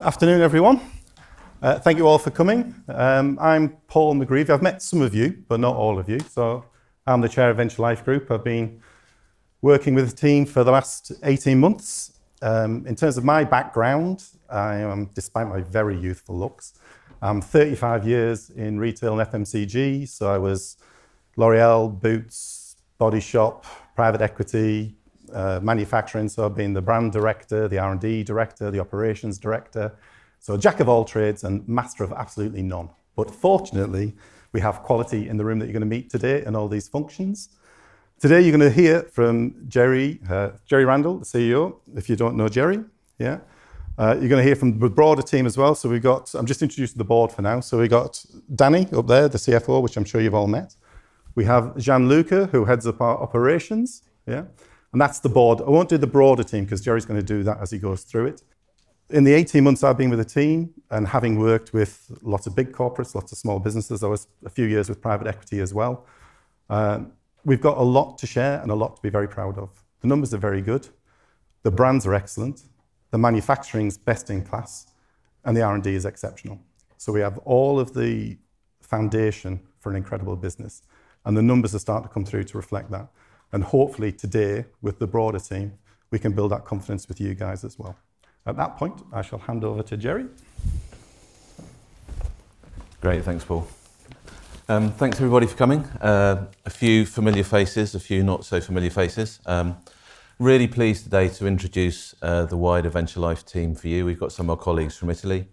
Afternoon, everyone. Thank you all for coming. I'm Paul McGreevy. I've met some of you, but not all of you. I'm the Chair of Venture Life Group. I've been working with the team for the last 18 months. In terms of my background, despite my very youthful looks, I'm 35 years in retail and FMCG. I was L'Oréal, Boots, The Body Shop, private equity, manufacturing. I've been the brand director, the R&D director, the operations director. A jack of all trades and master of absolutely none. Fortunately, we have quality in the room that you're gonna meet today in all these functions. Today, you're gonna hear from Jerry Randall, the CEO. If you don't know Jerry, yeah. You're gonna hear from the broader team as well. I'm just introducing the board for now. We've got Danny up there, the CFO, which I'm sure you've all met. We have Gianluca, who heads up our operations, yeah. That's the board. I won't do the broader team 'cause Jerry's gonna do that as he goes through it. In the 18 months I've been with the team and having worked with lots of big corporates, lots of small businesses, I was a few years with private equity as well, we've got a lot to share and a lot to be very proud of. The numbers are very good. The brands are excellent. The manufacturing's best in class. The R&D is exceptional. We have all of the foundation for an incredible business, and the numbers are starting to come through to reflect that. Hopefully today, with the broader team, we can build that confidence with you guys as well. At that point, I shall hand over to Jerry. Great. Thanks, Paul. Thanks everybody for coming. A few familiar faces, a few not so familiar faces. Really pleased today to introduce the wider Venture Life team for you. We've got some of our colleagues from Italy,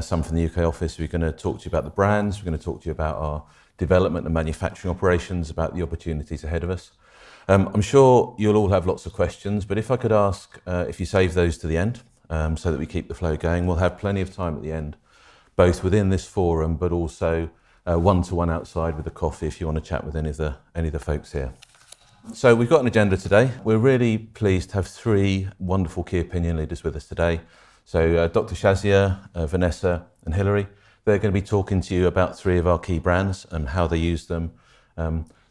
some from the U.K. office, who are gonna talk to you about the brands. We're gonna talk to you about our development and manufacturing operations, about the opportunities ahead of us. I'm sure you'll all have lots of questions, but if I could ask if you save those till the end, so that we keep the flow going. We'll have plenty of time at the end, both within this forum, but also one-to-one outside with a coffee if you wanna chat with any of the folks here. We've got an agenda today. We're really pleased to have three wonderful key opinion leaders with us today. Dr. Shazia, Vanessa and Hilary, they're gonna be talking to you about three of our key brands and how they use them,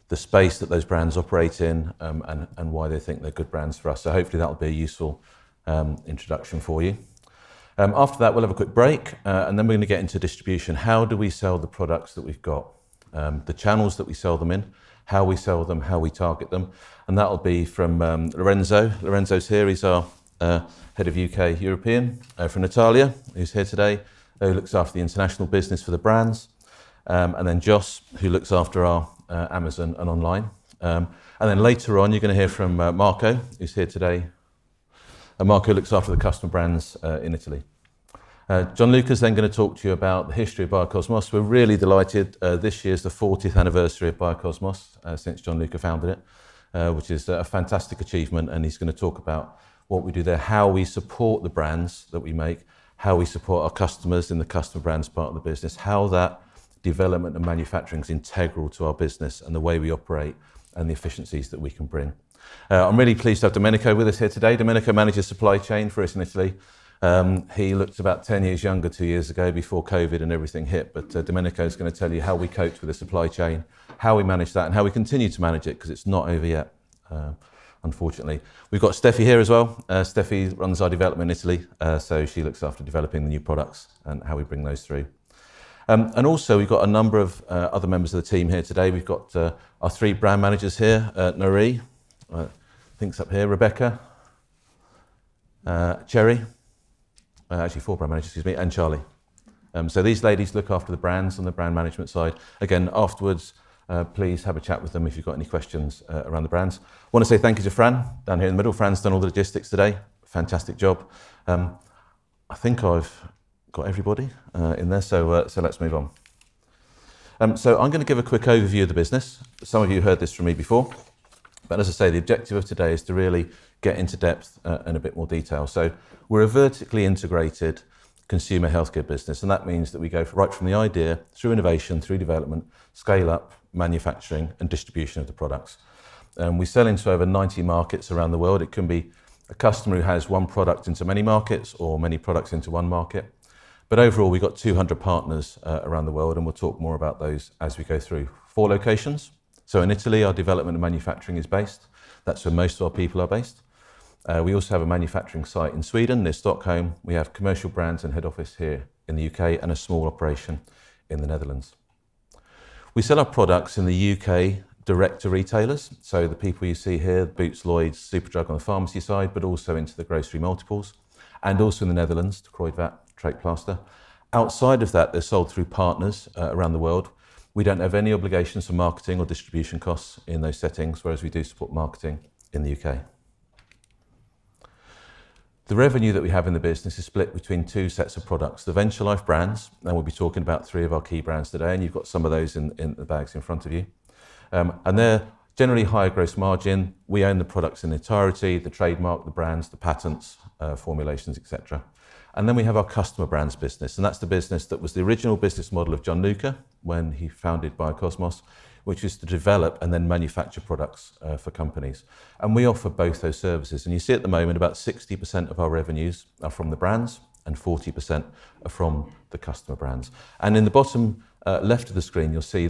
the space that those brands operate in, and why they think they're good brands for us. Hopefully that'll be a useful introduction for you. After that we'll have a quick break, and then we're gonna get into distribution. How do we sell the products that we've got? The channels that we sell them in, how we sell them, how we target them, and that'll be from Lorenzo. Lorenzo's here. He's our head of U.K. European. From Natalia, who's here today, who looks after the international business for the brands. And then Jos, who looks after our Amazon and online. Later on, you're gonna hear from Marco, who's here today, and Marco looks after the customer brands in Italy. Gianluca's gonna talk to you about the history of Biokosmes. We're really delighted, this year's the 40th anniversary of Biokosmes, since Gianluca founded it, which is a fantastic achievement, and he's gonna talk about what we do there, how we support the brands that we make. How we support our customers in the customer brands part of the business, how that development and manufacturing's integral to our business and the way we operate and the efficiencies that we can bring. I'm really pleased to have Domenico with us here today. Domenico manages supply chain for us in Italy. He looked about 10 years younger two years ago before COVID and everything hit. Domenico's gonna tell you how we coped with the supply chain, how we managed that, and how we continue to manage it, 'cause it's not over yet, unfortunately. We've got Steffi here as well. Steffi runs our development in Italy. She looks after developing the new products and how we bring those through. We've got a number of other members of the team here today. We've got our three brand managers here, Naree, think's up here, Rebecca, Cherry, actually four brand managers, excuse me, and Charlie. These ladies look after the brands on the brand management side. Again, afterwards, please have a chat with them if you've got any questions around the brands. Wanna say thank you to Fran down here in the middle. Fran's done all the logistics today. Fantastic job. I think I've got everybody in there, so let's move on. I'm gonna give a quick overview of the business. Some of you heard this from me before, but as I say, the objective of today is to really get into depth and a bit more detail. We're a vertically integrated consumer healthcare business, and that means that we go right from the idea through innovation, through development, scale up, manufacturing, and distribution of the products. We sell into over 90 markets around the world. It can be a customer who has one product into many markets or many products into one market. Overall, we've got 200 partners around the world, and we'll talk more about those as we go through. Four locations. In Italy, our development and manufacturing is based. That's where most of our people are based. We also have a manufacturing site in Sweden, near Stockholm. We have commercial brands and head office here in the U.K. and a small operation in the Netherlands. We sell our products in the U.K. direct to retailers, so the people you see here, Boots, Lloyds, Superdrug on the pharmacy side, but also into the grocery multiples. Also in the Netherlands, De Kruidvat, Trekpleister. Outside of that, they're sold through partners around the world. We don't have any obligations for marketing or distribution costs in those settings, whereas we do support marketing in the U.K. The revenue that we have in the business is split between two sets of products, the Venture Life brands, and we'll be talking about three of our key brands today, and you've got some of those in the bags in front of you. They're generally higher gross margin. We own the products in entirety, the trademark, the brands, the patents, formulations, et cetera. Then we have our customer brands business, and that's the business that was the original business model of Gianluca when he founded Biokosmes, which is to develop and then manufacture products for companies. We offer both those services. You see at the moment, about 60% of our revenues are from the brands and 40% are from the customer brands. In the bottom left of the screen, you'll see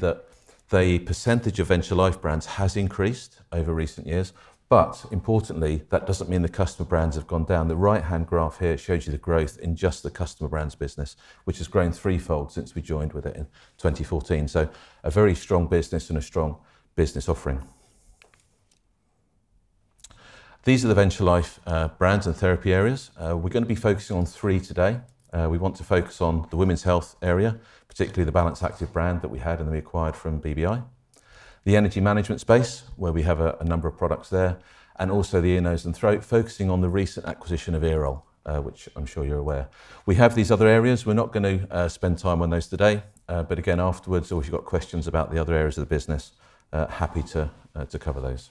The percentage of Venture Life brands has increased over recent years, but importantly, that doesn't mean the customer brands have gone down. The right-hand graph here shows you the growth in just the customer brands business, which has grown threefold since we joined with it in 2014. A very strong business and a strong business offering. These are the Venture Life brands and therapy areas. We're gonna be focusing on three today. We want to focus on the women's health area, particularly the Balance Activ brand that we had and we acquired from BBI. The energy management space, where we have a number of products there, and also the ear, nose, and throat, focusing on the recent acquisition of Earol, which I'm sure you're aware. We have these other areas, we're not gonna spend time on those today. Again, afterwards or if you've got questions about the other areas of the business, happy to cover those.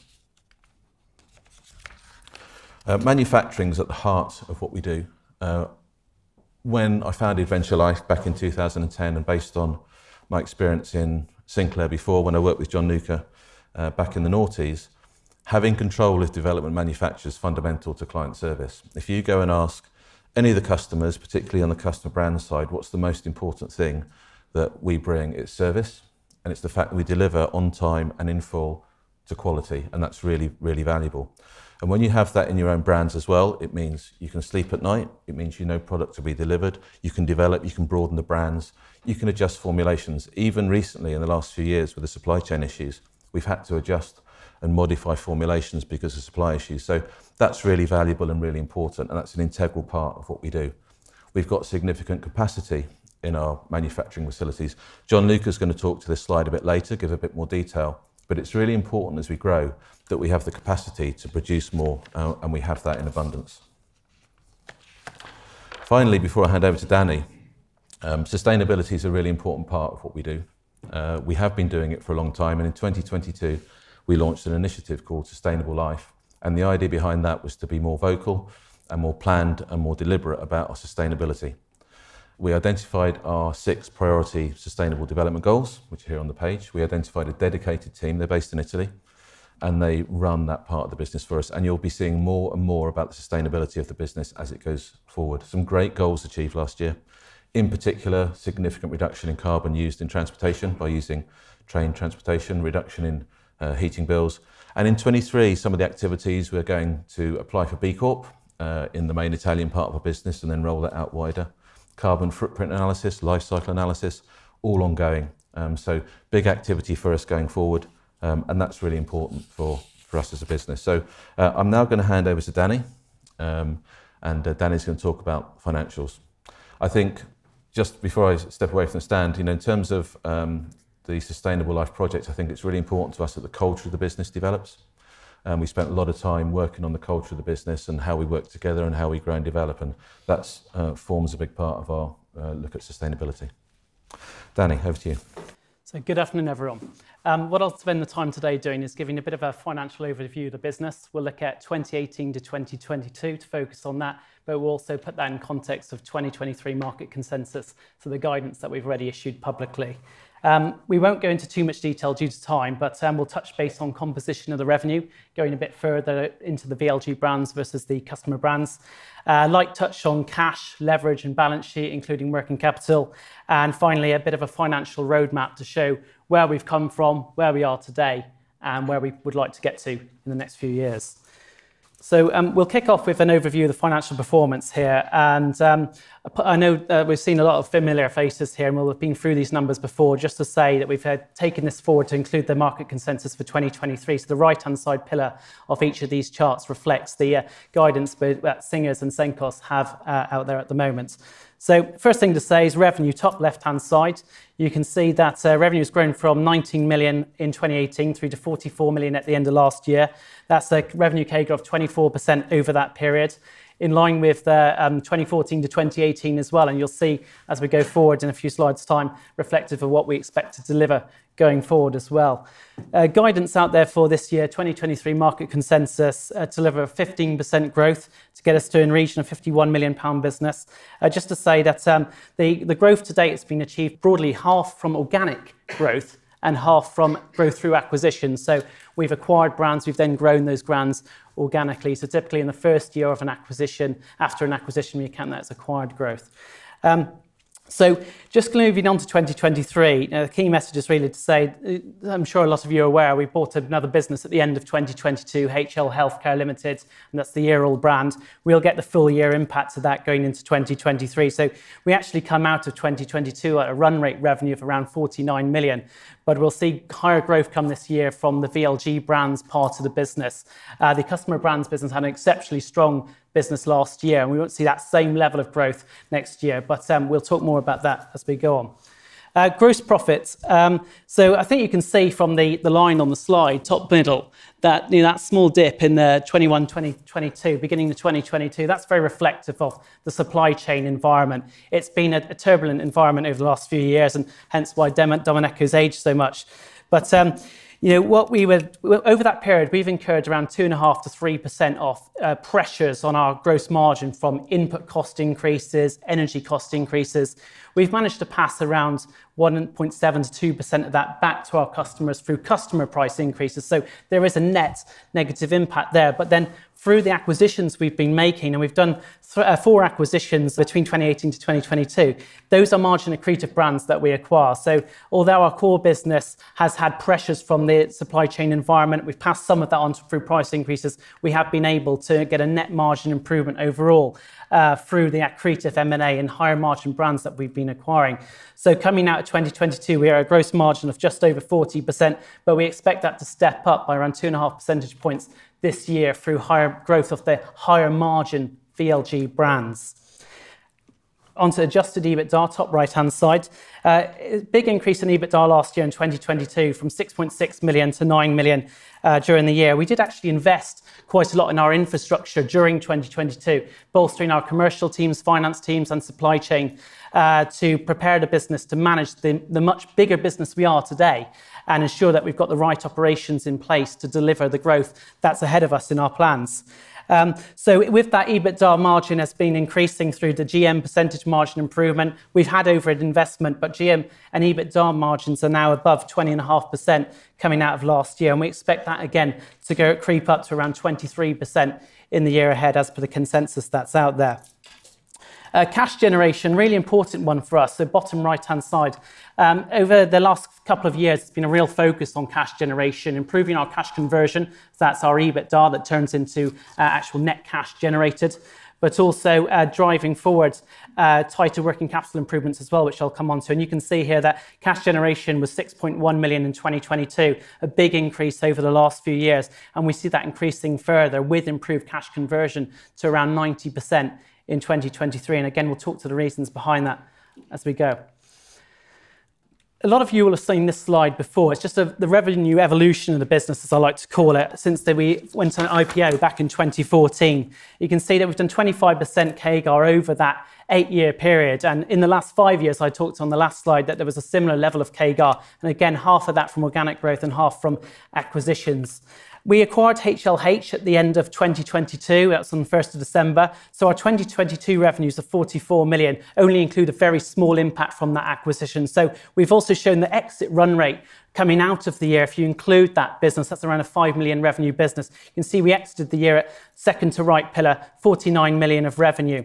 Manufacturing's at the heart of what we do. When I founded Venture Life back in 2010, and based on my experience in Sinclair Pharma before when I worked with Gianluca, back in the noughties, having control of development manufacture is fundamental to client service. If you go and ask any of the customers, particularly on the customer brand side, what's the most important thing that we bring, it's service, and it's the fact that we deliver on time and in full to quality, and that's really, really valuable. When you have that in your own brands as well, it means you can sleep at night, it means you know product will be delivered, you can develop, you can broaden the brands, you can adjust formulations. Even recently in the last few years with the supply chain issues, we've had to adjust and modify formulations because of supply issues. That's really valuable and really important, and that's an integral part of what we do. We've got significant capacity in our manufacturing facilities. Gianluca's going to talk to this slide a bit later, give a bit more detail. It's really important as we grow that we have the capacity to produce more, and we have that in abundance. Finally, before I hand over to Danny, sustainability is a really important part of what we do. We have been doing it for a long time. In 2022 we launched an initiative called Sustainable Life. The idea behind that was to be more vocal and more planned and more deliberate about our sustainability. We identified our six priority sustainable development goals, which are here on the page. We identified a dedicated team, they're based in Italy. They run that part of the business for us. You'll be seeing more and more about the sustainability of the business as it goes forward. Some great goals achieved last year, in particular, significant reduction in carbon used in transportation by using train transportation, reduction in heating bills. In 2023 some of the activities we're going to apply for B Corp in the main Italian part of our business and then roll that out wider. Carbon footprint analysis, life cycle analysis, all ongoing. Big activity for us going forward, and that's really important for us as a business. I'm now gonna hand over to Danny. Danny's gonna talk about financials. I think just before I step away from the stand, you know, in terms of the Sustainable Life project, I think it's really important to us that the culture of the business develops. We spent a lot of time working on the culture of the business and how we work together and how we grow and develop, and that's forms a big part of our look at sustainability. Danny, over to you. Good afternoon, everyone. What I'll spend the time today doing is giving a bit of a financial overview of the business. We'll look at 2018 to 2022 to focus on that, but we'll also put that in context of 2023 market consensus, so the guidance that we've already issued publicly. We won't go into too much detail due to time, but we'll touch base on composition of the revenue, going a bit further into the VLG brands versus the customer brands. Light touch on cash, leverage and balance sheet, including working capital, and finally a bit of a financial roadmap to show where we've come from, where we are today, and where we would like to get to in the next few years. We'll kick off with an overview of the financial performance here. I know, we've seen a lot of familiar faces here, and we'll have been through these numbers before just to say that we've taken this forward to include the market consensus for 2023. The right-hand side pillar of each of these charts reflects the guidance that Singers and Sencos have out there at the moment. First thing to say is revenue, top left-hand side. You can see that revenue's grown from 19 million in 2018 through to 44 million at the end of last year. That's a revenue CAGR of 24% over that period. In line with the 2014 to 2018 as well, you'll see as we go forward in a few slides' time reflective of what we expect to deliver going forward as well. guidance out there for this year, 2023 market consensus, to deliver a 15% growth to get us to in region of 51 million pound business. Just to say that, the growth to date has been achieved broadly half from organic growth and half from growth through acquisitions. We've acquired brands, we've then grown those brands organically. Typically in the first year of an acquisition, after an acquisition we account that as acquired growth. Just moving on to 2023. The key message is really to say, I'm sure a lot of you are aware, we bought another business at the end of 2022, HL Healthcare Limited, and that's the Earol brand. We'll get the full year impact of that going into 2023. We actually come out of 2022 at a run rate revenue of around 49 million, but we'll see higher growth come this year from the VLG brands part of the business. The customer brands business had an exceptionally strong business last year, and we won't see that same level of growth next year. We'll talk more about that as we go on. Gross profits. I think you can see from the line on the slide, top middle, that, you know, that small dip in the 2021, 2022, beginning of 2022, that's very reflective of the supply chain environment. It's been a turbulent environment over the last few years and hence why Domenico's aged so much. you know, over that period, we've incurred around 2.5%-3% of pressures on our gross margin from input cost increases, energy cost increases. We've managed to pass around 1.7%-2% of that back to our customers through customer price increases, so there is a net negative impact there. Through the acquisitions we've been making, and we've done four acquisitions between 2018 to 2022. Those are margin-accretive brands that we acquire. Although our core business has had pressures from the supply chain environment, we've passed some of that on through price increases. We have been able to get a net margin improvement overall, through the accretive M&A and higher margin brands that we've been acquiring. Coming out of 2022, we are at a gross margin of just over 40%, but we expect that to step up by around 2.5 percentage points this year through higher growth of the higher margin VLG brands. On to adjusted EBITDA top right-hand side. A big increase in EBITDA last year in 2022 from 6.6 million to 9 million during the year. We did actually invest quite a lot in our infrastructure during 2022, bolstering our commercial teams, finance teams, and supply chain to prepare the business to manage the much bigger business we are today and ensure that we've got the right operations in place to deliver the growth that's ahead of us in our plans. With that, EBITDA margin has been increasing through the GM percentage margin improvement. We've had overhead investment. GM and EBITDA margins are now above 20.5% coming out of last year. We expect that again to go creep up to around 23% in the year ahead as per the consensus that's out there. Cash generation, really important one for us, so bottom right-hand side. Over the last couple of years it's been a real focus on cash generation, improving our cash conversion, so that's our EBITDA that turns into actual net cash generated, but also driving forward tighter working capital improvements as well, which I'll come onto. You can see here that cash generation was 6.1 million in 2022, a big increase over the last few years. We see that increasing further with improved cash conversion to around 90% in 2023. Again, we'll talk to the reasons behind that as we go. A lot of you will have seen this slide before. It's just the revenue evolution of the business, as I like to call it, since we went on an IPO back in 2014. You can see that we've done 25% CAGR over that eight-year period. In the last five years, I talked on the last slide that there was a similar level of CAGR, again, half of that from organic growth and half from acquisitions. We acquired HLH at the end of 2022. That's on the 1st of December. Our 2022 revenues of 44 million only include a very small impact from that acquisition. We've also shown the exit run rate coming out of the year. If you include that business, that's around a 5 million revenue business. You can see we exited the year at second to right pillar, 49 million of revenue.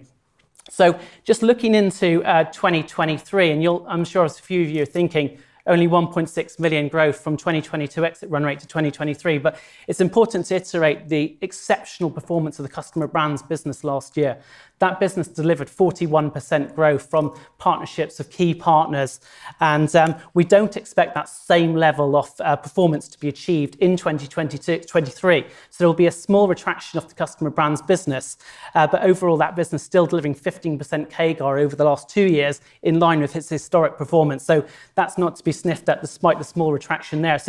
Just looking into 2023, I'm sure a few of you are thinking only 1.6 million growth from 2022 exit run rate to 2023. It's important to iterate the exceptional performance of the customer brands business last year. That business delivered 41% growth from partnerships of key partners, and we don't expect that same level of performance to be achieved in 2023. There'll be a small retraction of the customer brands business. Overall, that business still delivering 15% CAGR over the last two years in line with its historic performance. That's not to be sniffed at despite the small retraction there.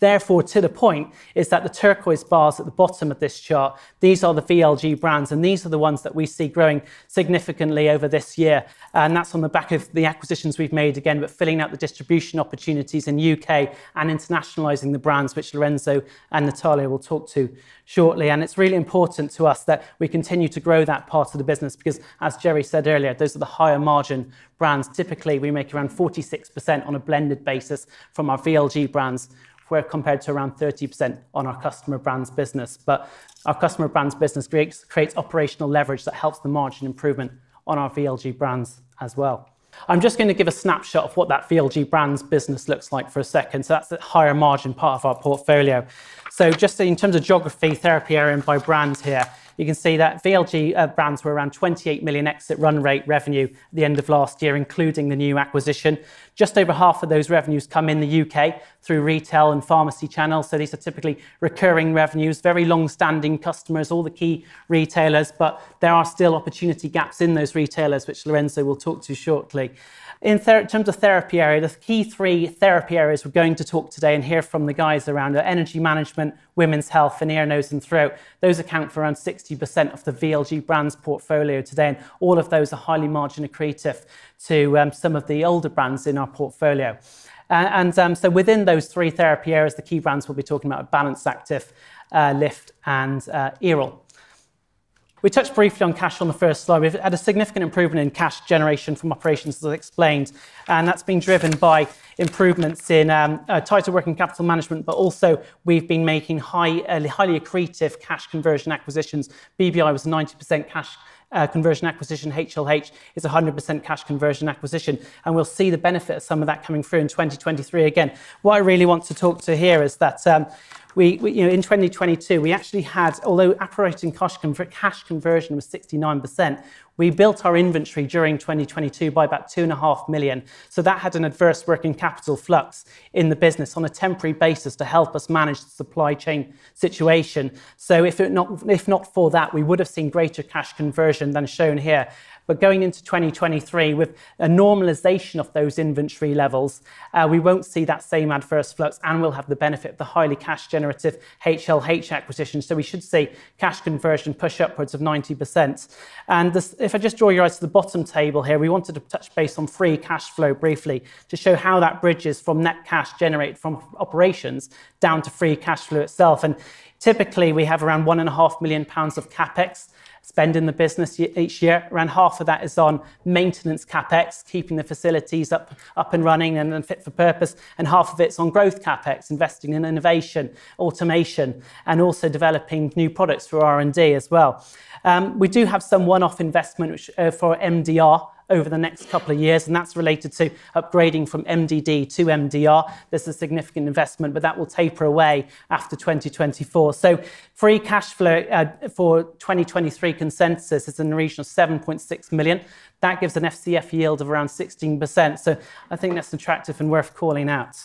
Therefore, to the point is that the turquoise bars at the bottom of this chart, these are the VLG brands, and these are the ones that we see growing significantly over this year. That's on the back of the acquisitions we've made, again, with filling out the distribution opportunities in U.K. and internationalizing the brands, which Lorenzo and Natalia will talk to shortly. It's really important to us that we continue to grow that part of the business because, as Jerry said earlier, those are the higher margin brands. Typically, we make around 46% on a blended basis from our VLG brands where compared to around 30% on our customer brands business. Our customer brands business creates operational leverage that helps the margin improvement on our VLG brands as well. I'm just gonna give a snapshot of what that VLG brands business looks like for a second. That's the higher margin part of our portfolio. Just in terms of geography, therapy area and by brand here, you can see that VLG brands were around 28 million exit run rate revenue at the end of last year, including the new acquisition. Just over half of those revenues come in the U.K. through retail and pharmacy channels. These are typically recurring revenues, very long-standing customers, all the key retailers. There are still opportunity gaps in those retailers, which Lorenzo will talk to shortly. In terms of therapy area, the key three therapy areas we're going to talk today and hear from the guys around are energy management, women's health, and ear, nose, and throat. Those account for around 60% of the VLG brands portfolio today. All of those are highly margin accretive to some of the older brands in our portfolio. Within those three therapy areas, the key brands we'll be talking about are Balance Activ, Lift, and Earol. We touched briefly on cash on the first slide. We've had a significant improvement in cash generation from operations, as I explained, that's been driven by improvements in tighter working capital management, but also we've been making highly accretive cash conversion acquisitions. BBI was a 90% cash conversion acquisition. HLH is a 100% cash conversion acquisition. We'll see the benefit of some of that coming through in 2023 again. What I really want to talk to here is that, you know, in 2022, we actually had, although operating cash conversion was 69%, we built our inventory during 2022 by about two and a half million. That had an adverse working capital flux in the business on a temporary basis to help us manage the supply chain situation. If it not, if not for that, we would have seen greater cash conversion than shown here. Going into 2023 with a normalization of those inventory levels, we won't see that same adverse flux and we'll have the benefit of the highly cash generative HLH acquisition. We should see cash conversion push upwards of 90%. If I just draw your eyes to the bottom table here, we wanted to touch base on free cash flow briefly to show how that bridges from net cash generated from operations down to free cash flow itself. Typically, we have around one and a half million pounds of CapEx spend in the business each year. Around half of that is on maintenance CapEx, keeping the facilities up and running and fit for purpose, and half of it's on growth CapEx, investing in innovation, automation, and also developing new products through R&D as well. We do have some one-off investment for MDR over the next couple of years, that's related to upgrading from MDD to MDR. This is a significant investment, but that will taper away after 2024. Free cash flow for 2023 consensus is in the region of 7.6 million. That gives an FCF yield of around 16%. I think that's attractive and worth calling out.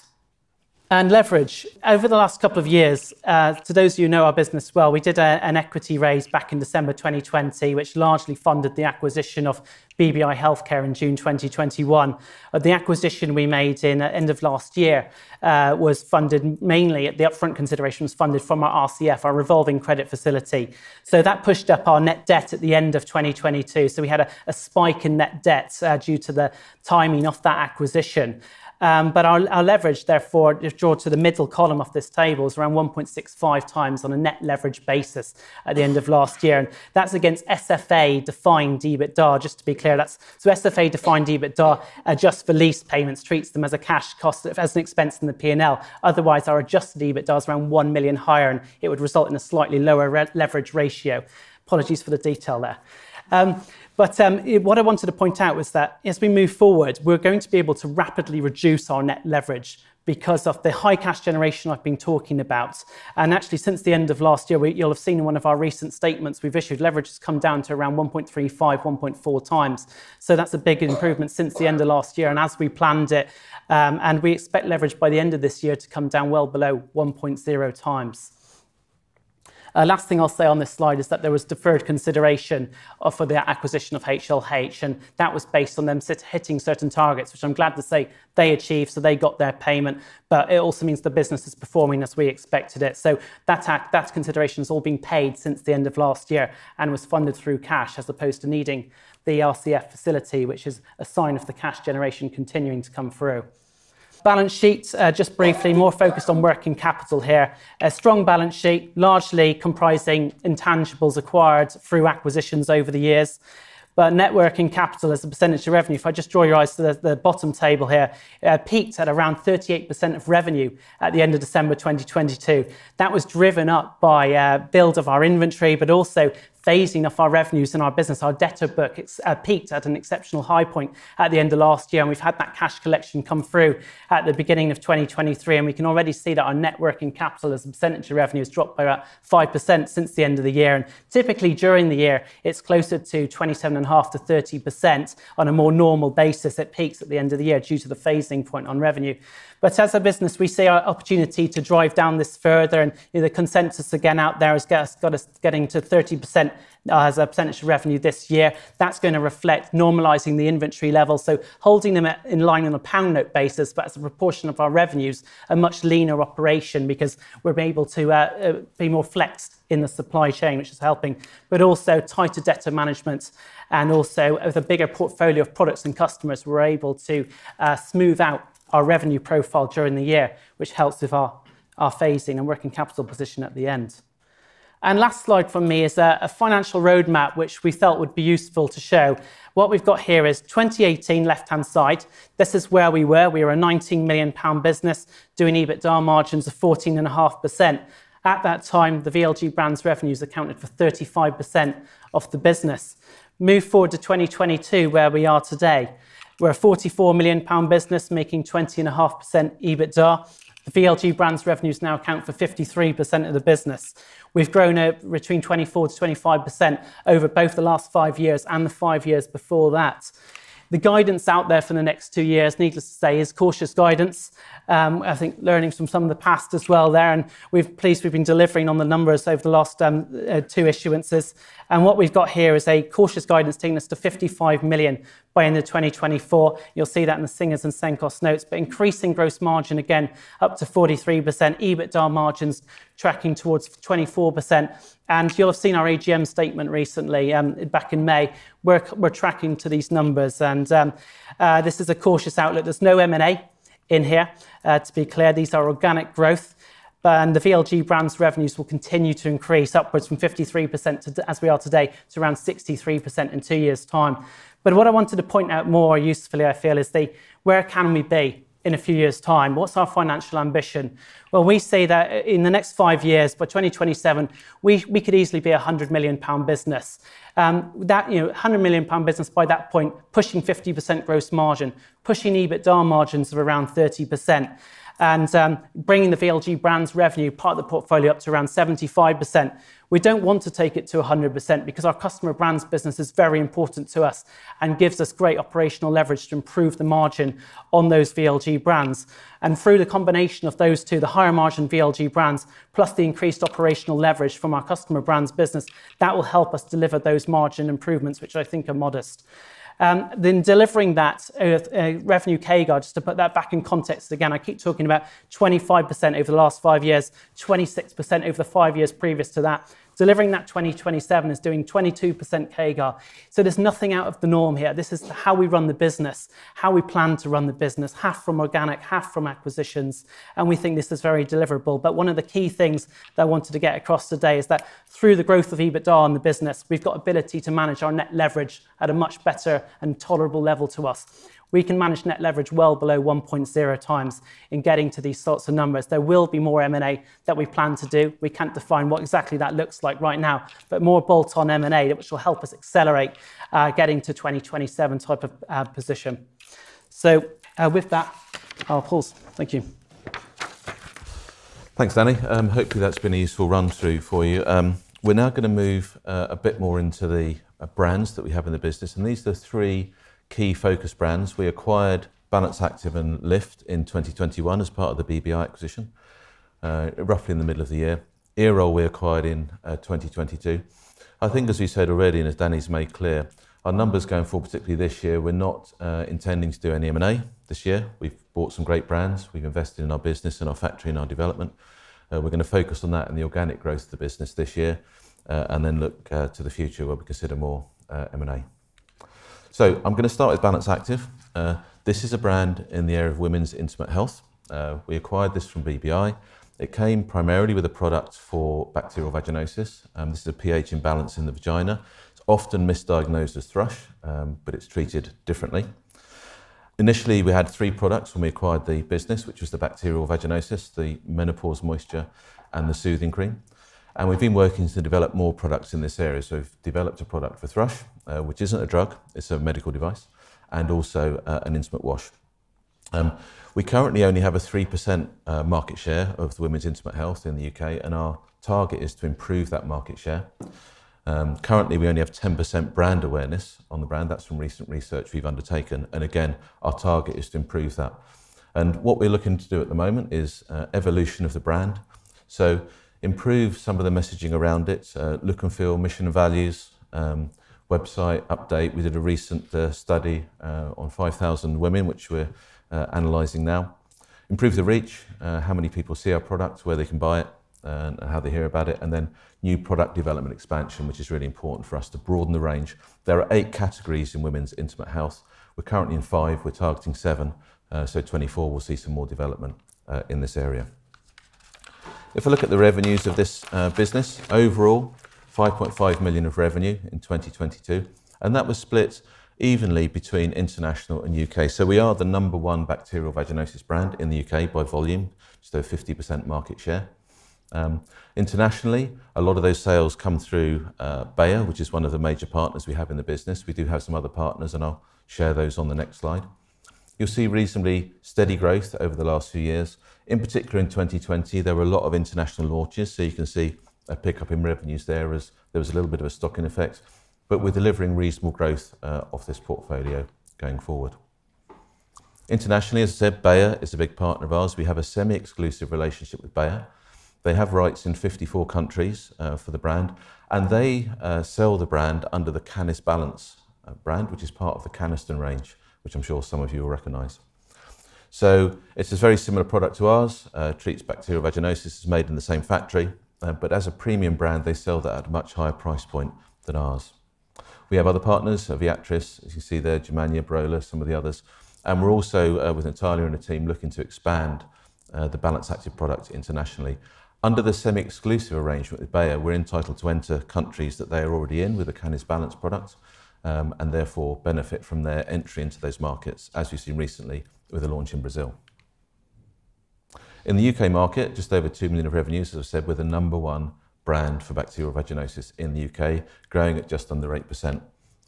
Leverage. Over the last couple of years, to those of you who know our business well, we did a, an equity raise back in December 2020, which largely funded the acquisition of BBI Healthcare in June 2021. The acquisition we made in end of last year, was funded mainly at the upfront consideration, was funded from our RCF, our revolving credit facility. That pushed up our net debt at the end of 2022. We had a spike in net debts due to the timing of that acquisition. Our, our leverage therefore, if you draw to the middle column of this table, is around 1.65x on a net leverage basis at the end of last year. That's against SFA-defined EBITDA, just to be clear. SFA-defined EBITDA adjusts for lease payments, treats them as a cash cost, as an expense in the P&L. Otherwise, our adjusted EBITDA is around 1 million higher, it would result in a slightly lower leverage ratio. Apologies for the detail there. What I wanted to point out was that as we move forward, we're going to be able to rapidly reduce our net leverage because of the high cash generation I've been talking about. Actually, since the end of last year, you'll have seen in one of our recent statements we've issued, leverage has come down to around 1.35x, 1.4x. That's a big improvement since the end of last year and as we planned it. We expect leverage by the end of this year to come down well below 1.0x. Last thing I'll say on this slide is that there was deferred consideration for the acquisition of HLH, and that was based on them hitting certain targets, which I'm glad to say they achieved, so they got their payment. It also means the business is performing as we expected it. That consideration's all been paid since the end of last year and was funded through cash as opposed to needing the RCF facility, which is a sign of the cash generation continuing to come through. Balance sheets. Just briefly, more focused on working capital here. A strong balance sheet, largely comprising intangibles acquired through acquisitions over the years. Net working capital as a percentage of revenue, if I just draw your eyes to the bottom table here, peaked at around 38% of revenue at the end of December 2022. That was driven up by build of our inventory, but also phasing of our revenues in our business. Our debtor book, it's peaked at an exceptional high point at the end of last year. We've had that cash collection come through at the beginning of 2023. We can already see that our net working capital as a percentage of revenue has dropped by about 5% since the end of the year. Typically during the year, it's closer to 27.5%-30%. On a more normal basis, it peaks at the end of the year due to the phasing point on revenue. As a business, we see our opportunity to drive down this further. You know, the consensus again out there has got us getting to 30% as a percentage of revenue this year. That's gonna reflect normalizing the inventory level. Holding them at, in line on a pound note basis, but as a proportion of our revenues, a much leaner operation because we've been able to be more flexed in the supply chain, which is helping, but also tighter debtor management and also with a bigger portfolio of products and customers, we're able to smooth out our revenue profile during the year, which helps with our phasing and working capital position at the end. Last slide from me is a financial roadmap which we felt would be useful to show. What we've got here is 2018 left-hand side. This is where we were. We were a 19 million pound business doing EBITDA margins of 14.5%. At that time, the VLG brand's revenues accounted for 35% of the business. Move forward to 2022 where we are today. We're a 44 million pound business making 20.5% EBITDA. The VLG brand's revenues now account for 53% of the business. We've grown at between 24%-25% over both the last five years and the five years before that. The guidance out there for the next two years, needless to say, is cautious guidance. I think learnings from some of the past as well there, we're pleased we've been delivering on the numbers over the last two issuances. What we've got here is a cautious guidance taking us to 55 million by end of 2024. You'll see that in the Singers and Sencos notes, increasing gross margin again up to 43%, EBITDA margins tracking towards 24%. You'll have seen our AGM statement recently, back in May, we're tracking to these numbers. This is a cautious outlook. There's no M&A in here. To be clear, these are organic growth. The VLG brand's revenues will continue to increase upwards from 53% to, as we are today, to around 63% in two years' time. What I wanted to point out more usefully, I feel, is where can we be in a few years' time? What's our financial ambition? We say that in the next five years, by 2027, we could easily be a 100 million pound business. That, you know, a 100 million pound business by that point, pushing 50% gross margin, pushing EBITDA margins of around 30% and bringing the VLG brand's revenue, part of the portfolio, up to around 75%. We don't want to take it to 100% because our customer brand's business is very important to us and gives us great operational leverage to improve the margin on those VLG brands. Through the combination of those two, the higher margin VLG brands, plus the increased operational leverage from our customer brand's business, that will help us deliver those margin improvements, which I think are modest. Delivering that with a revenue CAGR, just to put that back in context again, I keep talking about 25% over the last five years, 26% over the five years previous to that. Delivering that in 2027 is doing 22% CAGR. There's nothing out of the norm here. This is how we run the business, how we plan to run the business, half from organic, half from acquisitions, and we think this is very deliverable. One of the key things that I wanted to get across today is that through the growth of EBITDA in the business, we've got ability to manage our net leverage at a much better and tolerable level to us. We can manage net leverage well below 1.0x in getting to these sorts of numbers. There will be more M&A that we plan to do. We can't define what exactly that looks like right now, but more bolt-on M&A which will help us accelerate getting to 2027 type of position. With that, I'll pause. Thank you. Thanks, Danny. Hopefully that's been a useful run through for you. We're now going to move a bit more into the brands that we have in the business. These are the three key focus brands. We acquired Balance Activ and Lift in 2021 as part of the BBI acquisition, roughly in the middle of the year. Earol, we acquired in 2022. I think as we said already, as Danny's made clear, our numbers going forward, particularly this year, we're not intending to do any M&A this year. We've bought some great brands. We've invested in our business and our factory and our development. We're going to focus on that and the organic growth of the business this year, then look to the future where we consider more M&A. I'm going to start with Balance Activ. This is a brand in the area of women's intimate health. We acquired this from BBI. It came primarily with a product for bacterial vaginosis, this is a pH imbalance in the vagina. It's often misdiagnosed as thrush, but it's treated differently. Initially, we had three products when we acquired the business, which was the bacterial vaginosis, the menopause moisture, and the soothing cream. We've been working to develop more products in this area, so we've developed a product for thrush, which isn't a drug, it's a medical device, and also, an intimate wash. We currently only have a 3% market share of the women's intimate health in the U.K, and our target is to improve that market share. Currently, we only have 10.% brand awareness on the brand. That's from recent research we've undertaken and again, our target is to improve that. What we're looking to do at the moment is evolution of the brand. Improve some of the messaging around it, look and feel, mission and values, website update. We did a recent study on 5,000 women, which we're analyzing now. Improve the reach, how many people see our product, where they can buy it, and how they hear about it, new product development expansion, which is really important for us to broaden the range. There are eight categories in women's intimate health. We're currently in five, we're targeting seven, 2024 we'll see some more development in this area. If I look at the revenues of this business, overall 5.5 million of revenue in 2022, that was split evenly between international and U.K.. We are the number one bacterial vaginosis brand in the U.K. by volume, so 50% market share. Internationally, a lot of those sales come through Bayer, which is one of the major partners we have in the business. We do have some other partners, I'll share those on the next slide. You'll see reasonably steady growth over the last few years. In particular, in 2020, there were a lot of international launches, so you can see a pickup in revenues there as there was a little bit of a stocking effect. We're delivering reasonable growth off this portfolio going forward. Internationally, as I said, Bayer is a big partner of ours. We have a semi-exclusive relationship with Bayer. They have rights in 54 countries, for the brand, and they sell the brand under the CanesBalance brand, which is part of the Canesten range, which I'm sure some of you will recognize. It's a very similar product to ours, treats bacterial vaginosis, it's made in the same factory. As a premium brand, they sell that at a much higher price point than ours. We have other partners, so Viatris, as you see there, Grünenthal, Brora, some of the others. We're also, with Natalia and her team, looking to expand the Balance Activ product internationally. Under the semi-exclusive arrangement with Bayer, we're entitled to enter countries that they are already in with the CanesBalance product, and therefore benefit from their entry into those markets, as you've seen recently with the launch in Brazil. In the U.K. market, just over 2 million of revenues, as I said, we're the number one brand for bacterial vaginosis in the U.K., growing at just under 8%.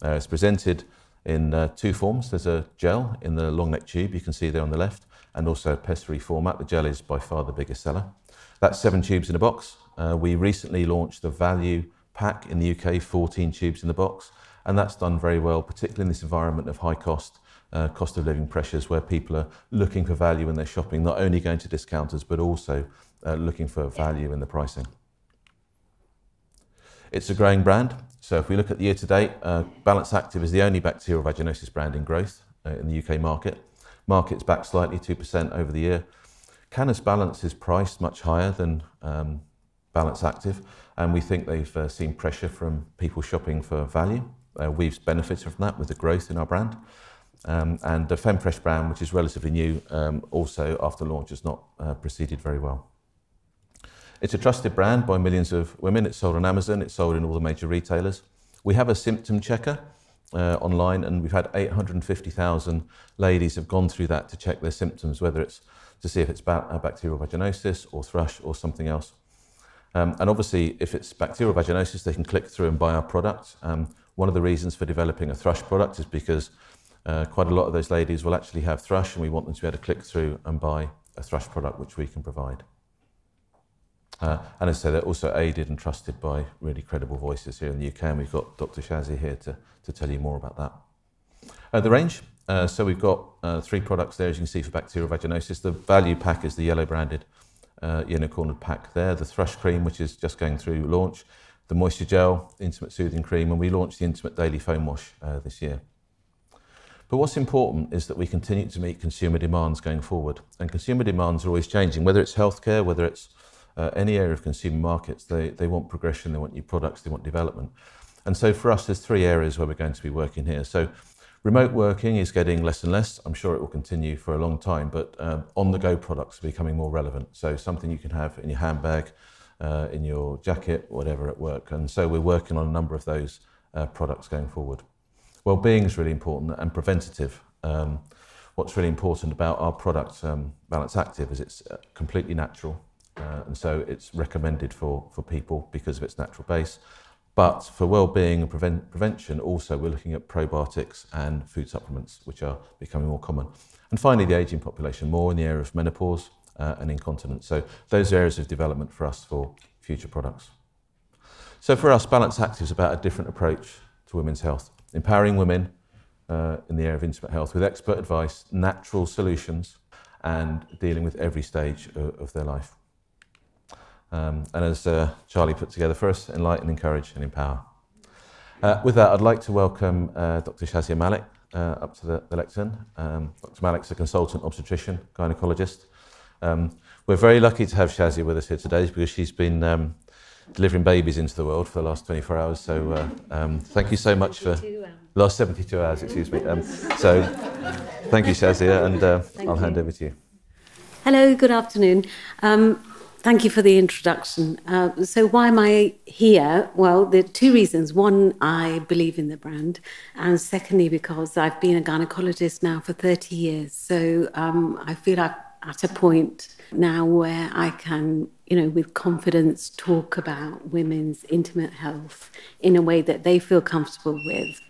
It's presented in two forms. There's a gel in the long neck tube you can see there on the left, and also a pessary format. The gel is by far the biggest seller. That's seven tubes in a box. We recently launched a value pack in the U.K., 14 tubes in the box, and that's done very well, particularly in this environment of high cost of living pressures, where people are looking for value when they're shopping, not only going to discounters, but also, looking for value in the pricing. It's a growing brand. If we look at the year to date, Balance Activ is the only bacterial vaginosis brand in growth, in the U.K. market. Market's back slightly 2% over the year. CanesBalance is priced much higher than Balance Activ, and we think they've seen pressure from people shopping for value. We've benefited from that with the growth in our brand. The Femfresh brand, which is relatively new, also after launch, has not proceeded very well. It's a trusted brand by millions of women. It's sold on Amazon. It's sold in all the major retailers. We have a symptom checker online, and we've had 850,000 ladies have gone through that to check their symptoms, whether it's to see if it's bacterial vaginosis or thrush or something else. Obviously, if it's bacterial vaginosis, they can click through and buy our product. One of the reasons for developing a thrush product is because quite a lot of those ladies will actually have thrush, and we want them to be able to click through and buy a thrush product, which we can provide. As I said, they're also aided and trusted by really credible voices here in the U.K., and we've got Dr. Shazi here to tell you more about that. The range. We've got three products there, as you can see, for bacterial vaginosis. The value pack is the yellow branded inner corner pack there. The thrush cream, which is just going through launch. The moisture gel, the intimate soothing cream, and we launched the intimate daily foam wash this year. What's important is that we continue to meet consumer demands going forward, and consumer demands are always changing, whether it's healthcare, whether it's any area of consumer markets, they want progression, they want new products, they want development. For us, there's three areas where we're going to be working here. Remote working is getting less and less. I'm sure it will continue for a long time, but on-the-go products are becoming more relevant. Something you can have in your handbag, in your jacket, whatever, at work. We're working on a number of those products going forward. Wellbeing is really important and preventative. What's really important about our product, Balance Activ, is it's completely natural. It's recommended for people because of its natural base. But for wellbeing and prevention also, we're looking at probiotics and food supplements, which are becoming more common. Finally, the aging population, more in the area of menopause and incontinence. Those areas of development for us for future products. For us, Balance Activ is about a different approach to women's health, empowering women in the area of intimate health with expert advice, natural solutions, and dealing with every stage of their life. As Charlie put together for us, enlighten, encourage, and empower. With that, I'd like to welcome Dr. Shazia Malik, up to the lectern. Dr. Malik's a consultant obstetrician gynecologist. We're very lucky to have Shazia with us here today because she's been delivering babies into the world for the last 24 hours, so thank you so much. Last 72 hours. Last 72 hours. Excuse me. Thank you, Shazia, and. Thank you. I'll hand over to you. Hello, good afternoon. Thank you for the introduction. Why am I here? Well, there are two reasons. One, I believe in the brand, and secondly, because I've been a gynecologist now for 30 years, so I feel I'm at a point now where I can, you know, with confidence talk about women's intimate health in a way that they feel comfortable with.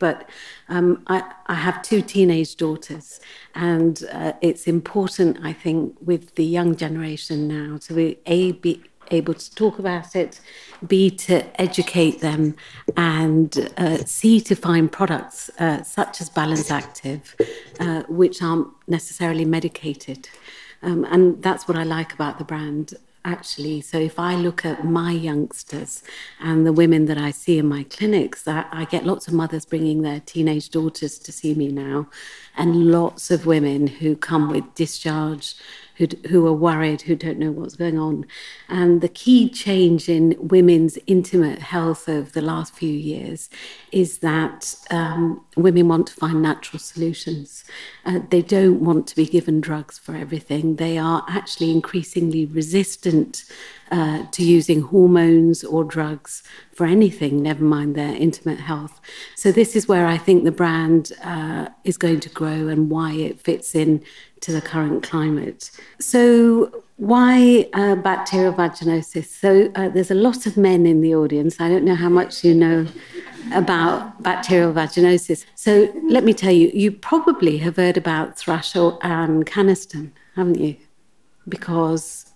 I have two teenage daughters and it's important, I think, with the young generation now to be, A, be able to talk about it, B, to educate them, and C, to find products such as Balance Activ, which aren't necessarily medicated. That's what I like about the brand actually. If I look at my youngsters and the women that I see in my clinics, I get lots of mothers bringing their teenage daughters to see me now and lots of women who come with discharge who are worried, who don't know what's going on. The key change in women's intimate health over the last few years is that women want to find natural solutions. They don't want to be given drugs for everything. They are actually increasingly resistant to using hormones or drugs for anything, never mind their intimate health. This is where I think the brand is going to grow and why it fits into the current climate. Why bacterial vaginosis? There's a lot of men in the audience. I don't know how much you know about bacterial vaginosis. Let me tell you. You probably have heard about thrush or Canesten, haven't you? Because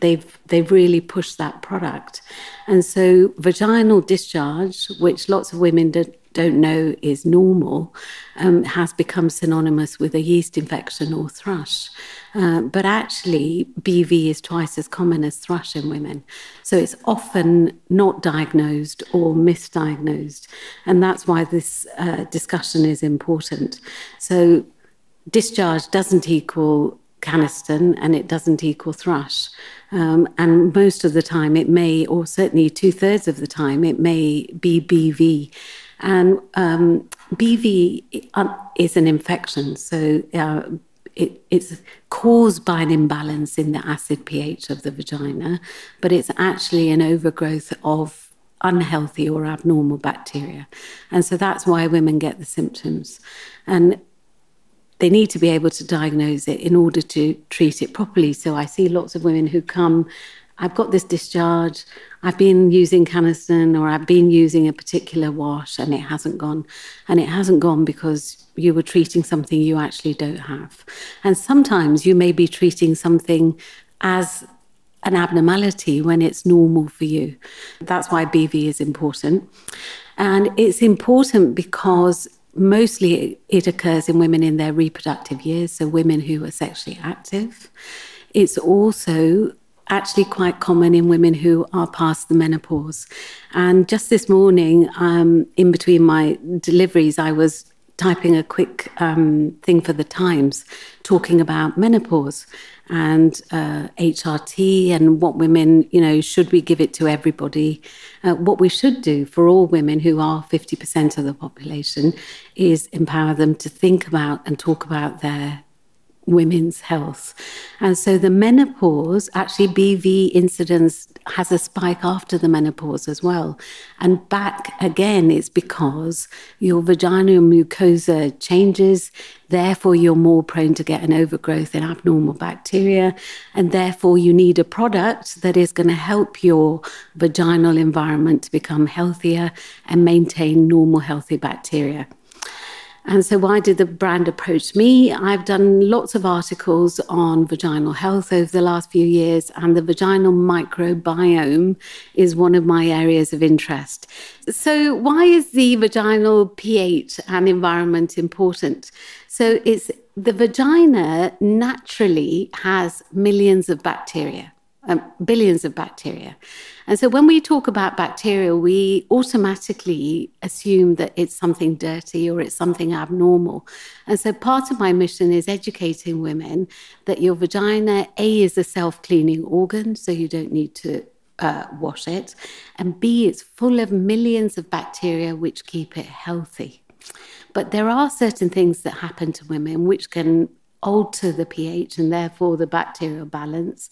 they've really pushed that product, and so vaginal discharge, which lots of women don't know is normal, has become synonymous with a yeast infection or thrush. But actually, BV is twice as common as thrush in women, so it's often not diagnosed or misdiagnosed, and that's why this discussion is important. Discharge doesn't equal Canesten and it doesn't equal thrush. Most of the time it may, or certainly two-thirds of the time, it may be BV. BV is an infection, so it's caused by an imbalance in the acid pH of the vagina, but it's actually an overgrowth of unhealthy or abnormal bacteria, and so that's why women get the symptoms. They need to be able to diagnose it in order to treat it properly, so I see lots of women who come, "I've got this discharge. I've been using Canesten," or, "I've been using a particular wash, and it hasn't gone." It hasn't gone because you were treating something you actually don't have. Sometimes you may be treating something as an abnormality when it's normal for you. That's why BV is important. It's important because mostly it occurs in women in their reproductive years, so women who are sexually active. It's also actually quite common in women who are past the menopause. Just this morning, in between my deliveries, I was typing a quick thing for The Times talking about menopause and HRT and what women... You know, should we give it to everybody? What we should do for all women, who are 50% of the population, is empower them to think about and talk about their women's health. The menopause, actually BV incidence has a spike after the menopause as well. That, again, is because your vaginal mucosa changes, therefore you're more prone to get an overgrowth in abnormal bacteria, and therefore you need a product that is gonna help your vaginal environment to become healthier and maintain normal healthy bacteria. Why did the brand approach me? I've done lots of articles on vaginal health over the last few years, the vaginal microbiome is one of my areas of interest. Why is the vaginal pH and environment important? The vagina naturally has millions of bacteria, billions of bacteria. When we talk about bacteria, we automatically assume that it's something dirty or it's something abnormal. Part of my mission is educating women that your vagina, A, is a self-cleaning organ, so you don't need to wash it, and B, it's full of millions of bacteria which keep it healthy. There are certain things that happen to women which can alter the pH and therefore the bacterial balance,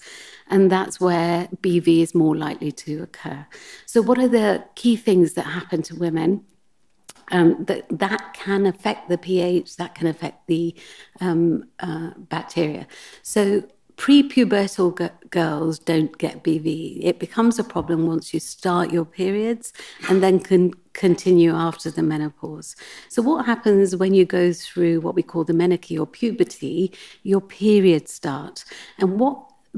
and that's where BV is more likely to occur. What are the key things that happen to women that can affect the pH, that can affect the bacteria? Pre-pubertal girls don't get BV. It becomes a problem once you start your periods and then can continue after the menopause. What happens when you go through what we call the menarche or puberty? Your periods start.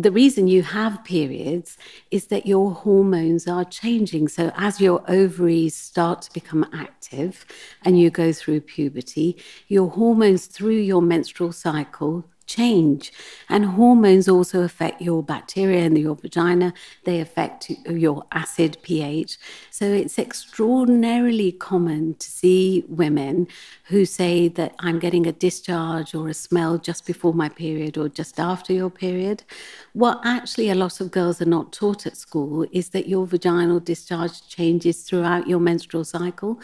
The reason you have periods is that your hormones are changing. As your ovaries start to become active and you go through puberty, your hormones through your menstrual cycle change and hormones also affect your bacteria in your vagina, they affect your acid pH. It's extraordinarily common to see women who say that I'm getting a discharge or a smell just before my period or just after your period. What actually a lot of girls are not taught at school is that your vaginal discharge changes throughout your menstrual cycle.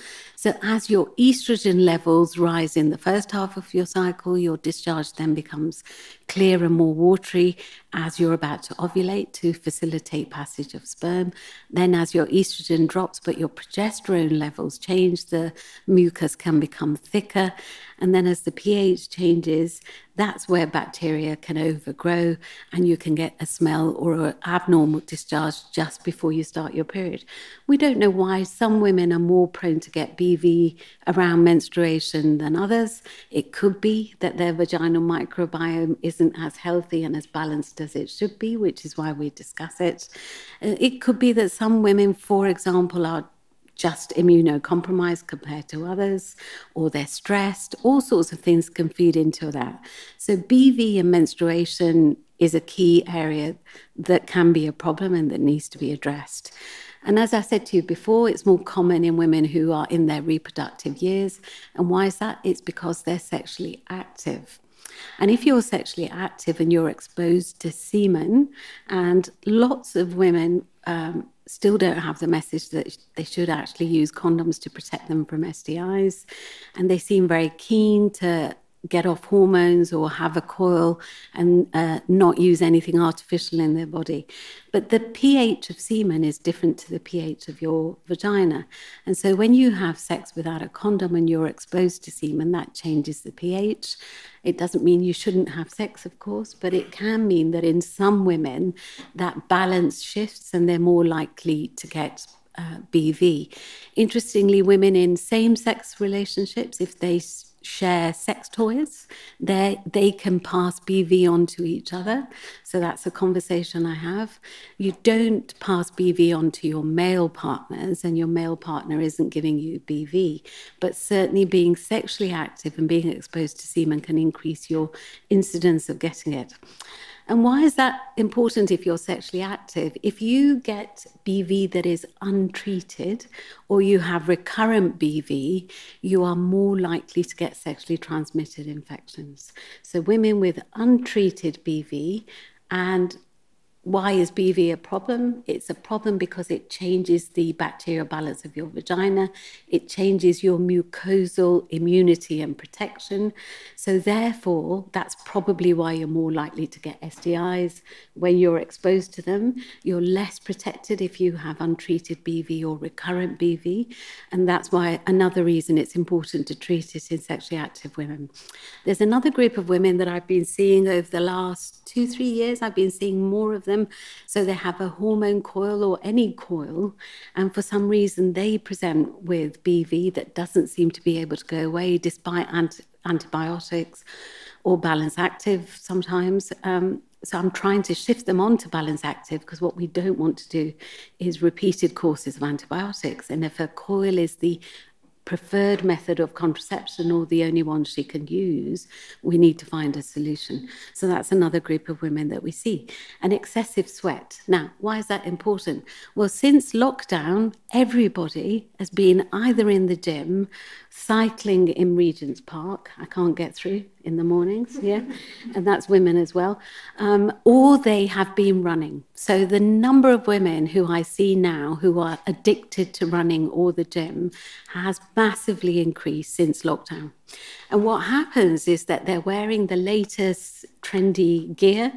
As your estrogen levels rise in the first half of your cycle, your discharge then becomes clear and more watery as you're about to ovulate to facilitate passage of sperm. As your estrogen drops, but your progesterone levels change, the mucus can become thicker, and then as the pH changes that's where bacteria can overgrow and you can get a smell or a abnormal discharge just before you start your period. We don't know why some women are more prone to get BV around menstruation than others. It could be that their vaginal microbiome isn't as healthy and as balanced as it should be, which is why we discuss it. It could be that some women, for example, are just immunocompromised compared to others, or they're stressed. All sorts of things can feed into that. BV and menstruation is a key area that can be a problem and that needs to be addressed. As I said to you before, it's more common in women who are in their reproductive years. Why is that? It's because they're sexually active. If you're sexually active and you're exposed to semen and lots of women still don't have the message that they should actually use condoms to protect them from STIs, and they seem very keen to get off hormones or have a coil and not use anything artificial in their body. The pH of semen is different to the pH of your vagina. When you have sex without a condom and you're exposed to semen, that changes the pH. It doesn't mean you shouldn't have sex, of course, but it can mean that in some women, that balance shifts and they're more likely to get BV. Interestingly, women in same-sex relationships, if they share sex toys, they can pass BV on to each other. That's a conversation I have. You don't pass BV on to your male partners, and your male partner isn't giving you BV. Certainly being sexually active and being exposed to semen can increase your incidence of getting it. Why is that important if you're sexually active? If you get BV that is untreated or you have recurrent BV, you are more likely to get sexually transmitted infections. Women with untreated BV. Why is BV a problem? It's a problem because it changes the bacterial balance of your vagina. It changes your mucosal immunity and protection. Therefore, that's probably why you're more likely to get STIs when you're exposed to them. You're less protected if you have untreated BV or recurrent BV, and that's why another reason it's important to treat it in sexually active women. There's another group of women that I've been seeing over the last two, three years. I've been seeing more of them. They have a hormone coil or any coil, and for some reason they present with BV that doesn't seem to be able to go away despite antibiotics or Balance Activ sometimes. I'm trying to shift them on to Balance Activ because what we don't want to do is repeated courses of antibiotics. If a coil is the preferred method of contraception or the only one she can use, we need to find a solution. That's another group of women that we see. Excessive sweat. Now, why is that important? Well, since lockdown, everybody has been either in the gym, cycling in Regent's Park, I can't get through in the mornings, yeah? That's women as well. Or they have been running. The number of women who I see now who are addicted to running or the gym has massively increased since lockdown. What happens is that they're wearing the latest trendy gear,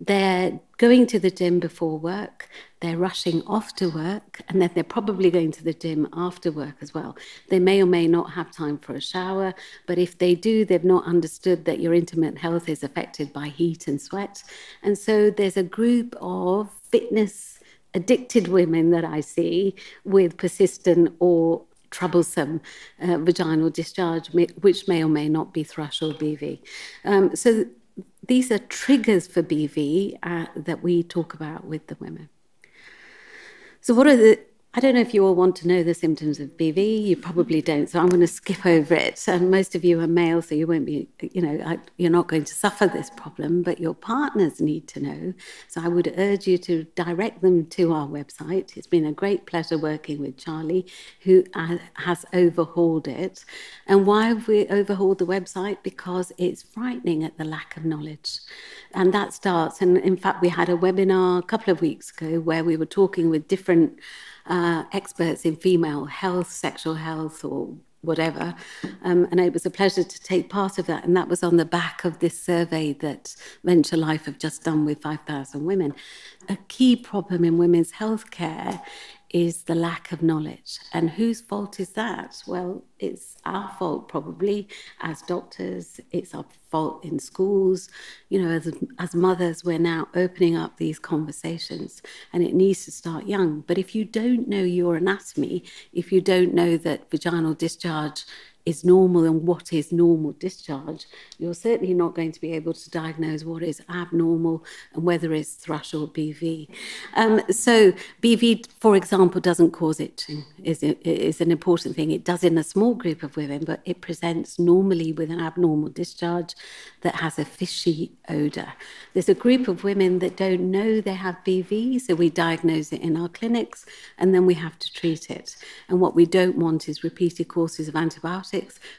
they're going to the gym before work, they're rushing off to work, and then they're probably going to the gym after work as well. They may or may not have time for a shower, but if they do, they've not understood that your intimate health is affected by heat and sweat. There's a group of fitness-addicted women that I see with persistent or troublesome vaginal discharge, which may or may not be thrush or BV. These are triggers for BV that we talk about with the women. What are the-- I don't know if you all want to know the symptoms of BV. You probably don't, so I'm gonna skip over it. Most of you are male, so you won't be, you know, you're not going to suffer this problem, but your partners need to know. I would urge you to direct them to our website. It's been a great pleasure working with Charlie, who has overhauled it. Why have we overhauled the website? Because it's frightening at the lack of knowledge. In fact, we had a webinar a couple of weeks ago where we were talking with different experts in female health, sexual health or whatever, and it was a pleasure to take part of that, and that was on the back of this survey that Venture Life have just done with 5,000 women. A key problem in women's health care is the lack of knowledge. Whose fault is that? Well, it's our fault probably as doctors. It's our fault in schools. You know, as mothers, we're now opening up these conversations. It needs to start young. If you don't know your anatomy, if you don't know that vaginal discharge is normal and what is normal discharge, you're certainly not going to be able to diagnose what is abnormal and whether it's thrush or BV. BV, for example, doesn't cause itching, is an important thing. It does in a small group of women, but it presents normally with an abnormal discharge that has a fishy odor. There's a group of women that don't know they have BV, so we diagnose it in our clinics, and then we have to treat it. What we don't want is repeated courses of antibiotics.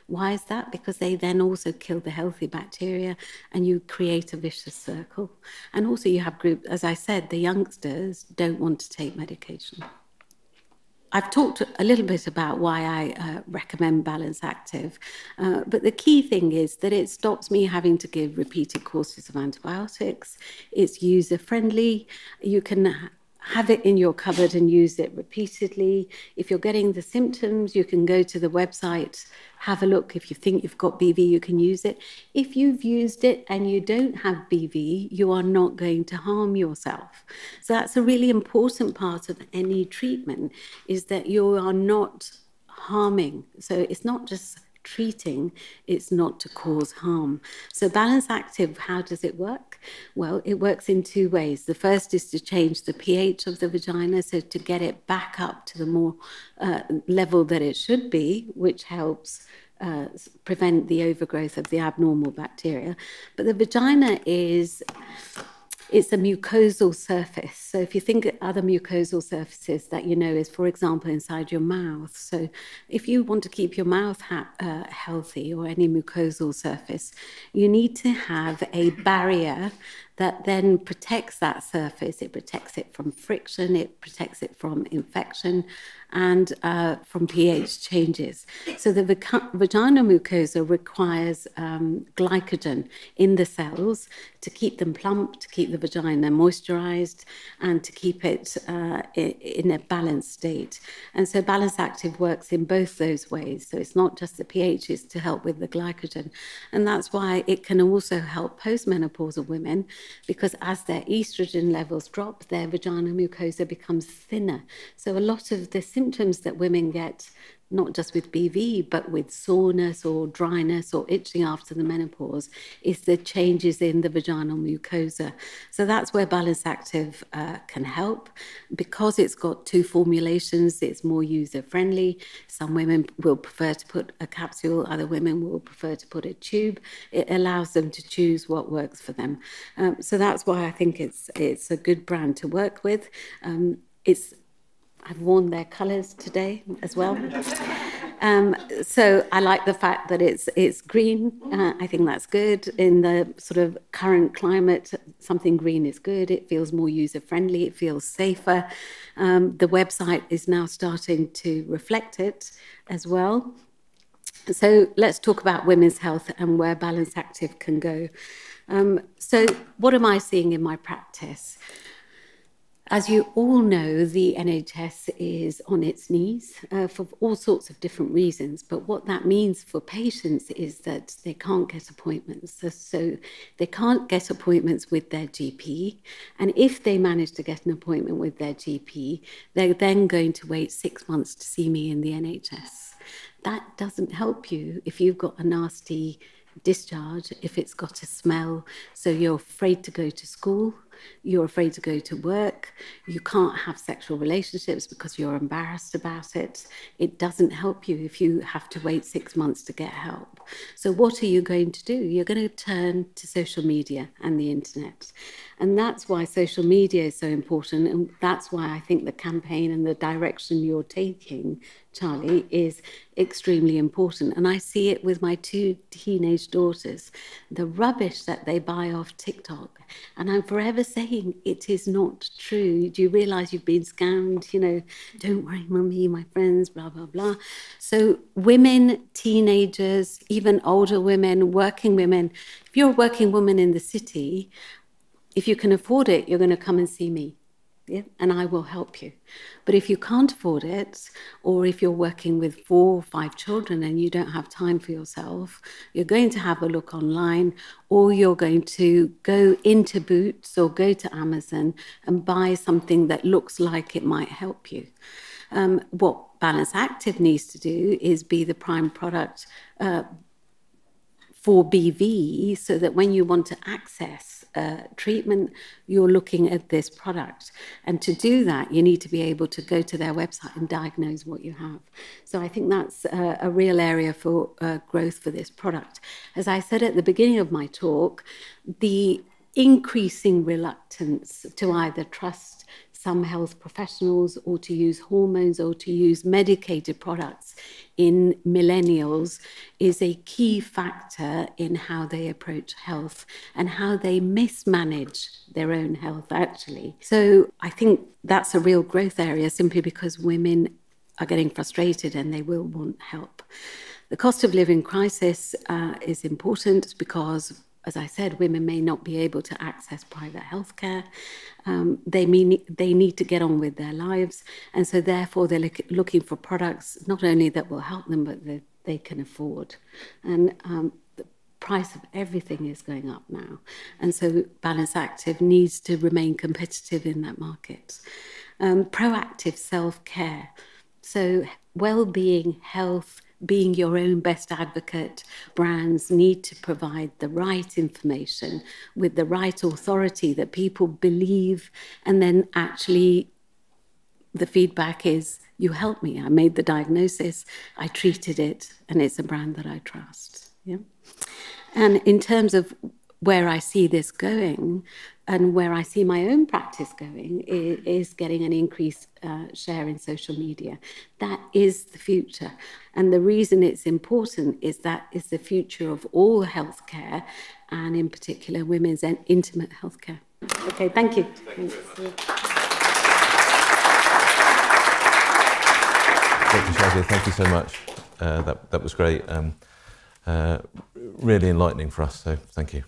Why is that? They then also kill the healthy bacteria, and you create a vicious circle. You have As I said, the youngsters don't want to take medication. I've talked a little bit about why I recommend Balance Activ. The key thing is that it stops me having to give repeated courses of antibiotics. It's user-friendly. You can have it in your cupboard and use it repeatedly. If you're getting the symptoms, you can go to the website, have a look. If you think you've got BV, you can use it. If you've used it and you don't have BV, you are not going to harm yourself. That's a really important part of any treatment, is that you are not harming. It's not just treating, it's not to cause harm. Balance Activ, how does it work? Well, it works in two ways. The first is to change the pH of the vagina, so to get it back up to the more level that it should be, which helps prevent the overgrowth of the abnormal bacteria. The vagina is, it's a mucosal surface. If you think of other mucosal surfaces that you know is, for example, inside your mouth. If you want to keep your mouth healthy or any mucosal surface, you need to have a barrier that then protects that surface. It protects it from friction, it protects it from infection, and from pH changes. The vagina mucosa requires glycogen in the cells to keep them plump, to keep the vagina moisturized, and to keep it in a balanced state. Balance Activ works in both those ways. It's not just the pH, it's to help with the glycogen. That's why it can also help post-menopausal women, because as their estrogen levels drop, their vaginal mucosa becomes thinner. A lot of the symptoms that women get, not just with BV, but with soreness or dryness or itching after the menopause, is the changes in the vaginal mucosa. That's where Balance Activ can help. Because it's got two formulations, it's more user-friendly. Some women will prefer to put a capsule, other women will prefer to put a tube. It allows them to choose what works for them. That's why I think it's a good brand to work with. I've worn their colors today as well. I like the fact that it's green. I think that's good. In the sort of current climate, something green is good. It feels more user-friendly. It feels safer. The website is now starting to reflect it as well. Let's talk about women's health and where Balance Activ can go. What am I seeing in my practice? As you all know, the NHS is on its knees for all sorts of different reasons. What that means for patients is that they can't get appointments. They can't get appointments with their GP, and if they manage to get an appointment with their GP, they're then going to wait six months to see me in the NHS. That doesn't help you if you've got a nasty discharge, if it's got a smell, you're afraid to go to school, you're afraid to go to work, you can't have sexual relationships because you're embarrassed about it. It doesn't help you if you have to wait six months to get help. What are you going to do? You're gonna turn to social media and the internet. That's why social media is so important, and that's why I think the campaign and the direction you're taking, Charlie, is extremely important. I see it with my two teenage daughters, the rubbish that they buy off TikTok, and I'm forever saying, "It is not true. Do you realize you've been scammed?" You know, "Don't worry, Mommy. My friends, blah, blah." Women, teenagers, even older women, working women, if you're a working woman in the city, if you can afford it, you're gonna come and see me. Yeah? I will help you. If you can't afford it or if you're working with four or five children and you don't have time for yourself, you're going to have a look online, or you're going to go into Boots or go to Amazon and buy something that looks like it might help you. What Balance Activ needs to do is be the prime product for BV, so that when you want to access treatment, you're looking at this product. To do that, you need to be able to go to their website and diagnose what you have. I think that's a real area for growth for this product. As I said at the beginning of my talk, the increasing reluctance to either trust some health professionals or to use hormones or to use medicated products in millennials is a key factor in how they approach health and how they mismanage their own health, actually. I think that's a real growth area simply because women are getting frustrated, and they will want help. The cost of living crisis is important because, as I said, women may not be able to access private healthcare. They need to get on with their lives, and so therefore, they're looking for products not only that will help them, but that they can afford. The price of everything is going up now, and so Balance Activ needs to remain competitive in that market. Proactive self-care. Well-being, health, being your own best advocate, brands need to provide the right information with the right authority that people believe and then actually the feedback is, "You helped me. I made the diagnosis, I treated it, and it's a brand that I trust." Yeah. In terms of where I see this going and where I see my own practice going is getting an increased share in social media. That is the future. The reason it's important is that is the future of all healthcare and in particular women's and intimate healthcare. Okay, thank you. Thank you very much. Thank you, Shazia. Thank you so much. That was great. Really enlightening for us, thank you.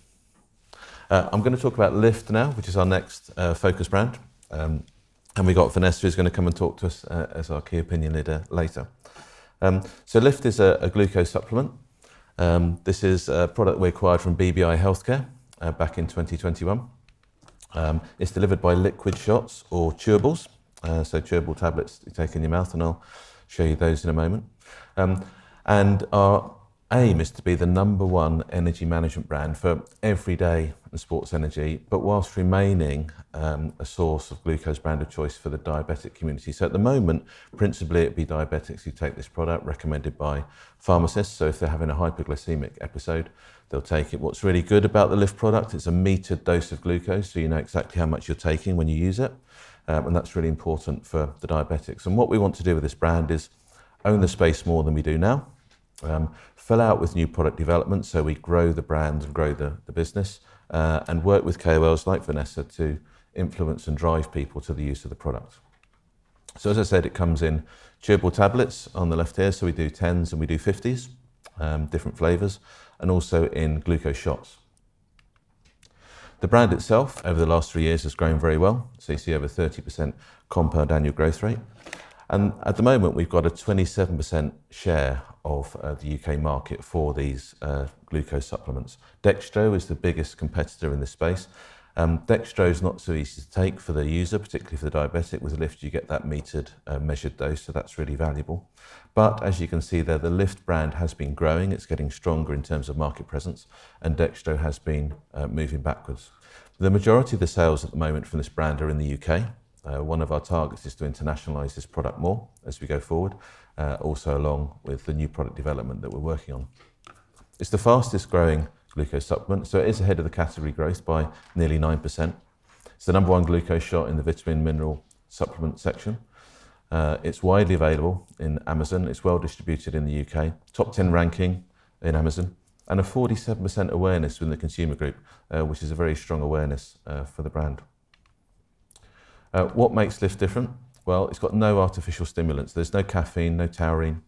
I'm gonna talk about Lift now, which is our next focus brand. We've got Vanessa, who's gonna come and talk to us as our key opinion leader later. Lift is a glucose supplement. This is a product we acquired from BBI Healthcare back in 2021. It's delivered by liquid shots or chewables, chewable tablets you take in your mouth, I'll show you those in a moment. Our aim is to be the number one energy management brand for everyday sports energy, whilst remaining a source of glucose brand of choice for the diabetic community. At the moment, principally it'd be diabetics who take this product recommended by pharmacists. If they're having a hypoglycemic episode, they'll take it. What's really good about the Lift product, it's a metered dose of glucose, so you know exactly how much you're taking when you use it. That's really important for the diabetics. What we want to do with this brand is own the space more than we do now, fill out with new product development so we grow the brand and grow the business, and work with KOLs like Vanessa to influence and drive people to the use of the product. As I said, it comes in chewable tablets on the left here, so we do 10s and we do 50s, different flavors, and also in glucose shots. The brand itself over the last three years has grown very well, so you see over 30% compound annual growth rate. At the moment, we've got a 27% share of the U.K. market for these glucose supplements. Dextro is the biggest competitor in this space. Dextro is not so easy to take for the user, particularly for the diabetic. With Lift, you get that metered, measured dose, so that's really valuable. As you can see there, the Lift brand has been growing. It's getting stronger in terms of market presence, and Dextro has been moving backwards. The majority of the sales at the moment from this brand are in the U.K.. One of our targets is to internationalize this product more as we go forward, also along with the new product development that we're working on. It's the fastest-growing glucose supplement, so it is ahead of the category growth by nearly 9%. It's the number one glucose shot in the vitamin mineral supplement section. It's widely available in Amazon. It's well-distributed in the U.K.. Top 10 ranking in Amazon, and a 47% awareness within the consumer group, which is a very strong awareness for the brand. What makes Lift different? Well, it's got no artificial stimulants. There's no caffeine, no taurine,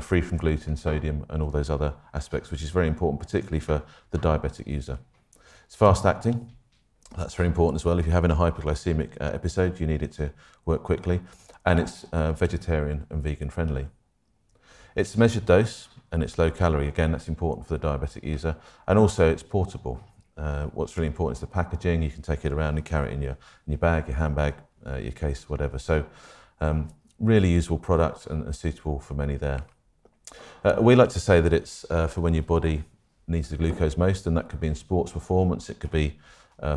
free from gluten, sodium, and all those other aspects, which is very important, particularly for the diabetic user. It's fast-acting. That's very important as well. If you're having a hypoglycemic episode, you need it to work quickly, and it's vegetarian and vegan friendly. It's measured dose, and it's low calorie. Again, that's important for the diabetic user, and also it's portable. What's really important is the packaging. You can take it around and carry it in your, in your bag, your handbag, your case, whatever. Really useful product and suitable for many there. We like to say that it's for when your body needs the glucose most, and that could be in sports performance, it could be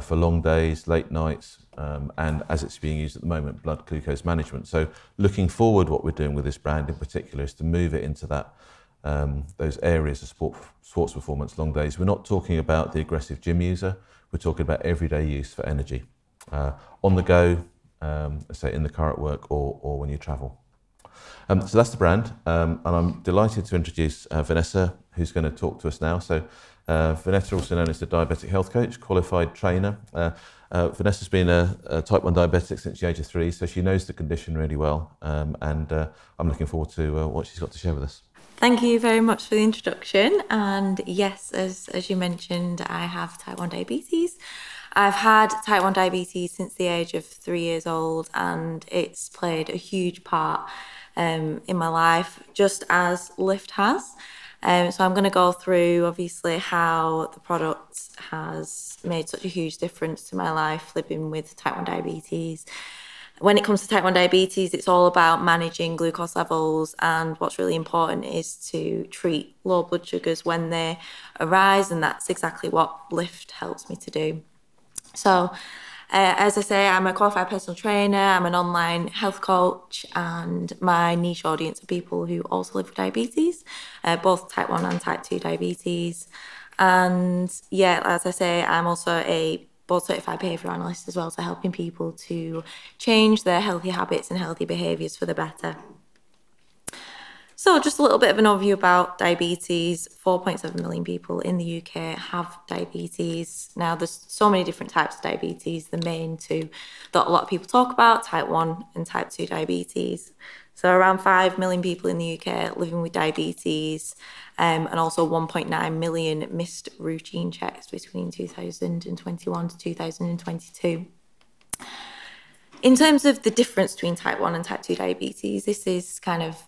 for long days, late nights, and as it's being used at the moment, blood glucose management. Looking forward, what we're doing with this brand in particular is to move it into that, those areas of sport, sports performance, long days. We're not talking about the aggressive gym user. We're talking about everyday use for energy, on the go, say in the car at work or when you travel. That's the brand, and I'm delighted to introduce Vanessa, who's gonna talk to us now. Vanessa, also known as the diabetic health coach, qualified trainer. Vanessa's been a Type 1 diabetic since the age of three, so she knows the condition really well, and I'm looking forward to what she's got to share with us. Thank you very much for the introduction. Yes, as you mentioned, I have Type 1 diabetes. I've had Type 1 diabetes since the age of three years old, and it's played a huge part in my life, just as Lift has. I'm gonna go through obviously how the product has made such a huge difference to my life living with Type 1 diabetes. When it comes to Type 1 diabetes, it's all about managing glucose levels, and what's really important is to treat low blood sugars when they arise, and that's exactly what Lift helps me to do. As I say, I'm a qualified personal trainer. I'm an online health coach, and my niche audience are people who also live with diabetes, both Type 1 and Type 2 diabetes. And yeah, as I say, I'm also a board-certified behavioral analyst as well, so helping people to change their healthy habits and healthy behaviors for the better. Just a little bit of an overview about diabetes. 4.7 million people in the U.K. have diabetes. There's so many different types of diabetes. The main two that a lot of people talk about, Type 1 and Type 2 diabetes. Around five million people in the U.K. living with diabetes, and also 1.9 million missed routine checks between 2021 to 2022. In terms of the difference between Type 1 and Type 2 diabetes, this is kind of,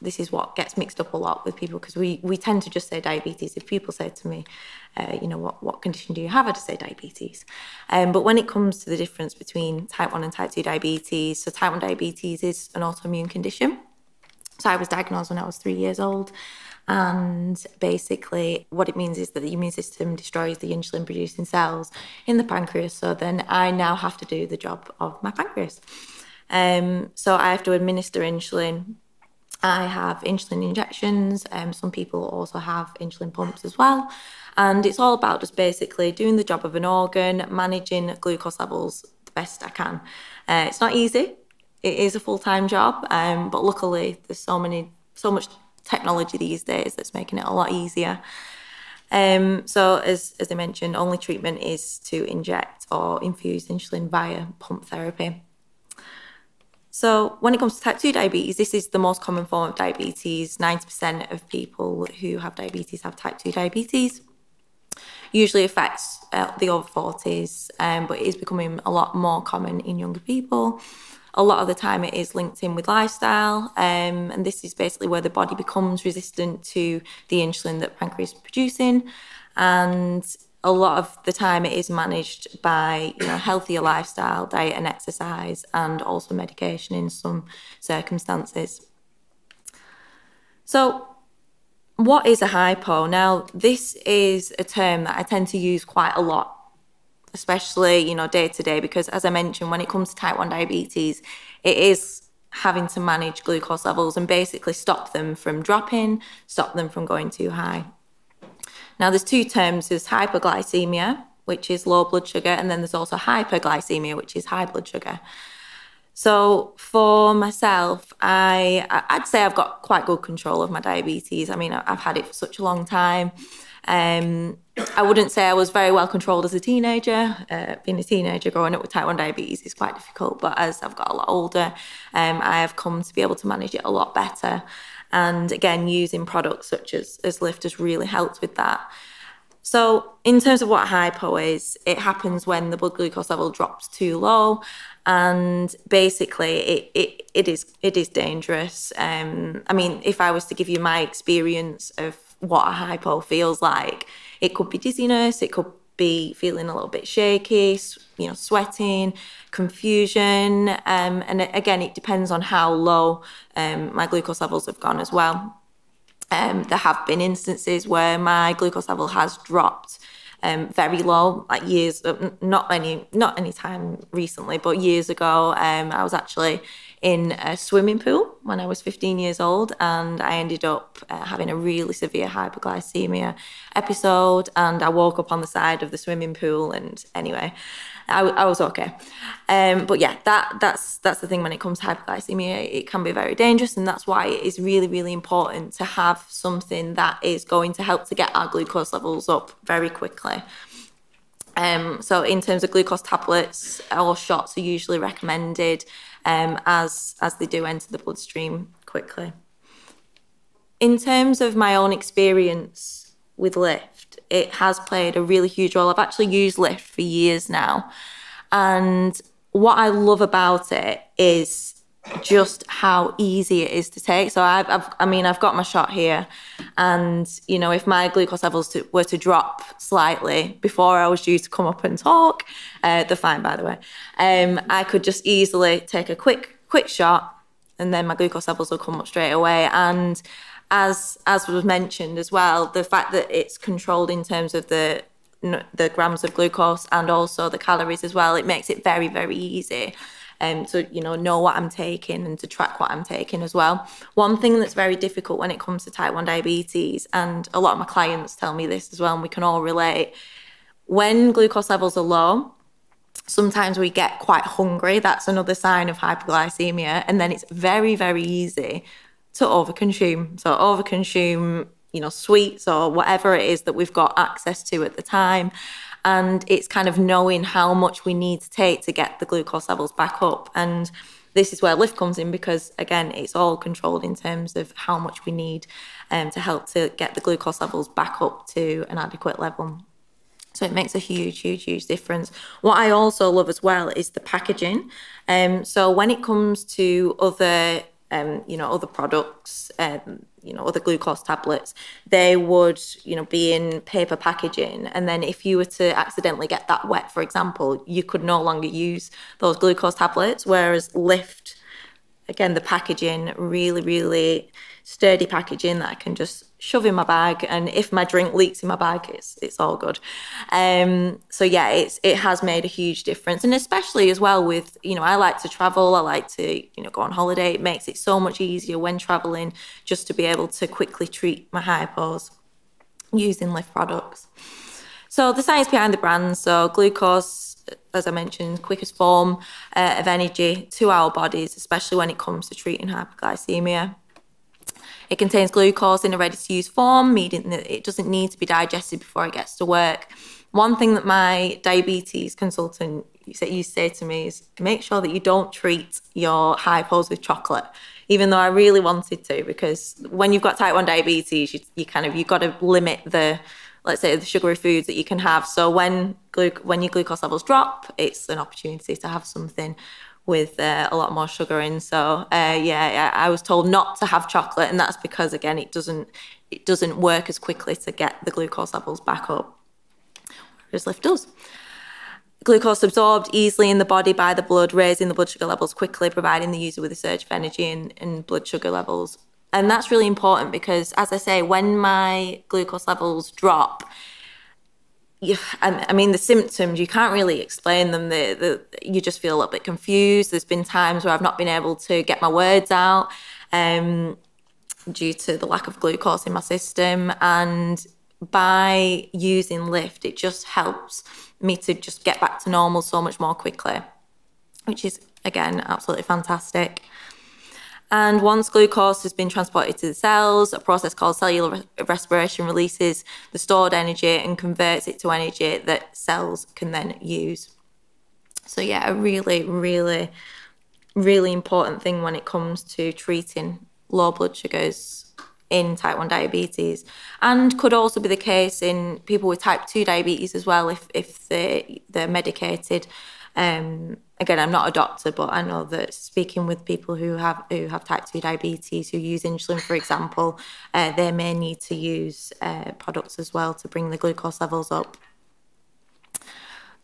this is what gets mixed up a lot with people ’cause we tend to just say diabetes. If people say to me, you know, "What, what condition do you have?" I just say diabetes. When it comes to the difference between Type 1 and Type 2 diabetes, Type 1 diabetes is an autoimmune condition. I was diagnosed when I was three years old, and basically what it means is that the immune system destroys the insulin-producing cells in the pancreas. I now have to do the job of my pancreas. I have to administer insulin. I have insulin injections. Some people also have insulin pumps as well. It's all about just basically doing the job of an organ, managing glucose levels the best I can. It's not easy. It is a full-time job. Luckily there's so much technology these days that's making it a lot easier. As I mentioned, only treatment is to inject or infuse insulin via pump therapy. When it comes to Type 2 diabetes, this is the most common form of diabetes. 90% of people who have diabetes have Type 2 diabetes. Usually affects the over 40s, but it is becoming a lot more common in younger people. A lot of the time it is linked in with lifestyle, this is basically where the body becomes resistant to the insulin that pancreas is producing. A lot of the time it is managed by, you know, healthier lifestyle, diet, and exercise, and also medication in some circumstances. What is a hypo? This is a term that I tend to use quite a lot, especially, you know, day to day, because as I mentioned, when it comes to Type 1 diabetes, it is having to manage glucose levels and basically stop them from dropping, stop them from going too high. There's two terms. There's hypoglycemia, which is low blood sugar, there's also hyperglycemia, which is high blood sugar. For myself, I'd say I've got quite good control of my diabetes. I mean, I've had it for such a long time. I wouldn't say I was very well controlled as a teenager. Being a teenager growing up with Type 1 diabetes is quite difficult, as I've got a lot older, I have come to be able to manage it a lot better. Again, using products such as Lift has really helped with that. In terms of what a hypo is, it happens when the blood glucose level drops too low, and basically it is dangerous. I mean, if I was to give you my experience of what a hypo feels like, it could be dizziness, it could be feeling a little bit shaky, you know, sweating, confusion, again, it depends on how low my glucose levels have gone as well. There have been instances where my glucose level has dropped very low, like years, not anytime recently, but years ago. I was actually in a swimming pool when I was 15 years old, and I ended up having a really severe hypoglycemia episode, and I woke up on the side of the swimming pool. Anyway, I was okay. Yeah, that's the thing, when it comes to hypoglycemia, it can be very dangerous and that's why it is really, really important to have something that is going to help to get our glucose levels up very quickly. In terms of glucose tablets or shots are usually recommended, as they do enter the bloodstream quickly. In terms of my own experience with Lift, it has played a really huge role. I've actually used Lift for years now, and what I love about it is just how easy it is to take. I mean, I've got my shot here and, you know, if my glucose levels were to drop slightly before I was due to come up and talk, they're fine, by the way, I could just easily take a quick shot and then my glucose levels will come up straight away. As we've mentioned as well, the fact that it's controlled in terms of the grams of glucose and also the calories as well, it makes it very easy, so you know, what I'm taking and to track what I'm taking as well. One thing that's very difficult when it comes to type one diabetes, and a lot of my clients tell me this as well, and we can all relate, when glucose levels are low, sometimes we get quite hungry. That's another sign of hypoglycemia, it's very, very easy to overconsume. Overconsume, you know, sweets or whatever it is that we've got access to at the time, it's kind of knowing how much we need to take to get the glucose levels back up. This is where Lift comes in because again, it's all controlled in terms of how much we need to help to get the glucose levels back up to an adequate level. It makes a huge, huge, huge difference. What I also love as well is the packaging. When it comes to other, you know, other products, you know, other glucose tablets, they would, you know, be in paper packaging if you were to accidentally get that wet, for example, you could no longer use those glucose tablets. Lift, again, the packaging really sturdy packaging that I can just shove in my bag and if my drink leaks in my bag, it's all good. Yeah, it has made a huge difference and especially as well with, you know, I like to travel, I like to, you know, go on holiday. It makes it so much easier when traveling just to be able to quickly treat my hypos using Lift products. The science behind the brand. Glucose, as I mentioned, quickest form of energy to our bodies, especially when it comes to treating hypoglycemia. It contains glucose in a ready-to-use form, meaning that it doesn't need to be digested before it gets to work. One thing that my diabetes consultant used to say to me is, "Make sure that you don't treat your hypos with chocolate." Even though I really wanted to, because when you've got Type 1 diabetes, you kind of, you've gotta limit the, let's say, the sugary foods that you can have. When your glucose levels drop, it's an opportunity to have something with a lot more sugar in. I was told not to have chocolate, that's because again, it doesn't work as quickly to get the glucose levels back up as Lift does. Glucose absorbed easily in the body by the blood, raising the blood sugar levels quickly, providing the user with a surge of energy and blood sugar levels. That's really important because as I say, when my glucose levels drop, and I mean the symptoms, you can't really explain them. You just feel a little bit confused. There's been times where I've not been able to get my words out, due to the lack of glucose in my system and by using Lift, it just helps me to just get back to normal so much more quickly. Which is, again, absolutely fantastic. Once glucose has been transported to the cells, a process called cellular respiration releases the stored energy and converts it to energy that cells can then use. Yeah, a really, really, really important thing when it comes to treating low blood sugars in Type 1 diabetes, and could also be the case in people with Type 2 diabetes as well if they're medicated. again, I'm not a doctor, but I know that speaking with people who have Type 2 diabetes who use insulin, for example, they may need to use products as well to bring the glucose levels up.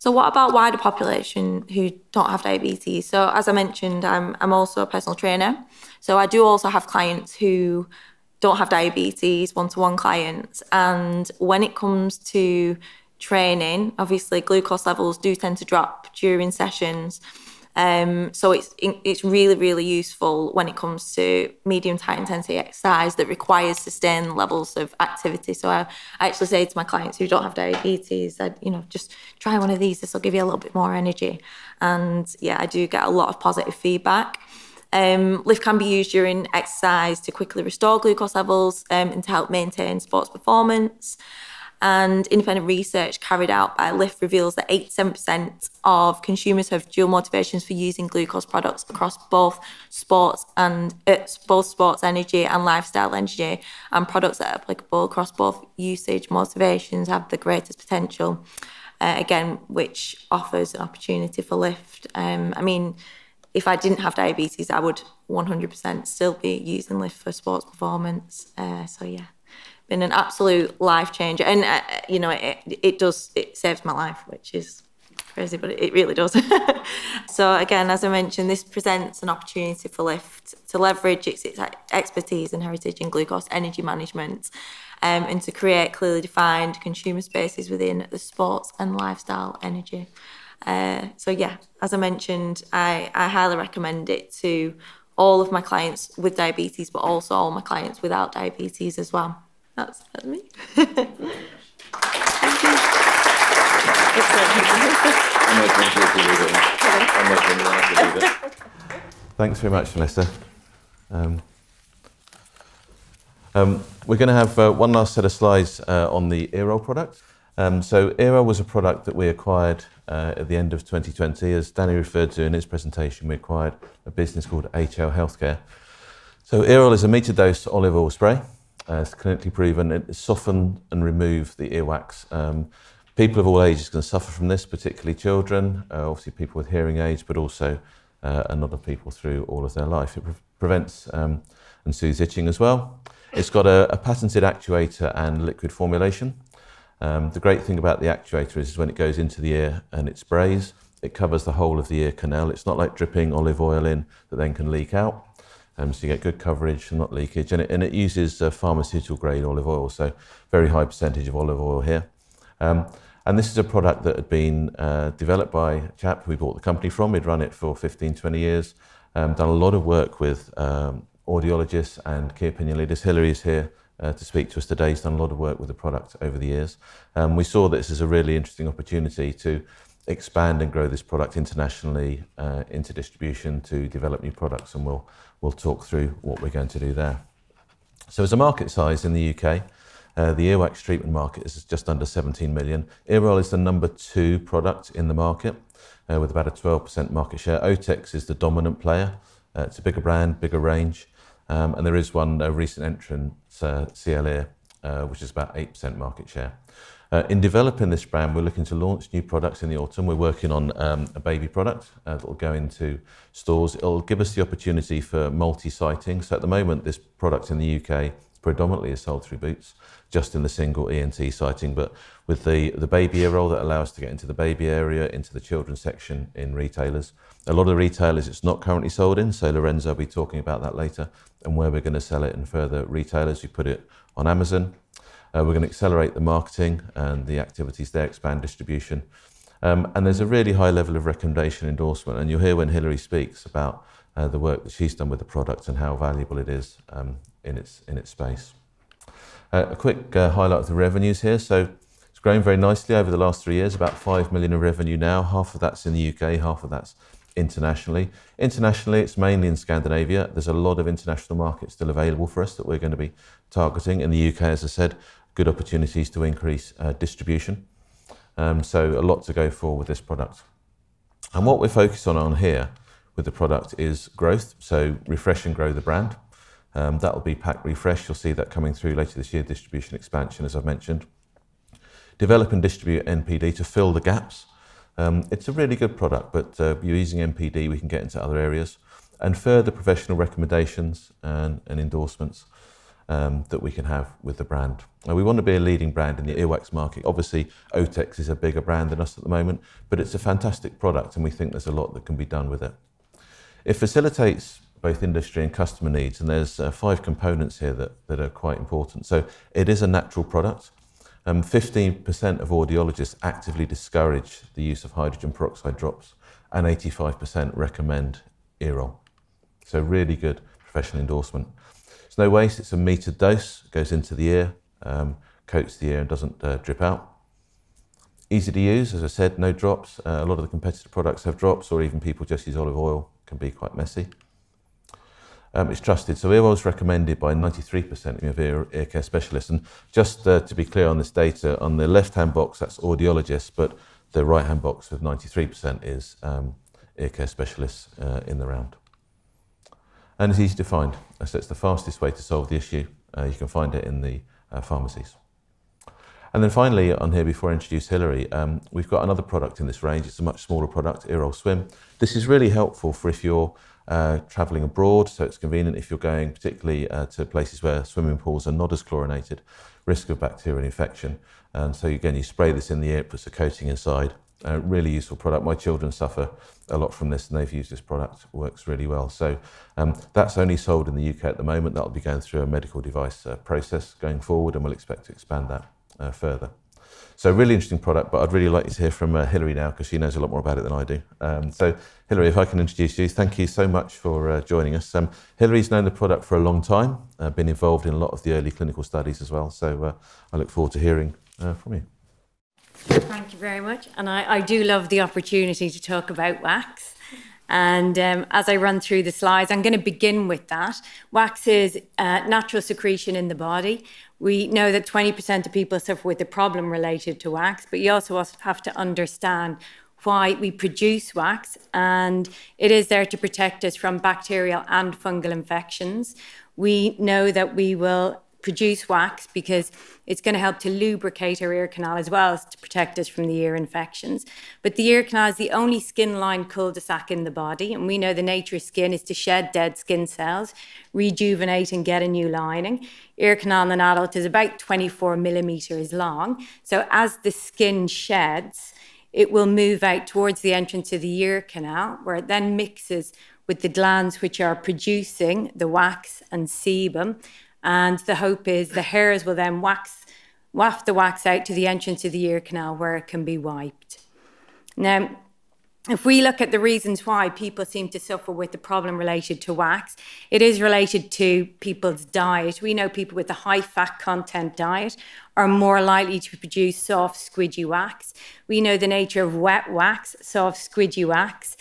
What about wider population who don't have diabetes? as I mentioned, I'm also a personal trainer, so I do also have clients who don't have diabetes, one-to-one clients. when it comes to training, obviously glucose levels do tend to drop during sessions, so it's really, really useful when it comes to medium to high intensity exercise that requires sustained levels of activity. I actually say to my clients who don't have diabetes that, you know, "Just try one of these. This will give you a little bit more energy." Yeah, I do get a lot of positive feedback. Lift can be used during exercise to quickly restore glucose levels and to help maintain sports performance. Independent research carried out by Lift reveals that 87% of consumers have dual motivations for using glucose products across both sports energy and lifestyle energy, and products that are applicable across both usage motivations have the greatest potential again, which offers an opportunity for Lift. I mean, if I didn't have diabetes, I would 100% still be using Lift for sports performance. Yeah. Been an absolute life changer. You know, it does, it saves my life, which is crazy, but it really does. Again, as I mentioned, this presents an opportunity for Lift to leverage its expertise and heritage in glucose energy management, and to create clearly defined consumer spaces within the sports and lifestyle energy. Yeah, as I mentioned, I highly recommend it to all of my clients with diabetes, but also all my clients without diabetes as well. That's me. Thank you. Thanks very much, Vanessa. We're gonna have one last set of slides on the Earol product. Earol was a product that we acquired at the end of 2020. As Danny referred to in his presentation, we acquired a business called HL Healthcare. Earol is a metered-dose olive oil spray. It's clinically proven. It soften and remove the earwax. People of all ages can suffer from this, particularly children, obviously people with hearing aids, but also a lot of people through all of their life. It prevents and soothes itching as well. It's got a patented actuator and liquid formulation. The great thing about the actuator is when it goes into the ear and it sprays, it covers the whole of the ear canal. It's not like dripping olive oil in that then can leak out. You get good coverage and not leakage. It uses a pharmaceutical-grade olive oil, so very high percentage of olive oil here. This is a product that had been developed by a chap who we bought the company from. He'd run it for 15, 20 years. Done a lot of work with audiologists and key opinion leaders. Hilary is here to speak to us today. He's done a lot of work with the product over the years. We saw this as a really interesting opportunity to expand and grow this product internationally, into distribution to develop new products, We'll talk through what we're going to do there. As a market size in the U.K., the earwax treatment market is just under 17 million. Earol is the number two product in the market, with about a 12% market share. CB12 is the dominant player. It's a bigger brand, bigger range. There is one recent entrant, Cl-ear, which is about 8% market share. In developing this brand, we're looking to launch new products in the autumn. We're working on a baby product that will go into stores. It'll give us the opportunity for multi-siting. At the moment, this product in the U.K. is predominantly sold through Boots, just in the single ENT siting. With the baby Earol, that'll allow us to get into the baby area, into the children's section in retailers. A lot of the retailers it's not currently sold in, Lorenzo will be talking about that later and where we're gonna sell it in further retailers. We put it on Amazon. We're gonna accelerate the marketing and the activities there, expand distribution. There's a really high level of recommendation endorsement, and you'll hear when Hillary speaks about the work that she's done with the product and how valuable it is in its, in its space. A quick highlight of the revenues here. It's grown very nicely over the last three years, about 5 million in revenue now. Half of that's in the U.K., half of that's internationally. Internationally, it's mainly in Scandinavia. There's a lot of international markets still available for us that we're gonna be targeting. In the U.K., as I said, good opportunities to increase distribution. A lot to go for with this product. What we're focused on here with the product is growth, so refresh and grow the brand. That'll be pack refresh. You'll see that coming through later this year. Distribution expansion, as I've mentioned. Develop and distribute NPD to fill the gaps. It's a really good product, but using NPD, we can get into other areas. Further professional recommendations and endorsements that we can have with the brand. Now, we wanna be a leading brand in the earwax market. Obviously, CB12 is a bigger brand than us at the moment, but it's a fantastic product, and we think there's a lot that can be done with it. It facilitates both industry and customer needs, and there's five components here that are quite important. It is a natural product. 15% of audiologists actively discourage the use of hydrogen peroxide drops, and 85% recommend Earol. Really good professional endorsement. There's no waste, it's a metered dose, goes into the ear, coats the ear and doesn't drip out. Easy to use, as I said, no drops. A lot of the competitive products have drops or even people just use olive oil, can be quite messy. It's trusted. Ear Wax was recommended by 93% of ear care specialists. Just to be clear on this data, on the left-hand box, that's audiologists, but the right-hand box of 93% is ear care specialists in the round. It's easy to find. As I said, it's the fastest way to solve the issue. You can find it in the pharmacies. Finally on here before I introduce Hilary, we've got another product in this range. It's a much smaller product, EarolSwim. This is really helpful for if you're traveling abroad, it's convenient if you're going particularly to places where swimming pools are not as chlorinated, risk of bacterial infection. Again, you spray this in the ear, it puts a coating inside. Really useful product. My children suffer a lot from this, and they've used this product. Works really well. That's only sold in the U.K. at the moment. That'll be going through a medical device process going forward, we'll expect to expand that further. Really interesting product, but I'd really like to hear from Hilary now 'cause she knows a lot more about it than I do. Hilary, if I can introduce you. Thank you so much for joining us. Hilary's known the product for a long time, been involved in a lot of the early clinical studies as well. I look forward to hearing from you. Thank you very much. I do love the opportunity to talk about wax. As I run through the slides, I'm gonna begin with that. Wax is a natural secretion in the body. We know that 20% of people suffer with a problem related to wax, but you also have to understand why we produce wax, and it is there to protect us from bacterial and fungal infections. We know that we will produce wax because it's gonna help to lubricate our ear canal as well as to protect us from the ear infections. The ear canal is the only skin line cul-de-sac in the body, and we know the nature of skin is to shed dead skin cells, rejuvenate and get a new lining. Ear canal in an adult is about 24 millimeters long. As the skin sheds, it will move out towards the entrance of the ear canal, where it then mixes with the glands which are producing the wax and sebum. The hope is the hairs will then waft the wax out to the entrance of the ear canal where it can be wiped. If we look at the reasons why people seem to suffer with the problem related to wax, it is related to people's diet. We know people with a high fat content diet are more likely to produce soft, squidgy wax. We know the nature of wet wax, soft, squidgy wax,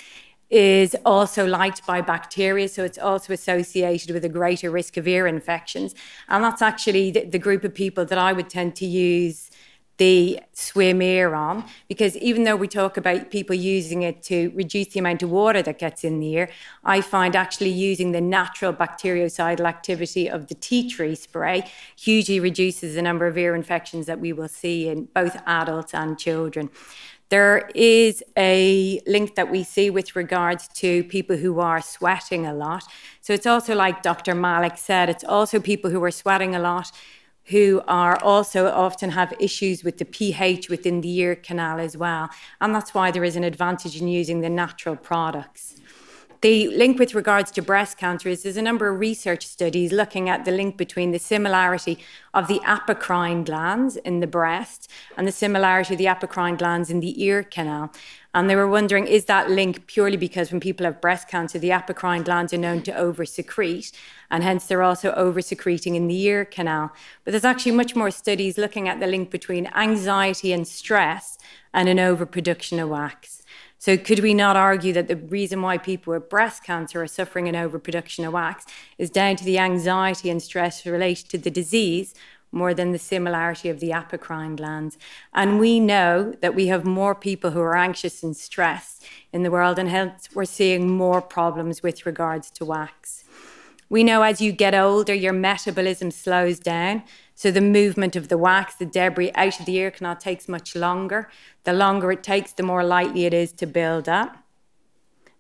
is also liked by bacteria, so it's also associated with a greater risk of ear infections. That's actually the group of people that I would tend to use the Swim-Ear on. Because even though we talk about people using it to reduce the amount of water that gets in the ear, I find actually using the natural bactericidal activity of the tea tree spray hugely reduces the number of ear infections that we will see in both adults and children. There is a link that we see with regards to people who are sweating a lot. It's also like Dr. Malik said, it's also people who are sweating a lot who are also often have issues with the pH within the ear canal as well. That's why there is an advantage in using the natural products. The link with regards to breast cancer is there's a number of research studies looking at the link between the similarity of the apocrine glands in the breast and the similarity of the apocrine glands in the ear canal. They were wondering is that link purely because when people have breast cancer, the apocrine glands are known to oversecrete, and hence they're also oversecreting in the ear canal. There's actually much more studies looking at the link between anxiety and stress and an overproduction of wax. Could we not argue that the reason why people with breast cancer are suffering an overproduction of wax is down to the anxiety and stress related to the disease more than the similarity of the apocrine glands? We know that we have more people who are anxious and stressed in the world, and hence we're seeing more problems with regards to wax. We know as you get older, your metabolism slows down, so the movement of the wax, the debris out of the ear canal takes much longer. The longer it takes, the more likely it is to build up.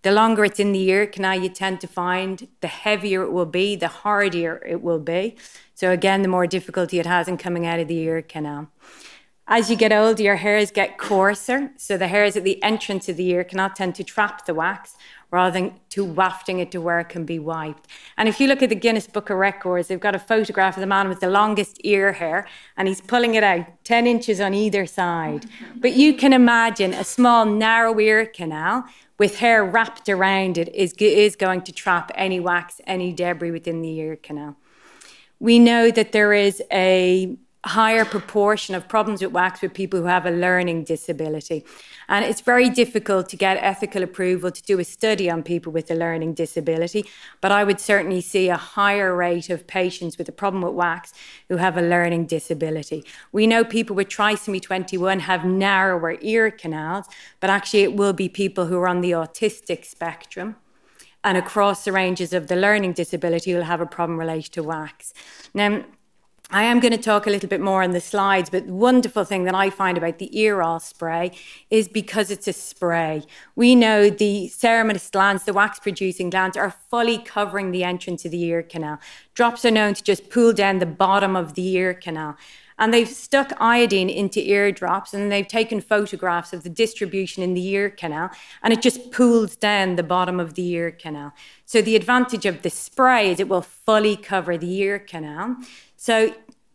The longer it's in the ear canal, you tend to find the heavier it will be, the hardier it will be. Again, the more difficulty it has in coming out of the ear canal. As you get older, your hairs get coarser, so the hairs at the entrance of the ear canal tend to trap the wax rather than to wafting it to where it can be wiped. If you look at the Guinness Book of Records, they've got a photograph of the man with the longest ear hair, and he's pulling it out 10 inches on either side. You can imagine a small narrow ear canal with hair wrapped around it is going to trap any wax, any debris within the ear canal. We know that there is a higher proportion of problems with wax with people who have a learning disability. It's very difficult to get ethical approval to do a study on people with a learning disability, but I would certainly see a higher rate of patients with a problem with wax who have a learning disability. We know people with trisomy 21 have narrower ear canals, but actually it will be people who are on the autistic spectrum and across the ranges of the learning disability who'll have a problem related to wax. I am gonna talk a little bit more on the slides, but the wonderful thing that I find about the Earol spray is because it's a spray. We know the ceruminous glands, the wax producing glands, are fully covering the entrance of the ear canal. Drops are known to just pool down the bottom of the ear canal. They've stuck iodine into ear drops, and they've taken photographs of the distribution in the ear canal, and it just pools down the bottom of the ear canal. The advantage of the spray is it will fully cover the ear canal.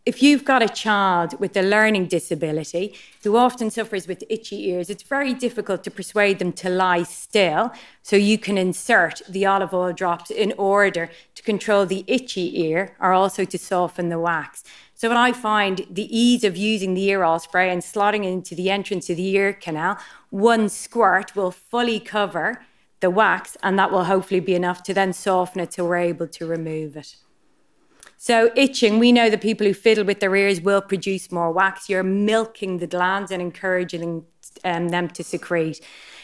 If you've got a child with a learning disability who often suffers with itchy ears, it's very difficult to persuade them to lie still so you can insert the olive oil drops in order to control the itchy ear or also to soften the wax. What I find the ease of using the Earol spray and slotting into the entrance of the ear canal, one squirt will fully cover the wax, and that will hopefully be enough to then soften it till we're able to remove it. Itching, we know that people who fiddle with their ears will produce more wax. You're milking the glands and encouraging them to secrete.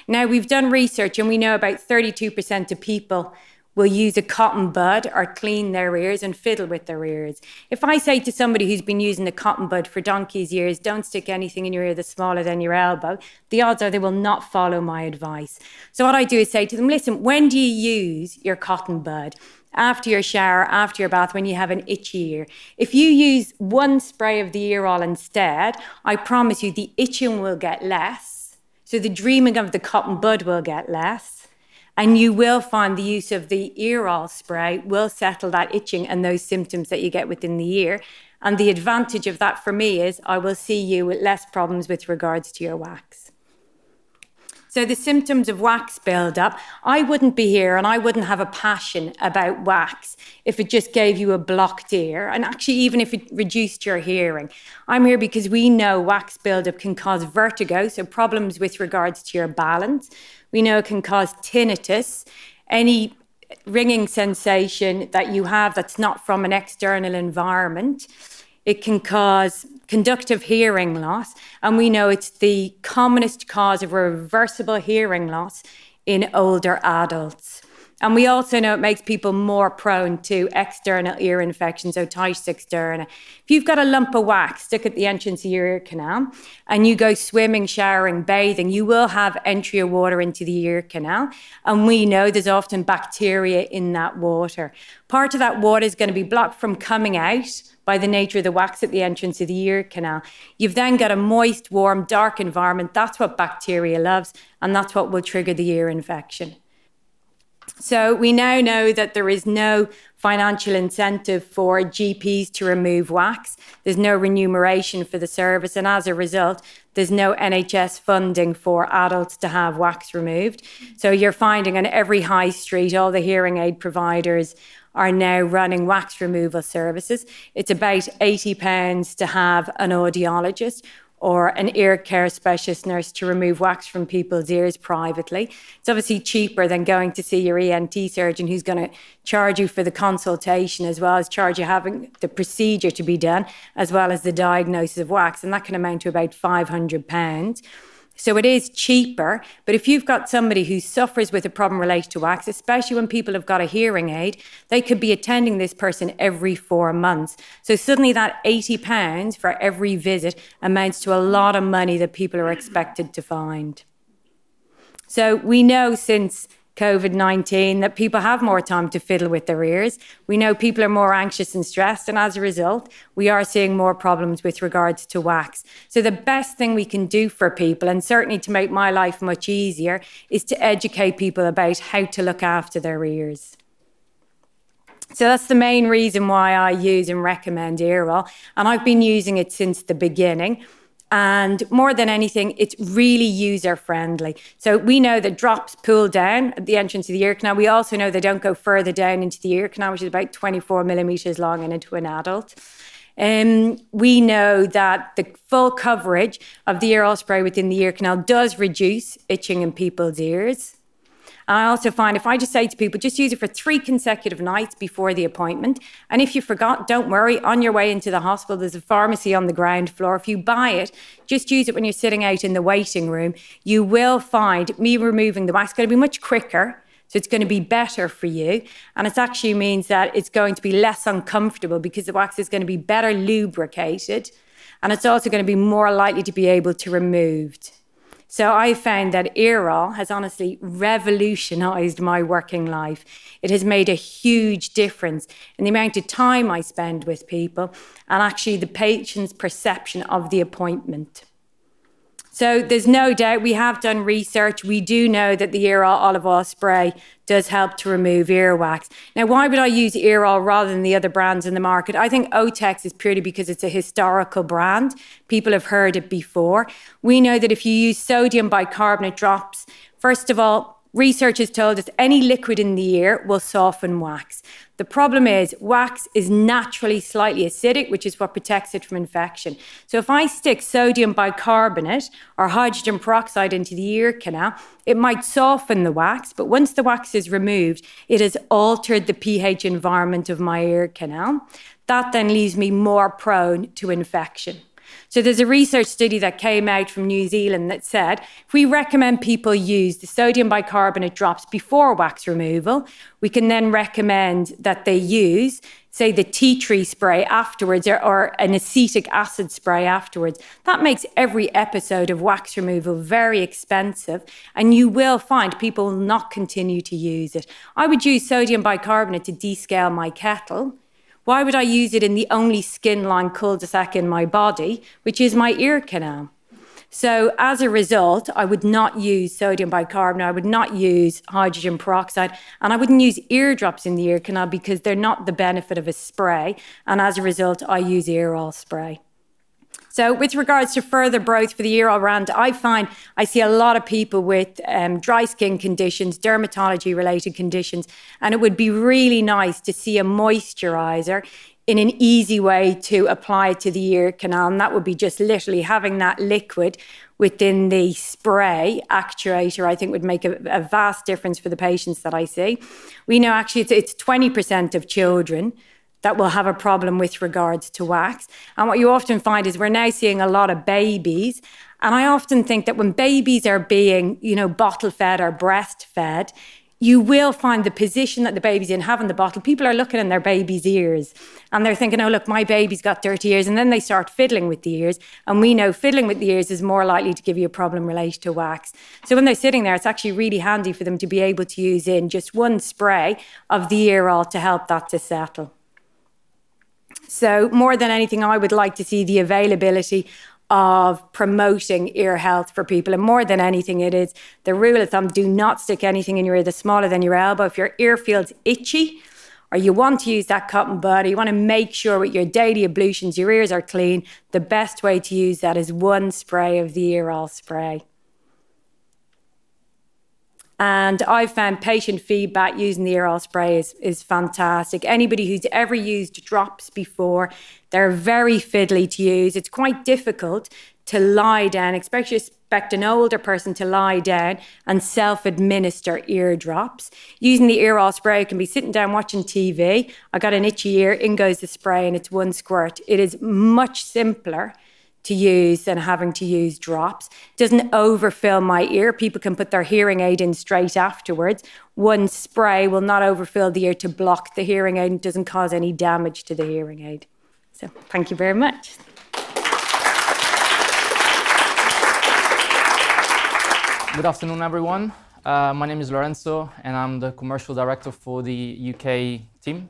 We've done research, and we know about 32% of people will use a cotton bud or clean their ears and fiddle with their ears. If I say to somebody who's been using a cotton bud for donkey's years, "Don't stick anything in your ear that's smaller than your elbow," the odds are they will not follow my advice. What I do is say to them, "Listen, when do you use your cotton bud? After your shower, after your bath, when you have an itchy ear. If you use one spray of the Earol instead, I promise you the itching will get less, so the dreaming of the cotton bud will get less. You will find the use of the Earol spray will settle that itching and those symptoms that you get within the ear. The advantage of that for me is I will see you with less problems with regards to your wax. The symptoms of wax buildup, I wouldn't be here, and I wouldn't have a passion about wax if it just gave you a blocked ear and actually even if it reduced your hearing. I'm here because we know wax buildup can cause vertigo, so problems with regards to your balance. We know it can cause tinnitus, any ringing sensation that you have that's not from an external environment. It can cause conductive hearing loss, and we know it's the commonest cause of reversible hearing loss in older adults. We also know it makes people more prone to external ear infections, otitis externa. If you've got a lump of wax stuck at the entrance of your ear canal and you go swimming, showering, bathing, you will have entry of water into the ear canal, and we know there's often bacteria in that water. Part of that water is gonna be blocked from coming out by the nature of the wax at the entrance of the ear canal. You've then got a moist, warm, dark environment. That's what bacteria loves, and that's what will trigger the ear infection. We now know that there is no financial incentive for GPs to remove wax. There's no remuneration for the service, and as a result, there's no NHS funding for adults to have wax removed. You're finding on every high street all the hearing aid providers are now running wax removal services. It's about 80 pounds to have an audiologist or an ear care specialist nurse to remove wax from people's ears privately. It's obviously cheaper than going to see your ENT surgeon who's gonna charge you for the consultation as well as charge you having the procedure to be done as well as the diagnosis of wax, and that can amount to about 500 pounds. It is cheaper, but if you've got somebody who suffers with a problem related to wax, especially when people have got a hearing aid, they could be attending this person every four months. Suddenly that 80 pounds for every visit amounts to a lot of money that people are expected to find. We know since COVID-19 that people have more time to fiddle with their ears. We know people are more anxious and stressed, and as a result, we are seeing more problems with regards to wax. The best thing we can do for people, and certainly to make my life much easier, is to educate people about how to look after their ears. That's the main reason why I use and recommend Earol, and I've been using it since the beginning. More than anything, it's really user-friendly. We know that drops pool down at the entrance of the ear canal. We also know they don't go further down into the ear canal, which is about 24 millimeters long and into an adult. We know that the full coverage of the Earol spray within the ear canal does reduce itching in people's ears. I also find if I just say to people, "Just use it for three consecutive nights before the appointment, and if you forgot, don't worry. On your way into the hospital, there's a pharmacy on the ground floor. If you buy it, just use it when you're sitting out in the waiting room." You will find me removing the wax is gonna be much quicker, so it's gonna be better for you, and it actually means that it's going to be less uncomfortable because the wax is gonna be better lubricated, and it's also gonna be more likely to be able to removed. I found that Earol has honestly revolutionized my working life. It has made a huge difference in the amount of time I spend with people and actually the patient's perception of the appointment. There's no doubt we have done research. We do know that the Earol olive oil spray does help to remove ear wax. Why would I use Earol rather than the other brands in the market? I think Otex is purely because it's a historical brand. People have heard it before. We know that if you use sodium bicarbonate drops, first of all, research has told us any liquid in the ear will soften wax. The problem is wax is naturally slightly acidic, which is what protects it from infection. If I stick sodium bicarbonate or hydrogen peroxide into the ear canal, it might soften the wax, but once the wax is removed, it has altered the pH environment of my ear canal. That then leaves me more prone to infection. There's a research study that came out from New Zealand that said if we recommend people use the sodium bicarbonate drops before wax removal, we can then recommend that they use, say, the tea tree spray afterwards or an acetic acid spray afterwards. That makes every episode of wax removal very expensive, and you will find people will not continue to use it. I would use sodium bicarbonate to descale my kettle. Why would I use it in the only skin line cul-de-sac in my body, which is my ear canal? As a result, I would not use sodium bicarbonate, I would not use hydrogen peroxide, and I wouldn't use ear drops in the ear canal because they're not the benefit of a spray, and as a result, I use Earol spray. With regards to further growth for the Earol brand, I find I see a lot of people with dry skin conditions, dermatology-related conditions, and it would be really nice to see a moisturizer in an easy way to apply to the ear canal, and that would be just literally having that liquid within the spray actuator, I think would make a vast difference for the patients that I see. We know actually it's 20% of children that will have a problem with regards to wax. What you often find is we're now seeing a lot of babies, and I often think that when babies are being, you know, bottle-fed or breastfed, you will find the position that the baby's in having the bottle, people are looking in their baby's ears and they're thinking, "Oh look, my baby's got dirty ears," and then they start fiddling with the ears. We know fiddling with the ears is more likely to give you a problem related to wax. When they're sitting there, it's actually really handy for them to be able to use in just one spray of the Earol to help that to settle. More than anything, I would like to see the availability of promoting ear health for people. More than anything it is the rule of thumb, do not stick anything in your ear that's smaller than your elbow. If your ear feels itchy or you want to use that cotton bud, or you wanna make sure with your daily ablutions your ears are clean, the best way to use that is one spray of the Earol spray. I've found patient feedback using the Earol spray is fantastic. Anybody who's ever used drops before, they're very fiddly to use. It's quite difficult to lie down, especially expect an older person to lie down and self-administer ear drops. Using the Earol spray, can be sitting down watching TV. I've got an itchy ear, in goes the spray, and it's one squirt. It is much simpler to use than having to use drops, doesn't overfill my ear. People can put their hearing aid in straight afterwards. One spray will not overfill the ear to block the hearing aid and doesn't cause any damage to the hearing aid. Thank you very much. Good afternoon, everyone. My name is Lorenzo, and I'm the commercial director for the U.K. team.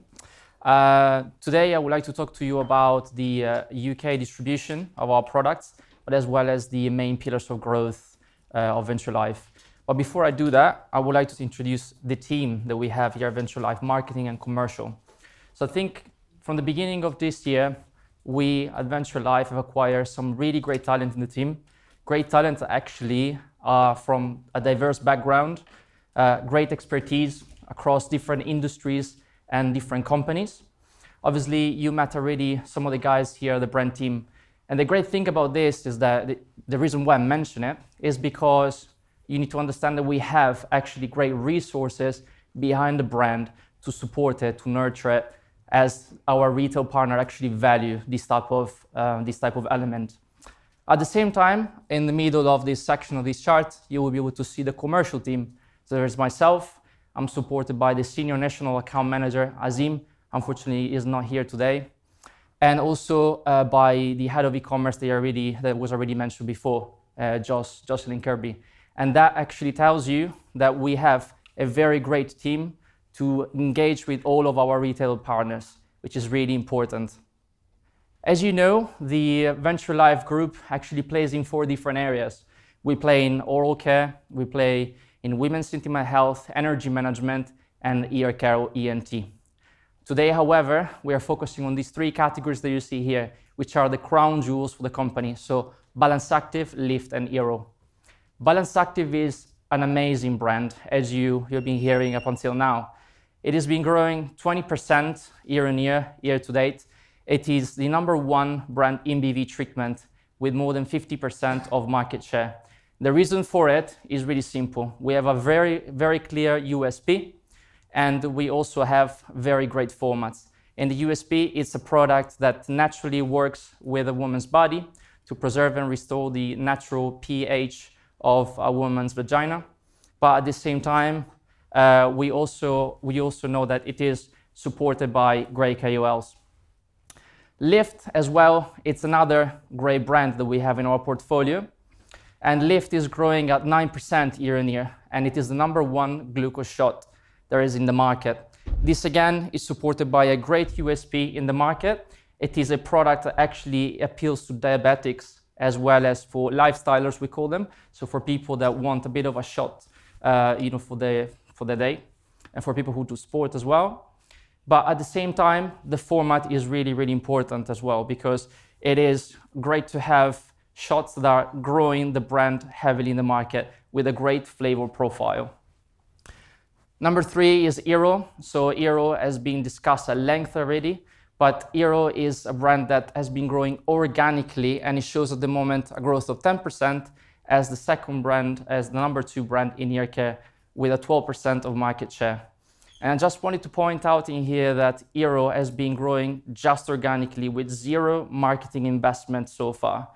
Today I would like to talk to you about the U.K. distribution of our products, but as well as the main pillars for growth of Venture Life. Before I do that, I would like to introduce the team that we have here at Venture Life Marketing and Commercial. I think from the beginning of this year, we at Venture Life have acquired some really great talent in the team. Great talent actually, from a diverse background, great expertise across different industries and different companies. Obviously, you met already some of the guys here, the brand team. The great thing about this is that the reason why I'm mentioning it is because you need to understand that we have actually great resources behind the brand to support it, to nurture it, as our retail partner actually value this type of this type of element. At the same time, in the middle of this section of this chart, you will be able to see the commercial team. There is myself, I'm supported by the Senior National Account Manager, Azeem. Unfortunately, he's not here today. Also, by the Head of E-commerce, that was already mentioned before, Jos, Jocelyn Kirby. That actually tells you that we have a very great team to engage with all of our retail partners, which is really important. As you know, the Venture Life Group actually plays in four different areas. We play in oral care, we play in women's intimate health, energy management, and ear care or ENT. Today, however, we are focusing on these three categories that you see here, which are the crown jewels for the company, so Balance Activ, Lift, and Earol. Balance Activ is an amazing brand as you've been hearing up until now. It has been growing 20% year-on-year, year-to-date. It is the number one brand in BV treatment with more than 50% of market share. The reason for it is really simple. We have a very, very clear U.S.P, and we also have very great formats. In the U.S.P, it's a product that naturally works with a woman's body to preserve and restore the natural pH of a woman's vagina. At the same time, we also know that it is supported by great KOLs. Lift as well, it's another great brand that we have in our portfolio. Lift is growing at 9% year on year, and it is the number one glucose shot there is in the market. This again is supported by a great U.S.P in the market. It is a product that actually appeals to diabetics as well as for lifestylers, we call them. For people that want a bit of a shot, you know, for their, for their day, and for people who do sport as well. At the same time, the format is really important as well because it is great to have shots that are growing the brand heavily in the market with a great flavor profile. Number three is Earol. Earol has been discussed at length already, but Earol is a brand that has been growing organically, and it shows at the moment a growth of 10% as the second brand, as the number two brand in ear care with a 12% of market share. Just wanted to point out in here that Earol has been growing just organically with zero marketing investment so far,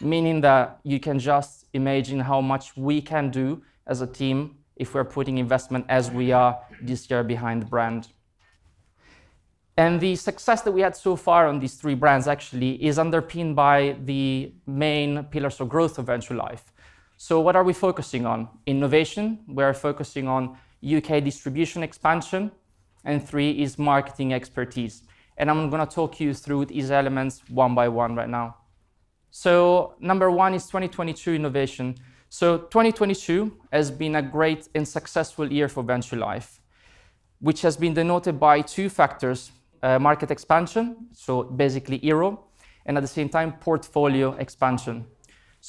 meaning that you can just imagine how much we can do as a team if we're putting investment as we are this year behind the brand. The success that we had so far on these three brands actually is underpinned by the main pillars of growth of Venture Life. What are we focusing on? Innovation. We are focusing on U.K. distribution expansion and three is marketing expertise. I'm going to talk you through these elements one by one right now. Number one is 2022 innovation. 2022 has been a great and successful year for Venture Life, which has been denoted by two factors, market expansion, so basically Earol, and at the same time, portfolio expansion.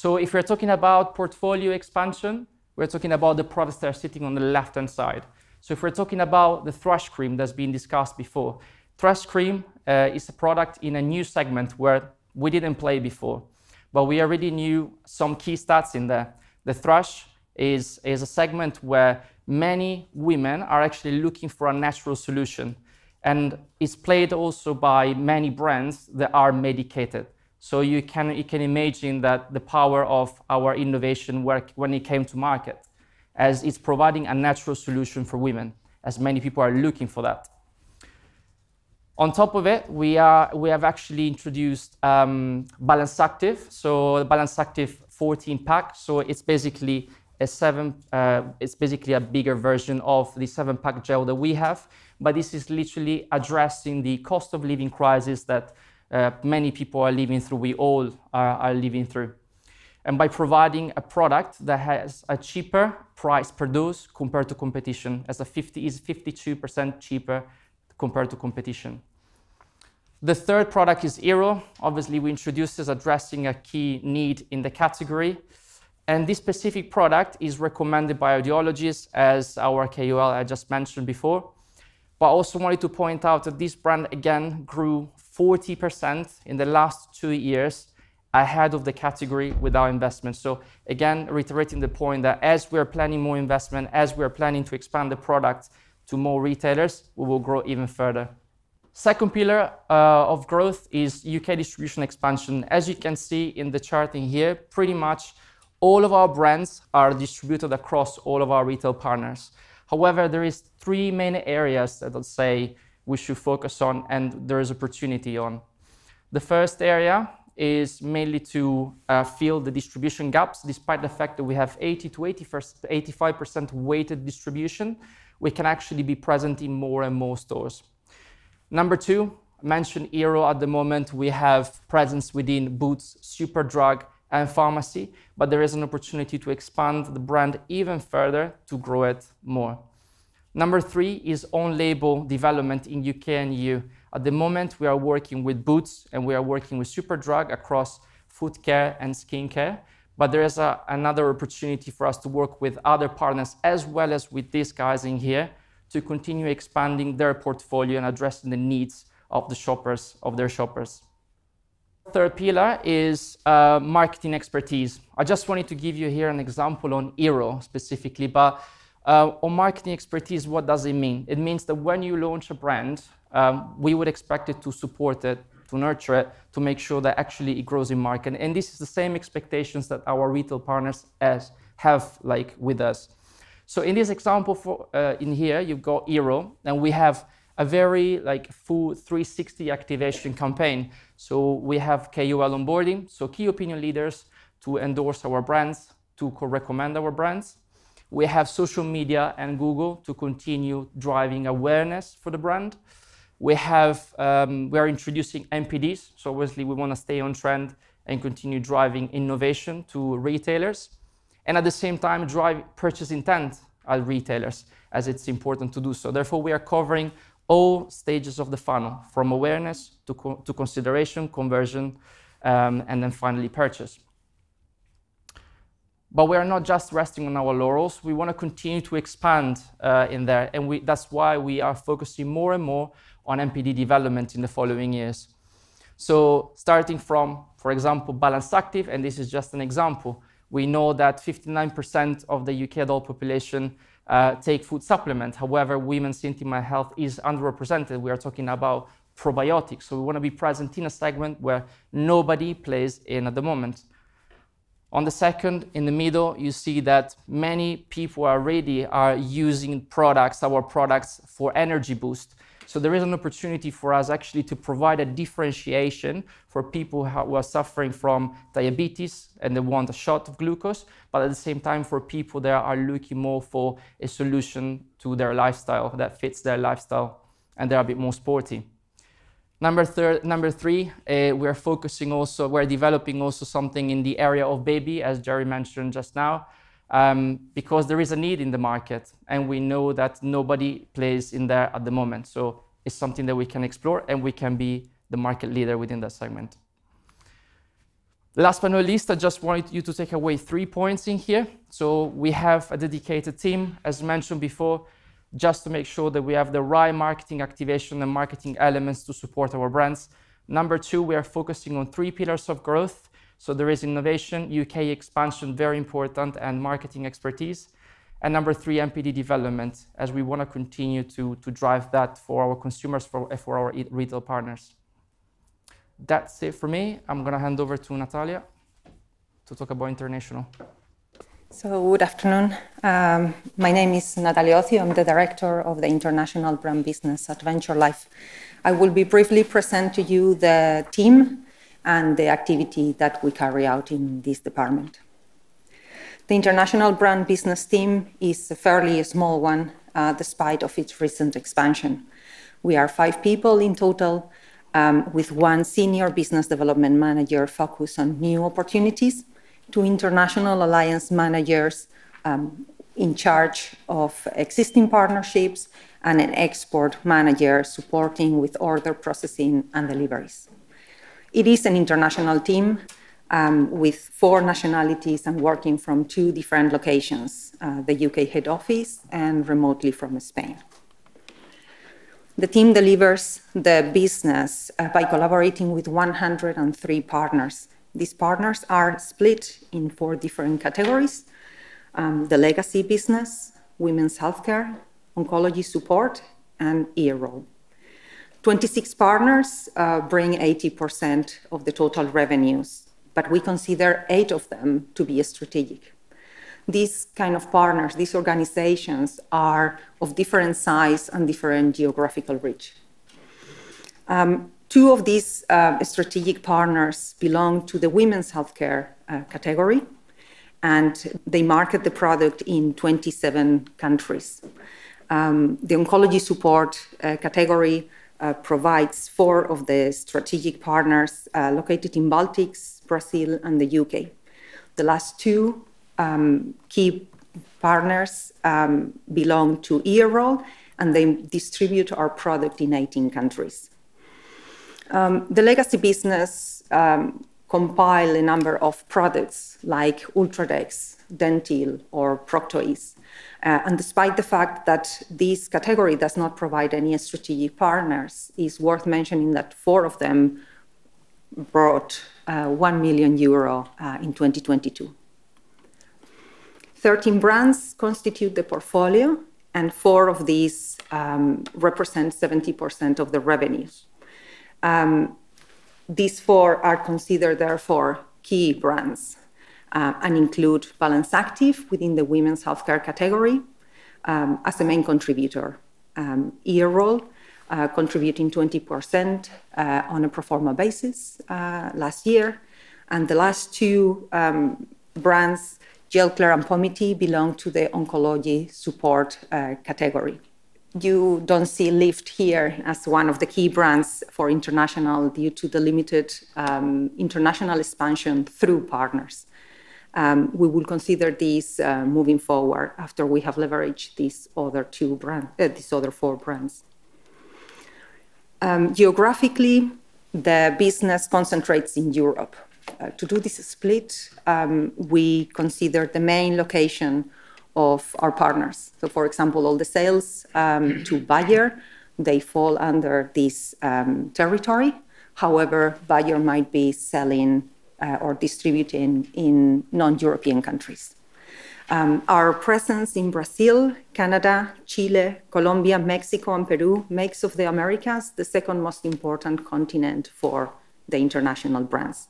If we're talking about portfolio expansion, we're talking about the products that are sitting on the left-hand side. If we're talking about the thrush cream that's been discussed before, thrush cream is a product in a new segment where we didn't play before, but we already knew some key stats in there. The thrush is a segment where many women are actually looking for a natural solution, and it's played also by many brands that are medicated. You can imagine that the power of our innovation work when it came to market, as it's providing a natural solution for women, as many people are looking for that. On top of it, we have actually introduced Balance Activ, so Balance Activ 14-pack. It's basically a bigger version of the 7-pack gel that we have, but this is literally addressing the cost of living crisis that many people are living through, we all are living through. By providing a product that has a cheaper price per dose compared to competition, is 52% cheaper compared to competition. The third product is Earol. Obviously, we introduced as addressing a key need in the category, and this specific product is recommended by audiologists as our KOL I just mentioned before. I also wanted to point out that this brand again grew 40% in the last two years ahead of the category with our investment. Again, reiterating the point that as we are planning more investment, as we are planning to expand the product to more retailers, we will grow even further. Second pillar of growth is U.K. distribution expansion. As you can see in the charting here, pretty much all of our brands are distributed across all of our retail partners. However, there is three main areas that I'd say we should focus on, and there is opportunity on. The first area is mainly to fill the distribution gaps, despite the fact that we have 80%-85% weighted distribution, we can actually be present in more and more stores. Number two, mentioned Earol at the moment, we have presence within Boots, Superdrug, and pharmacy. There is an opportunity to expand the brand even further to grow it more. Number three is own label development in U.K. and E.U. At the moment, we are working with Boots. We are working with Superdrug across foot care and skincare. There is another opportunity for us to work with other partners as well as with these guys in here to continue expanding their portfolio and addressing the needs of the shoppers, of their shoppers. Third pillar is marketing expertise. I just wanted to give you here an example on Earol specifically. On marketing expertise, what does it mean? It means that when you launch a brand, we would expect it to support it, to nurture it, to make sure that actually it grows in market. This is the same expectations that our retail partners have, like, with us. In this example for in here, you've got Earol, and we have a very, like, full 360 activation campaign. We have KOL onboarding, so key opinion leaders to endorse our brands, to co-recommend our brands. We have social media and Google to continue driving awareness for the brand. We are introducing NPDs, so obviously, we wanna stay on trend and continue driving innovation to retailers, and at the same time, drive purchase intent at retailers, as it's important to do so. We are covering all stages of the funnel, from awareness to consideration, conversion, and then finally purchase. We are not just resting on our laurels, we wanna continue to expand in there, that's why we are focusing more and more on NPD development in the following years. Starting from, for example, Balance Activ, and this is just an example, we know that 59% of the U.K. adult population take food supplement. However, women's intimate health is underrepresented. We are talking about probiotics, so we wanna be present in a segment where nobody plays in at the moment. On the second, in the middle, you see that many people already are using products, our products for energy boost. There is an opportunity for us actually to provide a differentiation for people who are suffering from diabetes, and they want a shot of glucose, but at the same time, for people that are looking more for a solution to their lifestyle that fits their lifestyle, and they're a bit more sporty. Number three, we are focusing also, we're developing also something in the area of baby, as Jerry mentioned just now, because there is a need in the market, and we know that nobody plays in there at the moment. It's something that we can explore, and we can be the market leader within that segment. Last but not least, I just wanted you to take away three points in here. We have a dedicated team, as mentioned before, just to make sure that we have the right marketing activation and marketing elements to support our brands. Number two, we are focusing on three pillars of growth. There is innovation, U.K. expansion, very important, and marketing expertise. Number three, NPD development, as we wanna continue to drive that for our consumers, for our retail partners. That's it for me. I'm gonna hand over to Natalia to talk about international. Good afternoon. My name is Natalia Ocio. I'm the director of the International Brand Business at Venture Life. I will be briefly present to you the team and the activity that we carry out in this department. The international brand business team is a fairly small one, despite of its recent expansion. We are five people in total, with one senior business development manager focused on new opportunities, two international alliance managers, in charge of existing partnerships, and an export manager supporting with order processing and deliveries. It is an international team, with four nationalities and working from two different locations, the U.K. head office and remotely from Spain. The team delivers the business by collaborating with 103 partners. These partners are split in four different categories: the legacy business, women's healthcare, oncology support, and Earol. 26 partners bring 80% of the total revenues, but we consider eight of them to be strategic. These kind of partners, these organizations, are of different size and different geographical reach. Two of these strategic partners belong to the women's healthcare category, and they market the product in 27 countries. The oncology support category provides four of the strategic partners located in Baltics, Brazil, and the U.K.. The last two key partners belong to Earol, and they distribute our product in 18 countries. The legacy business compile a number of products like UltraDEX, Dentyl, or Procto-eze. Despite the fact that this category does not provide any strategic partners, it's worth mentioning that four of them brought EUR 1 million in 2022. 13 brands constitute the portfolio. Four of these represent 70% of the revenues. These four are considered therefore key brands and include Balance Activ within the women's healthcare category as the main contributor, Earol contributing 20% on a pro forma basis last year. The last two brands, Gelclair and Pomi-T, belong to the oncology support category. You don't see Lift here as one of the key brands for international due to the limited international expansion through partners. We will consider this moving forward after we have leveraged these other four brands. Geographically, the business concentrates in Europe. To do this split, we consider the main location of our partners. For example, all the sales to Bayer, they fall under this territory. However, Bayer might be selling or distributing in non-European countries. Our presence in Brazil, Canada, Chile, Colombia, Mexico, and Peru makes of the Americas the second most important continent for the international brands.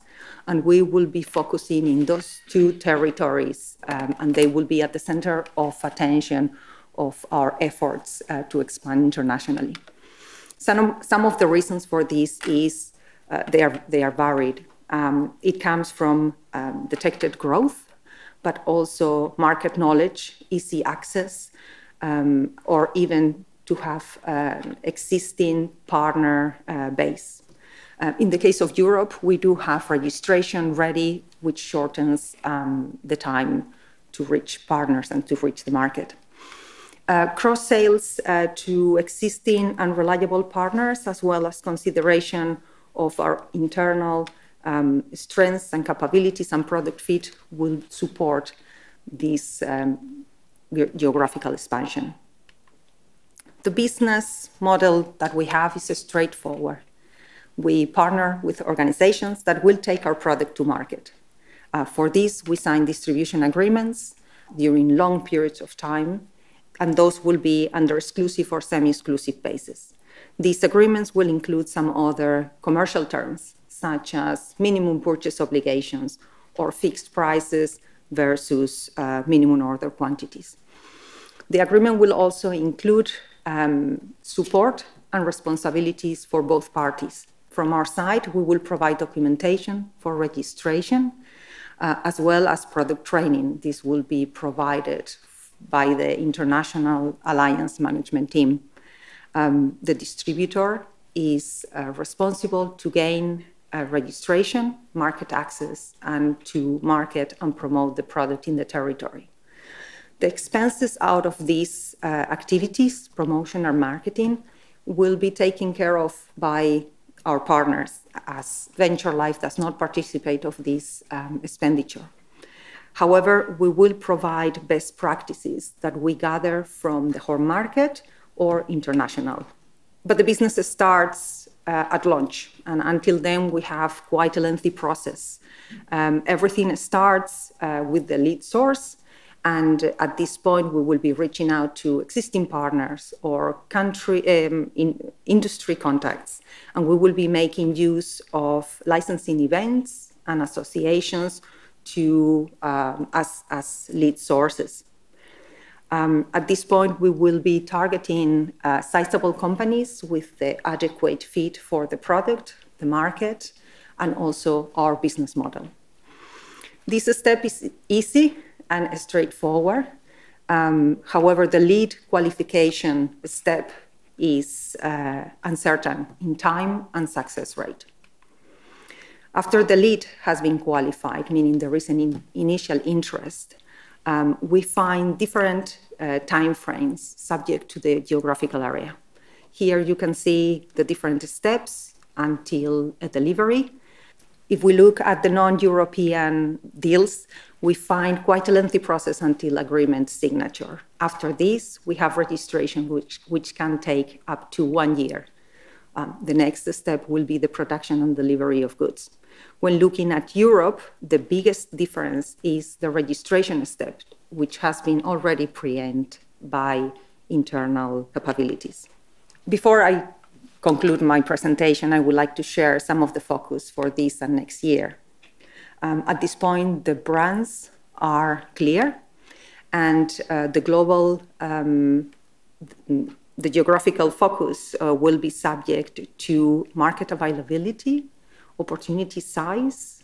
We will be focusing in those two territories, and they will be at the center of attention of our efforts to expand internationally. Some of the reasons for this is, they are varied. It comes from detected growth, but also market knowledge, easy access, or even to have existing partner base. In the case of Europe, we do have registration ready, which shortens the time to reach partners and to reach the market. Cross-sales to existing and reliable partners, as well as consideration of our internal strengths and capabilities and product fit will support this geographical expansion. The business model that we have is straightforward. We partner with organizations that will take our product to market. For this, we sign distribution agreements during long periods of time, and those will be under exclusive or semi-exclusive basis. These agreements will include some other commercial terms, such as minimum purchase obligations or fixed prices versus minimum order quantities. The agreement will also include support and responsibilities for both parties. From our side, we will provide documentation for registration, as well as product training. This will be provided by the international alliance management team. The distributor is responsible to gain registration, market access, and to market and promote the product in the territory. The expenses out of these activities, promotion or marketing, will be taken care of by our partners, as Venture Life does not participate of this expenditure. However, we will provide best practices that we gather from the home market or international. The business starts at launch, and until then, we have quite a lengthy process. Everything starts with the lead source, and at this point, we will be reaching out to existing partners or country in-industry contacts, and we will be making use of licensing events and associations to as lead sources. At this point, we will be targeting sizable companies with the adequate fit for the product, the market, and also our business model. This step is easy and straightforward. However, the lead qualification step is uncertain in time and success rate. After the lead has been qualified, meaning there is an initial interest, we find different time frames subject to the geographical area. Here you can see the different steps until a delivery. If we look at the non-European deals, we find quite a lengthy process until agreement signature. After this, we have registration which can take up to one year. The next step will be the production and delivery of goods. When looking at Europe, the biggest difference is the registration step, which has been already pre-empt by internal capabilities. Before I conclude my presentation, I would like to share some of the focus for this and next year. At this point, the brands are clear, and the global geographical focus will be subject to market availability, opportunity size,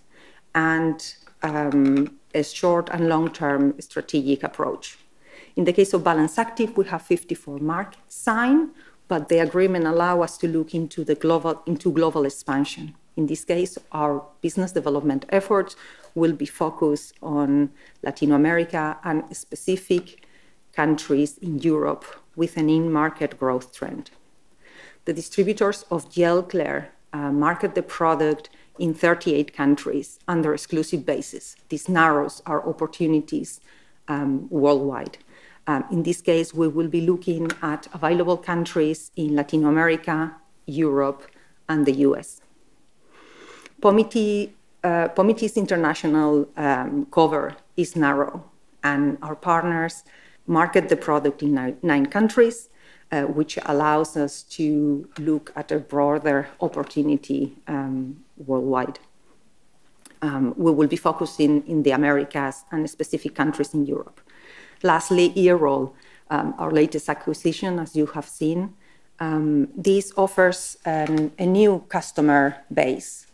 and a short and long-term strategic approach. In the case of Balance Activ, we have 54 market sign, but the agreement allow us to look into global expansion. In this case, our business development efforts will be focused on Latin America and specific countries in Europe with an in-market growth trend. The distributors of Gelclair market the product in 38 countries on their exclusive basis. This narrows our opportunities worldwide. In this case, we will be looking at available countries in Latin America, Europe and the U.S. Pomi-T, Pomi-T's international cover is narrow, and our partners market the product in nine countries, which allows us to look at a broader opportunity worldwide. We will be focusing in the Americas and the specific countries in Europe. Lastly, Earol, our latest acquisition, as you have seen. This offers a new customer base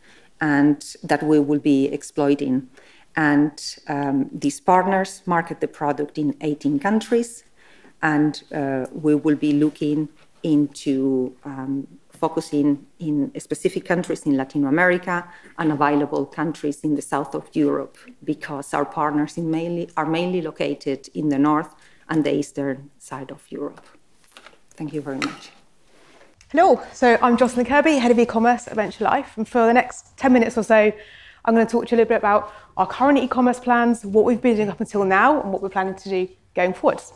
and that we will be exploiting. These partners market the product in 18 countries, and we will be looking into focusing in specific countries in Latin America and available countries in the south of Europe because our partners are mainly located in the north and the eastern side of Europe. Thank you very much. Hello. I'm Jocelyn Kirby, Head of E-commerce at Venture Life. For the next 10 minutes or so, I'm gonna talk to you a little bit about our current e-commerce plans, what we've been doing up until now, and what we're planning to do going forwards.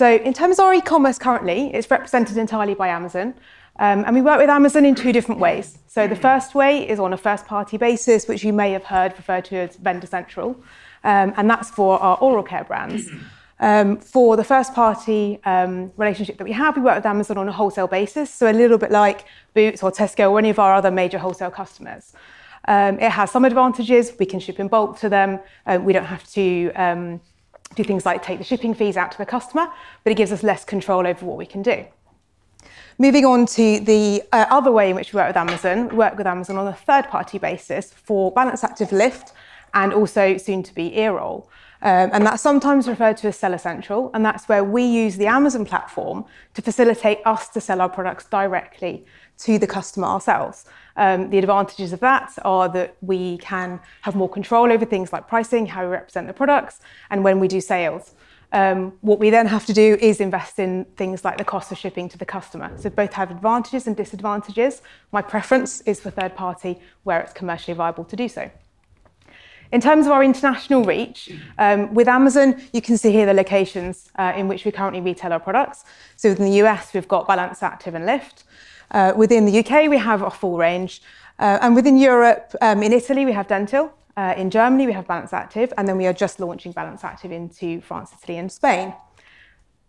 In terms of our e-commerce currently, it's represented entirely by Amazon. We work with Amazon in two different ways. The first way is on a first party basis, which you may have heard referred to as Vendor Central. That's for our oral care brands. For the first party relationship that we have, we work with Amazon on a wholesale basis, so a little bit like Boots or Tesco or any of our other major wholesale customers. It has some advantages. We can ship in bulk to them. We don't have to do things like take the shipping fees out to the customer, but it gives us less control over what we can do. Moving on to the other way in which we work with Amazon, we work with Amazon on a third party basis for Balance Activ, Lift and also soon to be Earol. That's sometimes referred to as Seller Central, and that's where we use the Amazon platform to facilitate us to sell our products directly to the customer ourselves. The advantages of that are that we can have more control over things like pricing, how we represent the products, and when we do sales. What we then have to do is invest in things like the cost of shipping to the customer. Both have advantages and disadvantages. My preference is for third party, where it's commercially viable to do so. In terms of our international reach, with Amazon, you can see here the locations in which we currently retail our products. Within the U.S., we've got Balance Activ and Lift. Within the U.K., we have a full range. Within Europe, in Italy, we have Dentyl. In Germany, we have Balance Activ. We are just launching Balance Activ into France, Italy and Spain.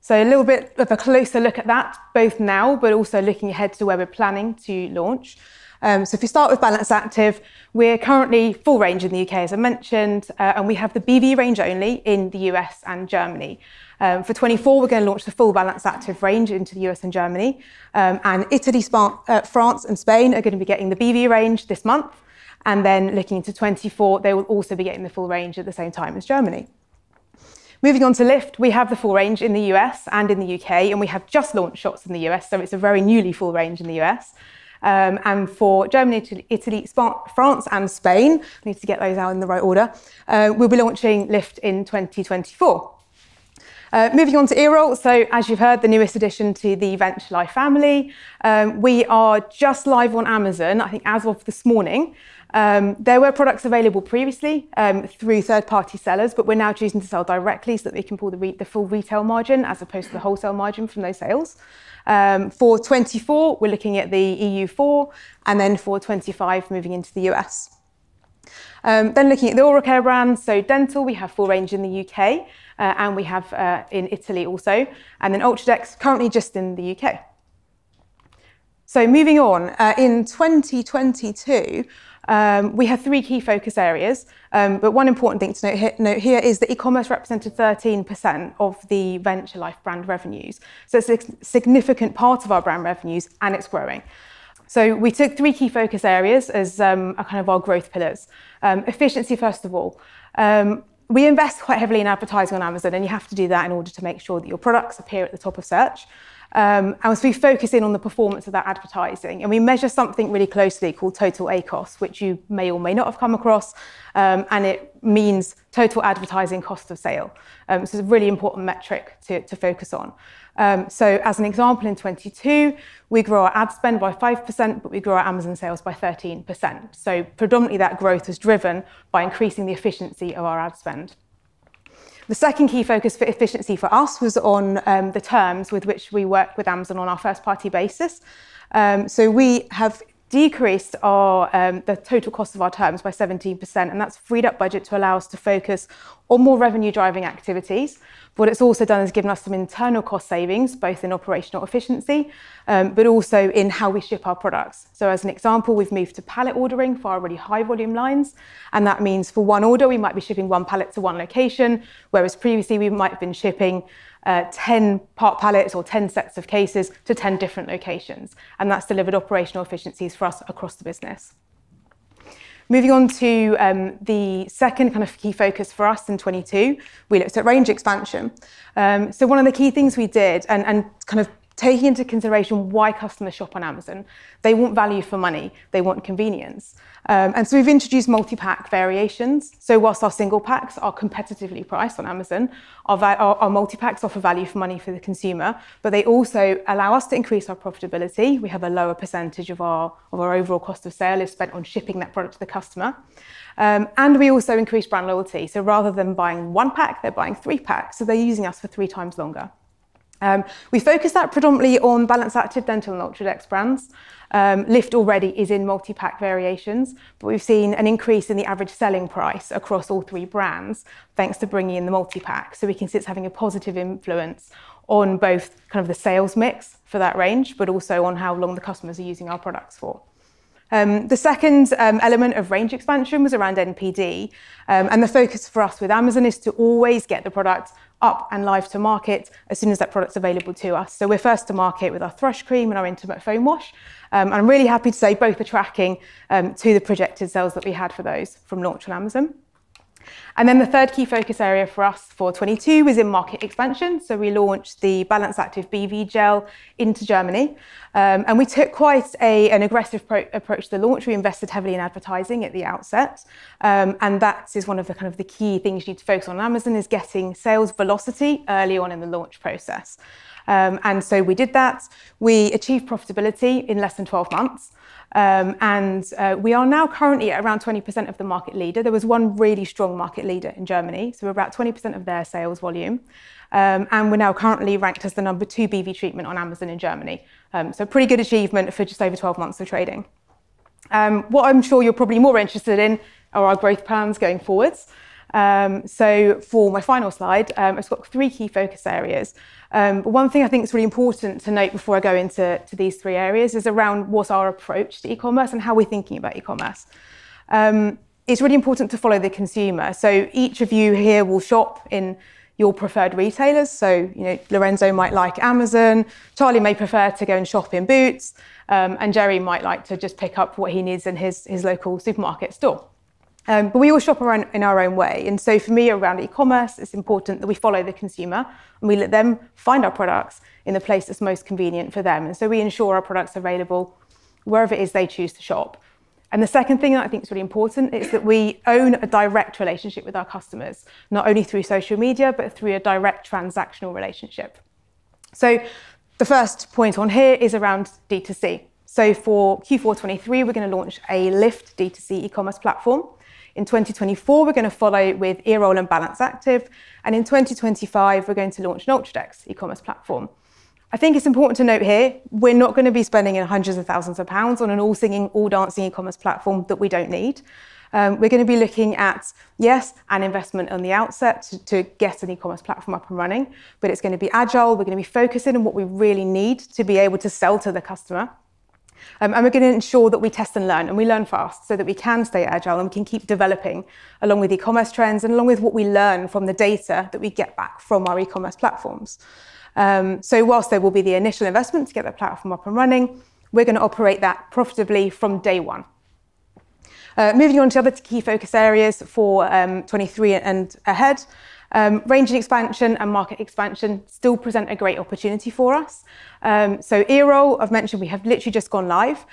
A little bit of a closer look at that both now, but also looking ahead to where we're planning to launch. If we start with Balance Activ, we're currently full range in the U.K., as I mentioned. We have the BV range only in the U.S. and Germany. For 2024, we're gonna launch the full Balance Activ range into the U.S. and Germany. Italy, France, and Spain are gonna be getting the BV range this month. Looking into 2024, they will also be getting the full range at the same time as Germany. Moving on to Lift, we have the full range in the U.S. and in the U.K., and we have just launched Shots in the U.S., so it's a very newly full range in the U.S. For Germany to Italy, France, and Spain, I need to get those out in the right order, we'll be launching Lift in 2024. Moving on to Earol, so as you've heard, the newest addition to the Venture Life family, we are just live on Amazon, I think as of this morning. There were products available previously, through third party sellers, but we're now choosing to sell directly so that we can pull the full retail margin as opposed to the wholesale margin from those sales. For 2024, we're looking at the EU 4, for 2025, moving into the U.S.. Looking at the oral care brands, Dentyl, we have full range in the U.K., and we have in Italy also, UltraDEX currently just in the U.K.. Moving on, in 2022, we have three key focus areas, one important thing to note here is that e-commerce represented 13% of the Venture Life brand revenues. It's a significant part of our brand revenues, and it's growing. We took three key focus areas as a kind of our growth pillars. Efficiency first of all. We invest quite heavily in advertising on Amazon, and you have to do that in order to make sure that your products appear at the top of search. As we focus in on the performance of that advertising, we measure something really closely called total ACoS, which you may or may not have come across, and it means total advertising cost of sale. It's a really important metric to focus on. As an example, in 2022, we grew our ad spend by 5%, but we grew our Amazon sales by 13%, so predominantly that growth is driven by increasing the efficiency of our ad spend. The second key focus for efficiency for us was on the terms with which we work with Amazon on our first party basis. We have decreased our the total cost of our terms by 17%, that's freed up budget to allow us to focus on more revenue driving activities. What it's also done is given us some internal cost savings, both in operational efficiency, also in how we ship our products. As an example, we've moved to pallet ordering for our really high volume lines, that means for 1 order we might be shipping one pallet to one location, whereas previously we might have been shipping 10 part pallets or 10 sets of cases to 10 different locations, that's delivered operational efficiencies for us across the business. Moving on to the second kind of key focus for us in 2022, we looked at range expansion. One of the key things we did and kind of taking into consideration why customers shop on Amazon, they want value for money. They want convenience. We've introduced multi-pack variations, so whilst our single packs are competitively priced on Amazon our multi-packs offer value for money for the consumer, but they also allow us to increase our profitability. We have a lower percentage of our, of our overall cost of sale is spent on shipping that product to the customer. We also increase brand loyalty, so rather than buying one pack, they're buying three packs, so they're using us for three times longer. We focus that predominantly on Balance Activ, Dentyl and UltraDEX brands. Lift already is in multi-pack variations, but we've seen an increase in the average selling price across all three brands thanks to bringing in the multi-pack, so we can see it's having a positive influence on both kind of the sales mix for that range, but also on how long the customers are using our products for. The second element of range expansion was around NPD. The focus for us with Amazon is to always get the product up and live to market as soon as that product's available to us. We're first to market with our thrush cream and our intimate foam wash. I'm really happy to say both are tracking to the projected sales that we had for those from launch on Amazon. The third key focus area for us for 2022 was in market expansion, so we launched the Balance Activ BV gel into Germany. We took quite an aggressive approach to the launch. We invested heavily in advertising at the outset, that is one of the kind of the key things you need to focus on Amazon is getting sales velocity early on in the launch process. We did that. We achieved profitability in less than 12 months, we are now currently at around 20% of the market leader. There was one really strong market leader in Germany, so about 20% of their sales volume. We're now currently ranked as the number two BV treatment on Amazon in Germany. Pretty good achievement for just over 12 months of trading. What I'm sure you're probably more interested in are our growth plans going forwards. For my final slide, it's got three key focus areas. One thing I think is really important to note before I go into these three areas is around what's our approach to e-commerce and how we're thinking about e-commerce. It's really important to follow the consumer, each of you here will shop in your preferred retailers. You know, Lorenzo might like Amazon, Charlie may prefer to go and shop in Boots, and Jerry might like to just pick up what he needs in his local supermarket store. We all shop around in our own way, for me around e-commerce, it's important that we follow the consumer, and we let them find our products in the place that's most convenient for them. We ensure our product's available wherever it is they choose to shop. The second thing I think is really important is that we own a direct relationship with our customers, not only through social media but through a direct transactional relationship. The first point on here is around D2C. For Q4 2023, we're gonna launch a Lift D2C e-commerce platform. In 2024, we're gonna follow with Earol and Balance Activ, in 2025 we're going to launch UltraDEX e-commerce platform. I think it's important to note here we're not gonna be spending hundreds of thousands of GBP on an all-singing, all-dancing e-commerce platform that we don't need. We're gonna be looking at, yes, an investment on the outset to get an e-commerce platform up and running, but it's gonna be agile, we're gonna be focusing on what we really need to be able to sell to the customer. We're gonna ensure that we test and learn and we learn fast so that we can stay agile and we can keep developing along with e-commerce trends and along with what we learn from the data that we get back from our e-commerce platforms. Whilst there will be the initial investment to get the platform up and running, we're gonna operate that profitably from day one. Moving on to other key focus areas for 2023 and ahead, range and expansion and market expansion still present a great opportunity for us. Earol, I've mentioned we have literally just gone live.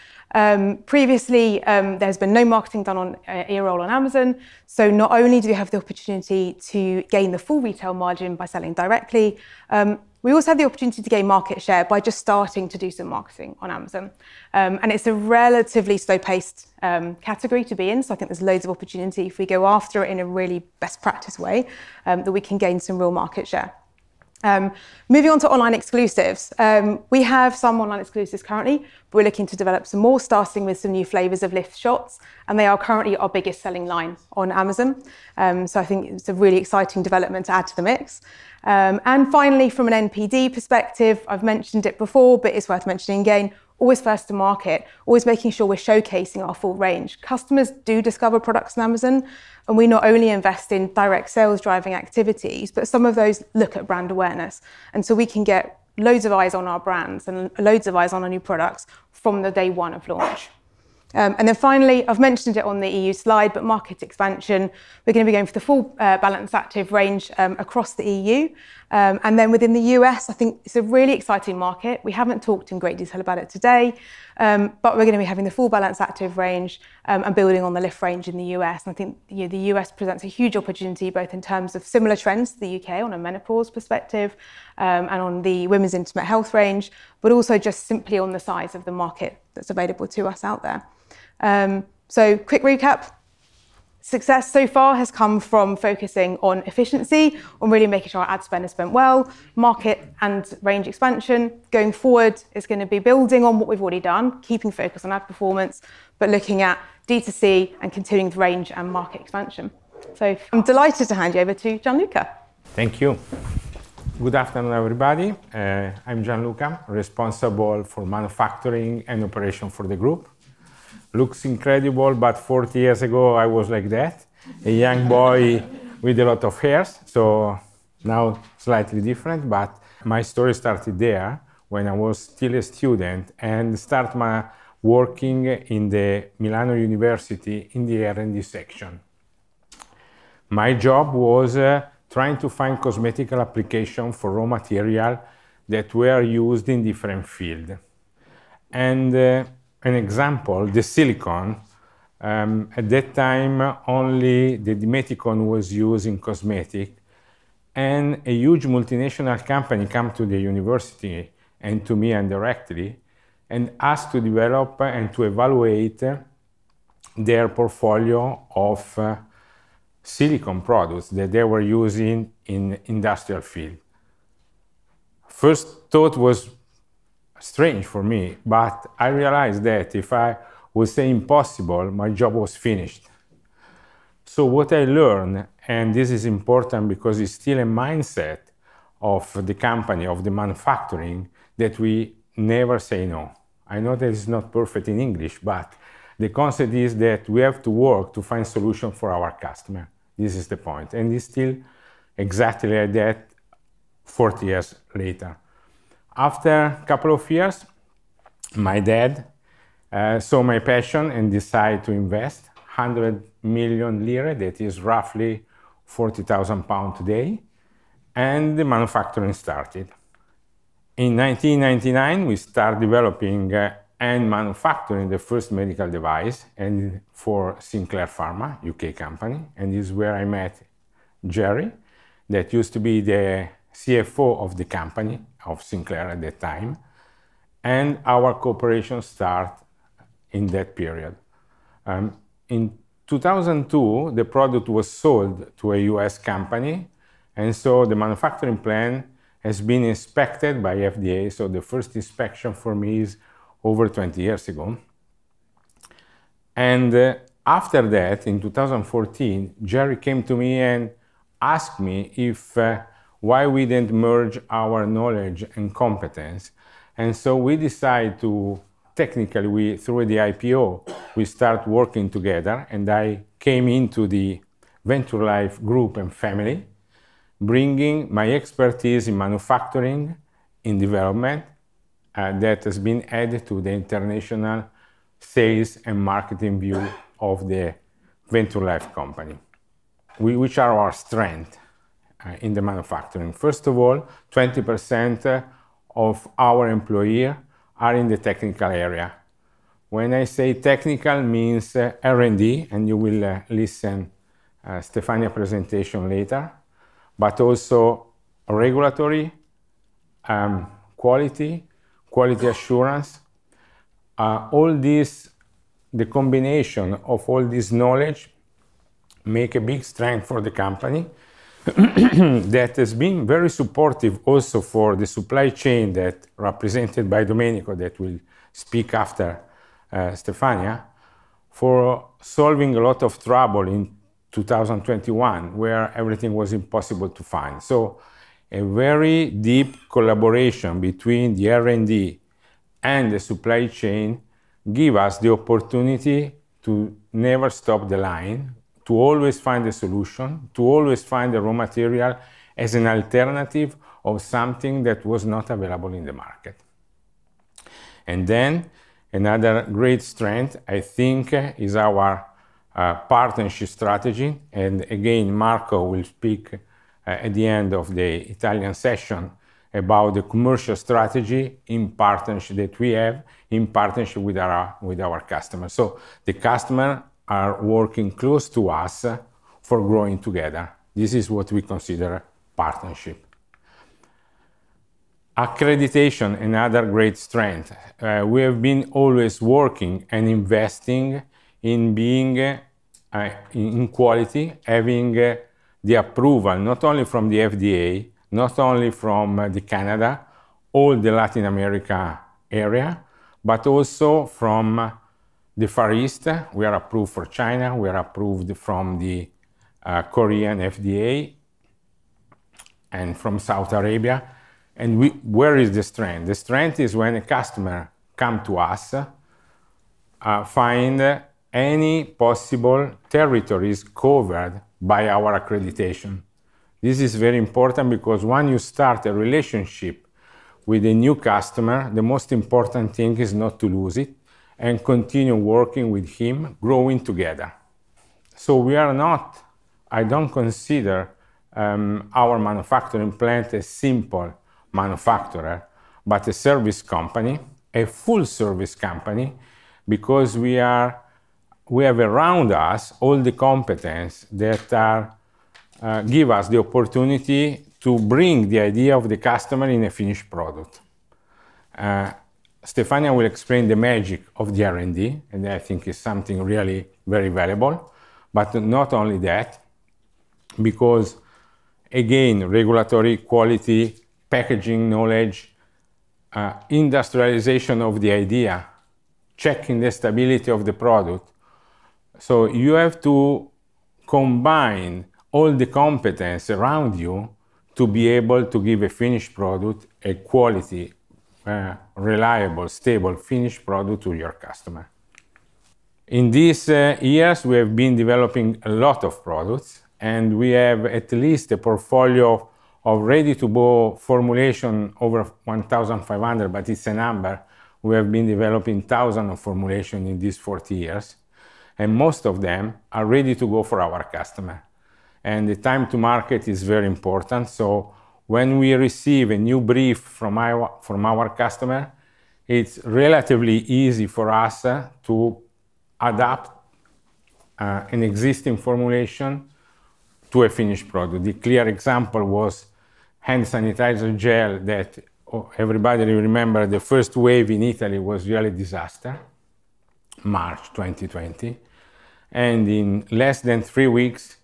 Previously, there's been no marketing done on Earol on Amazon, so not only do we have the opportunity to gain the full retail margin by selling directly, we also have the opportunity to gain market share by just starting to do some marketing on Amazon. It's a relatively slow-paced category to be in, so I think there's loads of opportunity if we go after it in a really best practice way that we can gain some real market share. Moving on to online exclusives. We have some online exclusives currently, but we're looking to develop some more, starting with some new flavors of Lift shots, and they are currently our biggest selling line on Amazon. I think it's a really exciting development to add to the mix. Finally, from an NPD perspective, I've mentioned it before, but it's worth mentioning again, always first to market, always making sure we're showcasing our full range. Customers do discover products on Amazon, and we not only invest in direct sales driving activities, but some of those look at brand awareness. We can get loads of eyes on our brands and loads of eyes on our new products from the day one of launch. Finally, I've mentioned it on the EU slide, but market expansion, we're gonna be going for the full Balance Activ range across the EU. Within the U.S., I think it's a really exciting market. We haven't talked in great detail about it today, but we're gonna be having the full Balance Activ range and building on the Lift range in the U.S.. I think, you know, the U.S. presents a huge opportunity, both in terms of similar trends to the U.K. on a menopause perspective, and on the women's intimate health range, but also just simply on the size of the market that's available to us out there. Quick recap. Success so far has come from focusing on efficiency and really making sure our ad spend is spent well. Market and range expansion going forward is going to be building on what we've already done, keeping focus on ad performance, but looking at D2C and continuing the range and market expansion. I'm delighted to hand you over to Gianluca. Thank you. Good afternoon, everybody. I'm Gianluca, responsible for manufacturing and operation for the group. Looks incredible, 40 years ago, I was like that, a young boy with a lot of hairs. Now slightly different, my story started there when I was still a student and start my working in the University of Milan in the R&D section. My job was trying to find cosmetic application for raw material that were used in different field. An example, the silicone. At that time, only the dimethicone was used in cosmetic. A huge multinational company come to the university and to me indirectly and asked to develop and to evaluate their portfolio of silicone products that they were using in industrial field. First thought was strange for me, I realized that if I would say impossible, my job was finished. What I learned. This is important because it's still a mindset of the company, of the manufacturing, that we never say no. I know that it's not perfect in English, but the concept is that we have to work to find solution for our customer. This is the point. It's still exactly like that 40 years later. After couple of years, my dad saw my passion and decide to invest 100 million lira, that is roughly 40,000 pounds today. The manufacturing started. In 1999, we start developing and manufacturing the first medical device for Sinclair Pharma, U.K. company. Is where I met Jerry, that used to be the CFO of the company, of Sinclair at that time. Our cooperation start in that period. In 2002, the product was sold to a U.S. company, and so the manufacturing plan has been inspected by FDA, so the first inspection for me is over 20 years ago. After that, in 2014, Jerry came to me and asked me if why we didn't merge our knowledge and competence. We decide to, technically, we, through the IPO, we start working together, and I came into the Venture Life Group and family, bringing my expertise in manufacturing, in development, and that has been added to the international sales and marketing view of the Venture Life company. Which are our strength in the manufacturing? First of all, 20% of our employee are in the technical area. When I say technical, means R&D, and you will listen Stefania presentation later, but also regulatory, quality assurance. All this, the combination of all this knowledge make a big strength for the company that has been very supportive also for the supply chain that, represented by Domenico, that will speak after Stefania, for solving a lot of trouble in 2021, where everything was impossible to find. A very deep collaboration between the R&D and the supply chain give us the opportunity to never stop the line, to always find a solution, to always find the raw material as an alternative of something that was not available in the market. Another great strength, I think, is our partnership strategy. Again, Marco will speak at the end of the Italian session about the commercial strategy in partnership that we have, in partnership with our customers. The customer are working close to us for growing together. This is what we consider partnership. Accreditation, another great strength. We have been always working and investing in being in quality, having the approval, not only from the FDA, not only from the Canada or the Latin America area, but also from the Far East. We are approved for China, we are approved from the Korean FDA, and from Saudi Arabia. Where is the strength? The strength is when a customer come to us, find any possible territories covered by our accreditation. This is very important because when you start a relationship with a new customer, the most important thing is not to lose it and continue working with him, growing together. We are not... I don't consider our manufacturing plant a simple manufacturer, but a service company, a full service company, because we have around us all the competence that give us the opportunity to bring the idea of the customer in a finished product. Stefania will explain the magic of the R&D, and I think it's something really very valuable. Not only that, because again, regulatory quality, packaging knowledge, industrialization of the idea, checking the stability of the product. You have to combine all the competence around you to be able to give a finished product, a quality, reliable, stable, finished product to your customer. In these years, we have been developing a lot of products. We have at least a portfolio of ready-to-go formulation over 1,500, but it's a number. We have been developing thousands of formulation in these 40 years, and most of them are ready to go for our customer. The time to market is very important, so when we receive a new brief from our customer, it's relatively easy for us to adapt an existing formulation to a finished product. The clear example was hand sanitizer gel that everybody remember the first wave in Italy was really disaster, March 2020. In less than three weeks,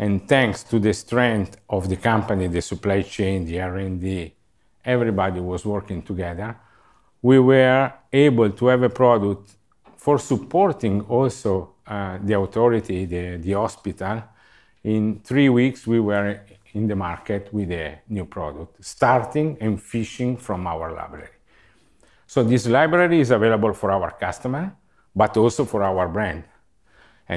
and thanks to the strength of the company, the supply chain, the R&D, everybody was working together, we were able to have a product for supporting also the authority, the hospital. In three weeks, we were in the market with a new product, starting and fishing from our library. This library is available for our customer, but also for our brand.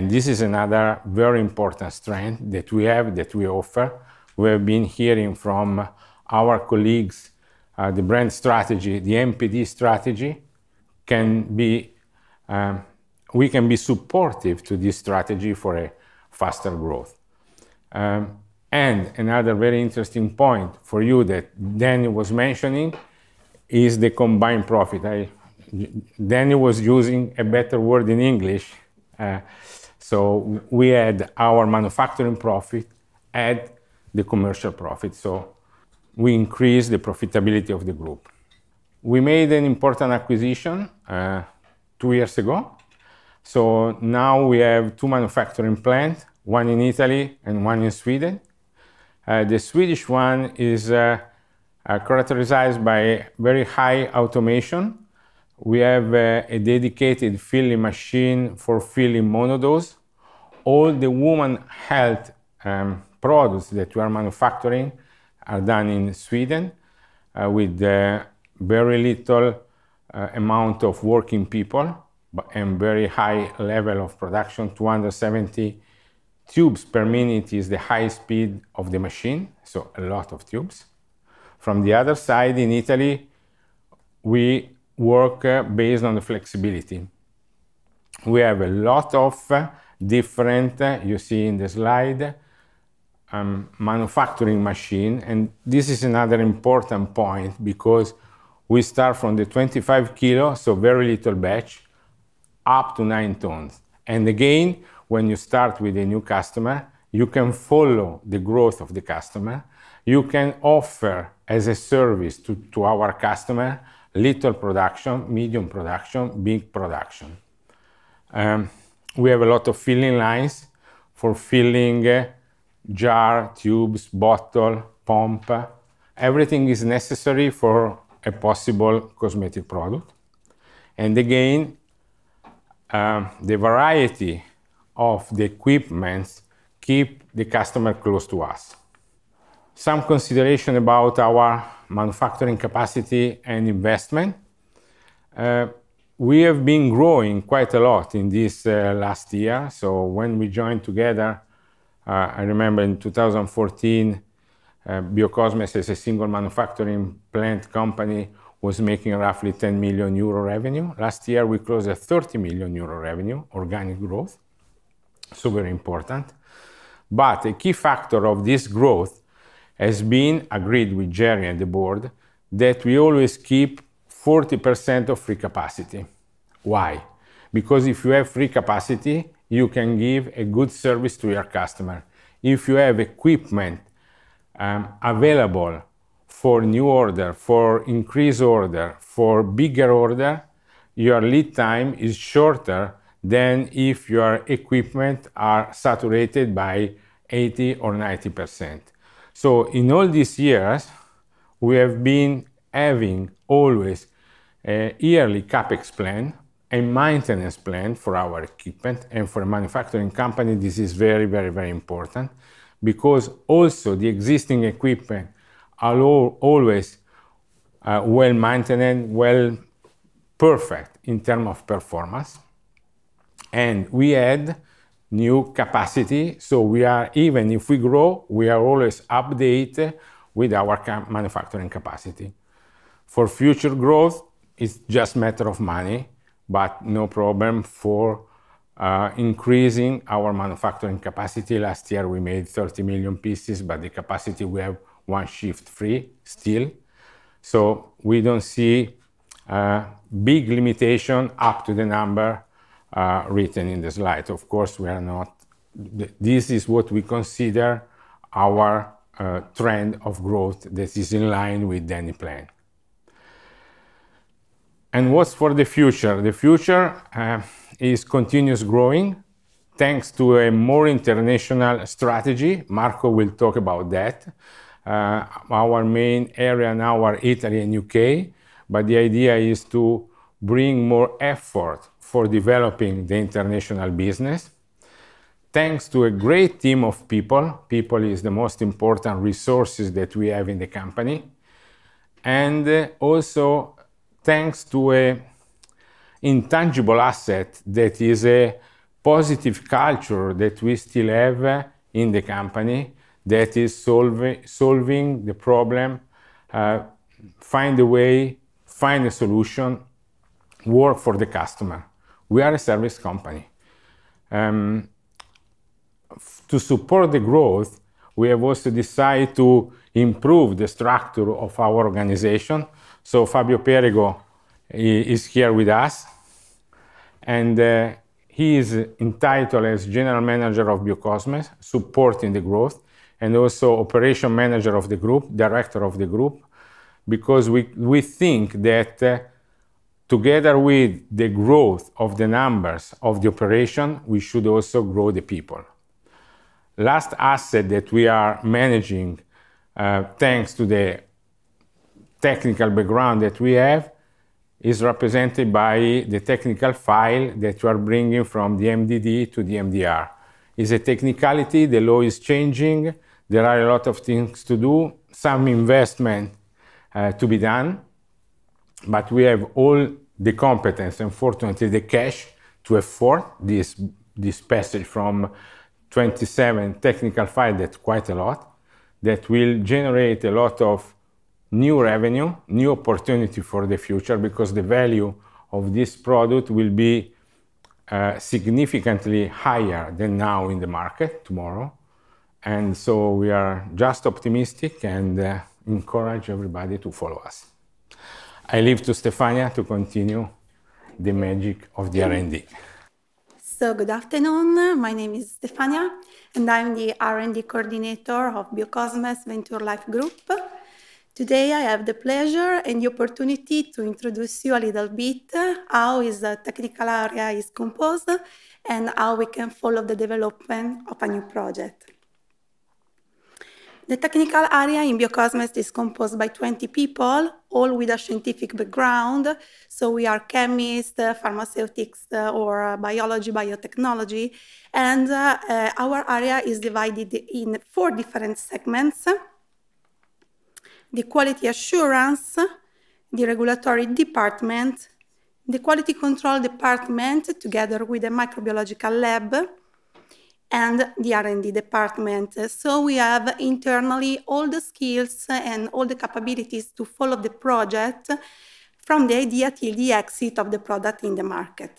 This is another very important strength that we have, that we offer. We have been hearing from our colleagues, the brand strategy, the NPD strategy can be, we can be supportive to this strategy for a faster growth. Another very interesting point for you that Danny was mentioning is the combined profit. Danny was using a better word in English. We had our manufacturing profit at the commercial profit, so we increased the profitability of the group. We made an important acquisition, two years ago. Now we have two manufacturing plant, one in Italy and one in Sweden. The Swedish one is characterized by very high automation. We have a dedicated filling machine for filling monodose. All the woman health products that we are manufacturing are done in Sweden with very little amount of working people and very high level of production, 270 tubes per minute is the high speed of the machine, so a lot of tubes. From the other side, in Italy, we work based on the flexibility. We have a lot of different, you see in the slide, manufacturing machine. This is another important point because we start from the 25 kg, so very little batch, up to 9 tons. Again, when you start with a new customer, you can follow the growth of the customer. You can offer as a service to our customer, little production, medium production, big production. We have a lot of filling lines for filling jar, tubes, bottle, pump. Everything is necessary for a possible cosmetic product. Again, the variety of the equipment keep the customer close to us. Some consideration about our manufacturing capacity and investment. We have been growing quite a lot in this last year. When we joined together, I remember in 2014, Biokosmes as a single manufacturing plant company was making roughly 10 million euro revenue. Last year, we closed at 30 million euro revenue, organic growth, very important. A key factor of this growth has been agreed with Jerry and the board that we always keep 40% of free capacity. Why? If you have free capacity, you can give a good service to your customer. If you have equipment available for new order, for increased order, for bigger order, your lead time is shorter than if your equipment are saturated by 80% or 90%. In all these years, we have been having always a yearly CapEx plan and maintenance plan for our equipment, and for a manufacturing company, this is very, very, very important, because also the existing equipment are always well-maintained, well, perfect in term of performance. We add new capacity, so we are, even if we grow, we are always updated with our manufacturing capacity. For future growth, it's just matter of money, but no problem for increasing our manufacturing capacity. Last year, we made 30 million pieces, but the capacity, we have one shift free still. We don't see a big limitation up to the number written in the slide. Of course, we are not. This is what we consider our trend of growth that is in line with any plan. What's for the future? The future is continuous growing, thanks to a more international strategy. Marco will talk about that. Our main area now are Italy and U.K., but the idea is to bring more effort for developing the international business. Thanks to a great team of people is the most important resources that we have in the company, and also thanks to a intangible asset that is a positive culture that we still have in the company that is solving the problem, find a way, find a solution, work for the customer. We are a service company. To support the growth, we have also decide to improve the structure of our organization. Fabio Perego is here with us, and he is entitled as General Manager of Biokosmes, supporting the growth, and also Operation Manager of the group, Director of the group, because we think that together with the growth of the numbers of the operation, we should also grow the people. Last asset that we are managing, thanks to the technical background that we have, is represented by the technical file that we are bringing from the MDD to the MDR. Is a technicality, the law is changing. There are a lot of things to do, some investment to be done, but we have all the competence, and fortunately, the cash to afford this passage from 27 technical file, that's quite a lot, that will generate a lot of new revenue, new opportunity for the future, because the value of this product will be significantly higher than now in the market tomorrow. We are just optimistic and encourage everybody to follow us. I leave to Stefania to continue the magic of the R&D. Good afternoon. My name is Stefania, and I'm the R&D Coordinator of Biokosmes Venture Life Group. Today, I have the pleasure and the opportunity to introduce you a little bit how is the technical area is composed and how we can follow the development of a new project. The technical area in Biokosmes is composed by 20 people, all with a scientific background, so we are chemist, pharmaceutics, or biology, biotechnology. Our area is divided in four different segments: the quality assurance, the regulatory department, the quality control department, together with the microbiological lab, and the R&D department. We have internally all the skills and all the capabilities to follow the project from the idea till the exit of the product in the market.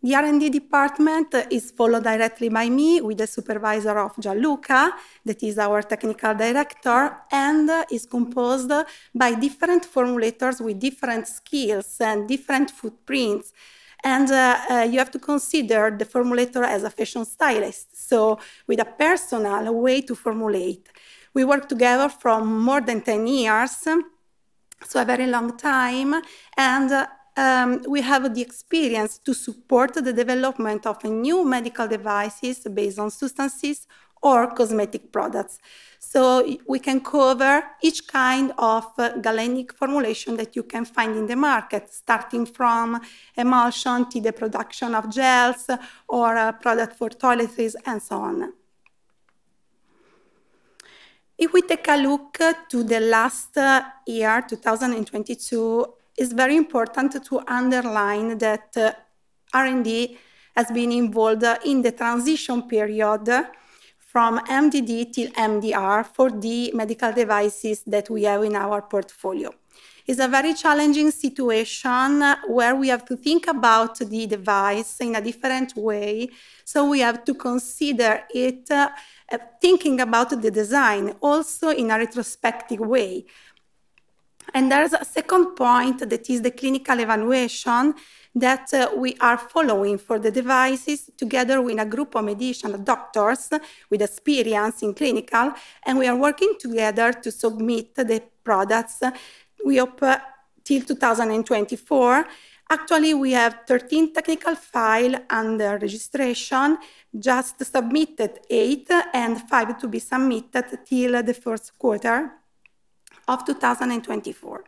The R&D department is followed directly by me with the supervisor of Gianluca, that is our technical director, and is composed by different formulators with different skills and different footprints. You have to consider the formulator as a fashion stylist, so with a personal way to formulate. We work together from more than 10 years, so a very long time, and we have the experience to support the development of new medical devices based on substances or cosmetic products. We can cover each kind of galenic formulation that you can find in the market, starting from emulsion to the production of gels or a product for toiletry and so on. If we take a look to the last year, 2022, it's very important to underline that R&D has been involved in the transition period from MDD till MDR for the medical devices that we have in our portfolio. It's a very challenging situation where we have to think about the device in a different way, so we have to consider it, thinking about the design also in a retrospective way. There is a second point that is the clinical evaluation that we are following for the devices together with a group of medicinal doctors with experience in clinical, and we are working together to submit the products. We hope till 2024. Actually, we have 13 technical file under registration, just submitted eight and five to be submitted till the first quarter of 2024.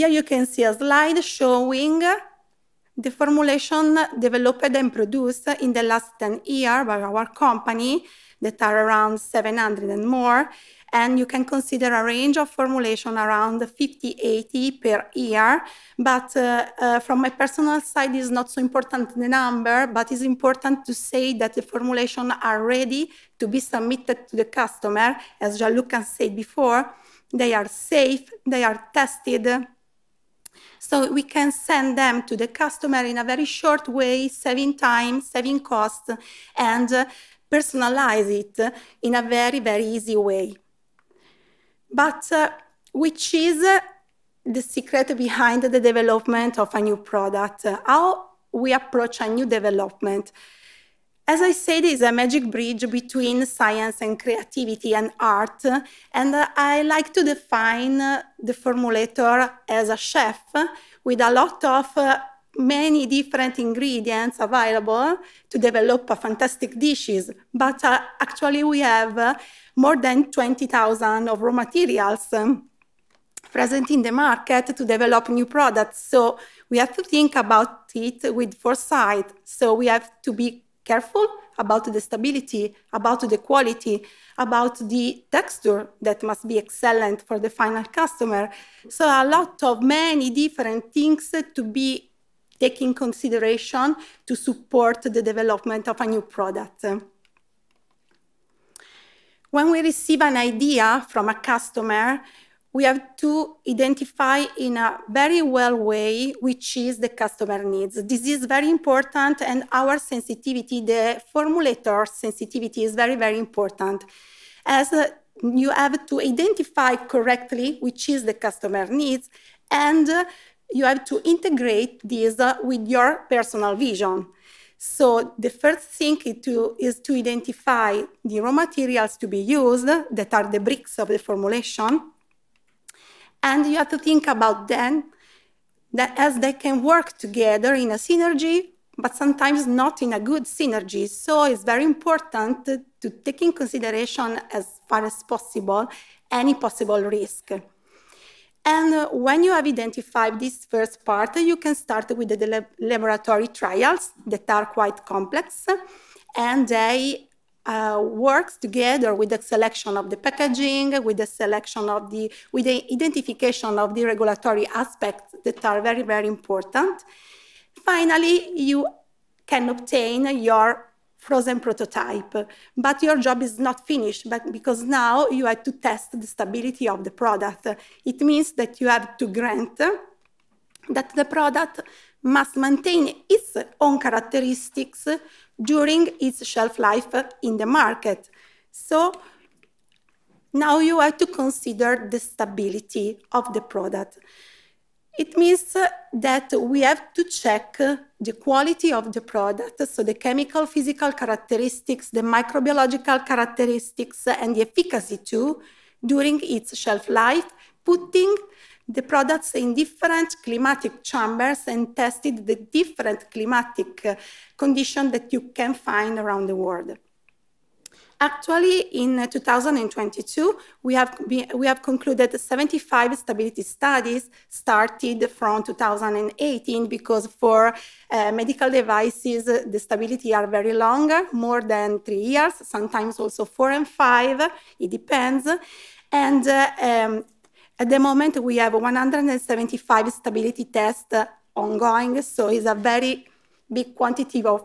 Here you can see a slide showing the formulation developed and produced in the last 10 year by our company that are around 700 and more, and you can consider a range of formulation around 50-80 per year. From my personal side, it is not so important the number, but it's important to say that the formulation are ready to be submitted to the customer. As Gianluca said before, they are safe, they are tested, so we can send them to the customer in a very short way, saving time, saving cost, and personalize it in a very, very easy way. Which is the secret behind the development of a new product? How we approach a new development? As I said, it's a magic bridge between science and creativity and art, and I like to define the formulator as a chef with a lot of many different ingredients available to develop a fantastic dishes. Actually, we have more than 20,000 of raw materials present in the market to develop new products, so we have to think about it with foresight. We have to be careful about the stability, about the quality, about the texture that must be excellent for the final customer. A lot of many different things to be take in consideration to support the development of a new product. When we receive an idea from a customer, we have to identify in a very well way which is the customer needs. This is very important, and our sensitivity, the formulator sensitivity is very, very important, as you have to identify correctly which is the customer needs, and you have to integrate this with your personal vision. The first thing is to identify the raw materials to be used that are the bricks of the formulation, and you have to think about then that as they can work together in a synergy, but sometimes not in a good synergy. It's very important to take in consideration as far as possible any possible risk. When you have identified this first part, you can start with the laboratory trials that are quite complex, and they works together with the selection of the packaging, with the selection of the with the identification of the regulatory aspects that are very, very important. Finally, you can obtain your frozen prototype, but your job is not finished, because now you have to test the stability of the product. It means that you have to grant that the product must maintain its own characteristics during its shelf life in the market. Now you have to consider the stability of the product. It means that we have to check the quality of the product, so the chemical, physical characteristics, the microbiological characteristics and the efficacy too during its shelf life, putting the products in different climatic chambers and tested the different climatic condition that you can find around the world. Actually, in 2022, we have concluded 75 stability studies started from 2018 because for medical devices, the stability are very long, more than three years, sometimes also four years and five years, it depends. At the moment, we have 175 stability test ongoing, so it's a very big quantity of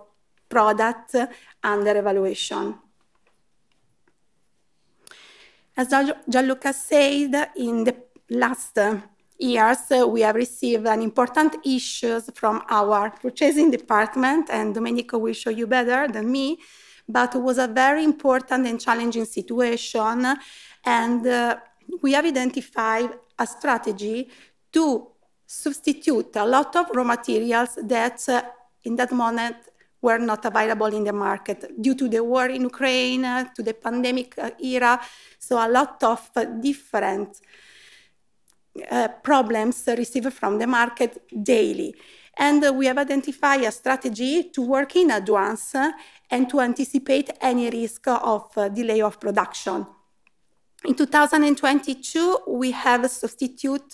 product under evaluation. As Gianluca said, in the last years, we have received an important issues from our purchasing department. Domenico will show you better than me. It was a very important and challenging situation. We have identified a strategy to substitute a lot of raw materials that in that moment were not available in the market due to the war in Ukraine, to the pandemic era, so a lot of different problems received from the market daily. We have identified a strategy to work in advance and to anticipate any risk of delay of production. In 2022, we have substitute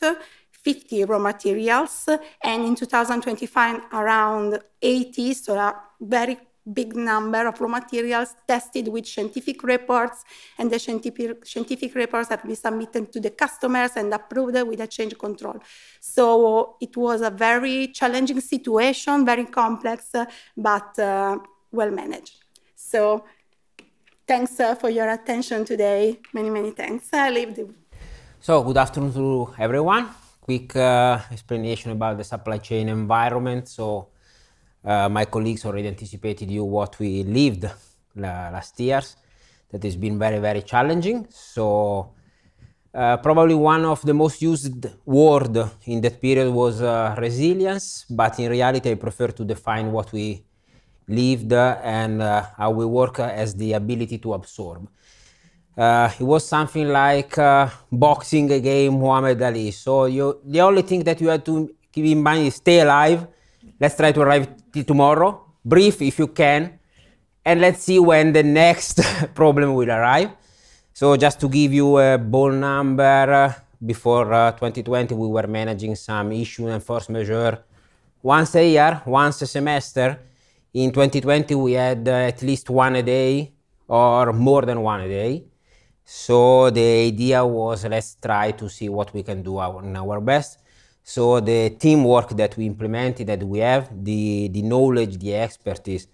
50 raw materials, and in 2025, around 80. A very big number of raw materials tested with scientific reports, and the scientific reports have been submitted to the customers and approved with a change control. It was a very challenging situation, very complex, but well managed. Thanks for your attention today. Many thanks. I leave the... Good afternoon to everyone. Quick explanation about the supply chain environment. My colleagues already anticipated you what we lived last years, that has been very, very challenging. Probably one of the most used word in that period was resilience, but in reality, I prefer to define what we lived and how we work as the ability to absorb. It was something like boxing again Muhammad Ali. The only thing that you have to keep in mind is stay alive, let's try to arrive till tomorrow, breathe if you can, and let's see when the next problem will arrive. Just to give you a ball number, before 2020 we were managing some issue and force majeure once a year, once a semester. In 2020 we had, at least one a day or more than one a day. The idea was let's try to see what we can do our, in our best. The teamwork that we implemented, that we have, the knowledge, the expertise,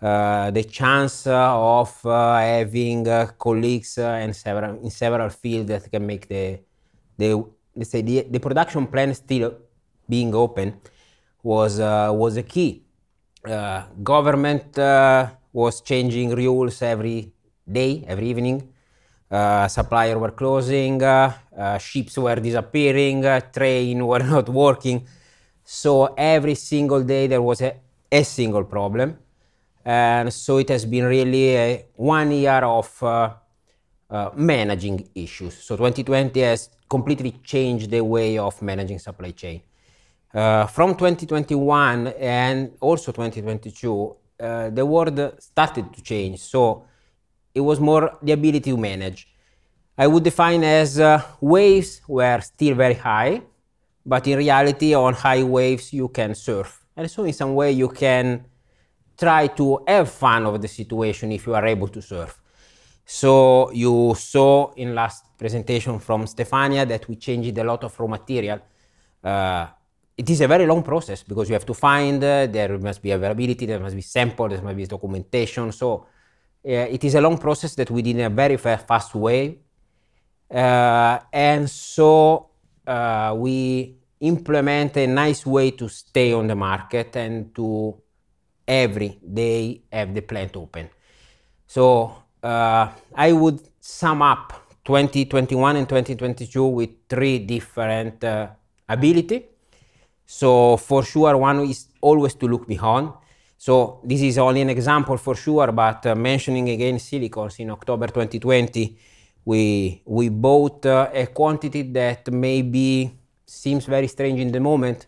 the chance of having colleagues in several, in several fields that can make the, let's say the production plant still being open was a key. Government was changing rules every day, every evening. Supplier were closing. Ships were disappearing. Train were not working. Every single day there was a single problem. It has been really a one year of managing issues. 2020 has completely changed the way of managing supply chain. From 2021 and also 2022, the world started to change, it was more the ability to manage. I would define as, waves were still very high, in reality on high waves you can surf. In some way you can try to have fun over the situation if you are able to surf. You saw in last presentation from Stefania that we changed a lot of raw material. It is a very long process because you have to find, there must be availability, there must be sample, there must be documentation. It is a long process that we did in a very fast way. We implement a nice way to stay on the market and to every day have the plant open. I would sum up 2021 and 2022 with three different ability. For sure one is always to look behind. This is only an example for sure, but mentioning again Silicol in October 2020, we bought maybe a quantity that seems very strange in the moment,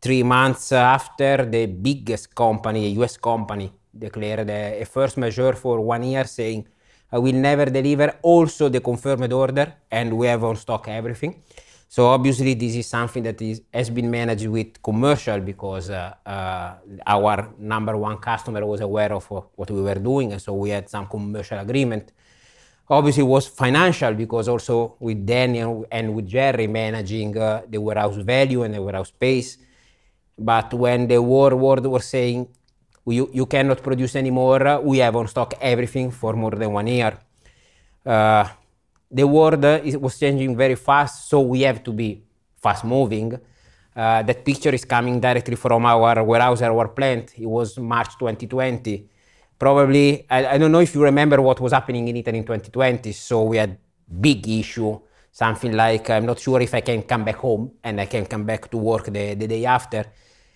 three months after the biggest company, U.S. company, declared a first measure for one year saying, "I will never deliver also the confirmed order, and we have on stock everything." Obviously this is something that has been managed with commercial because our number one customer was aware of what we were doing, and so we had some commercial agreement. Obviously was financial because also with Danny and with Jerry managing the warehouse value and the warehouse space. When the war world was saying, "You, you cannot produce anymore, we have on stock everything for more than one year," the world was changing very fast, so we have to be fast moving. That picture is coming directly from our warehouse, our plant. It was March 2020. Probably, I don't know if you remember what was happening in Italy in 2020. We had big issue, something like, I'm not sure if I can come back home, and I can come back to work the day after.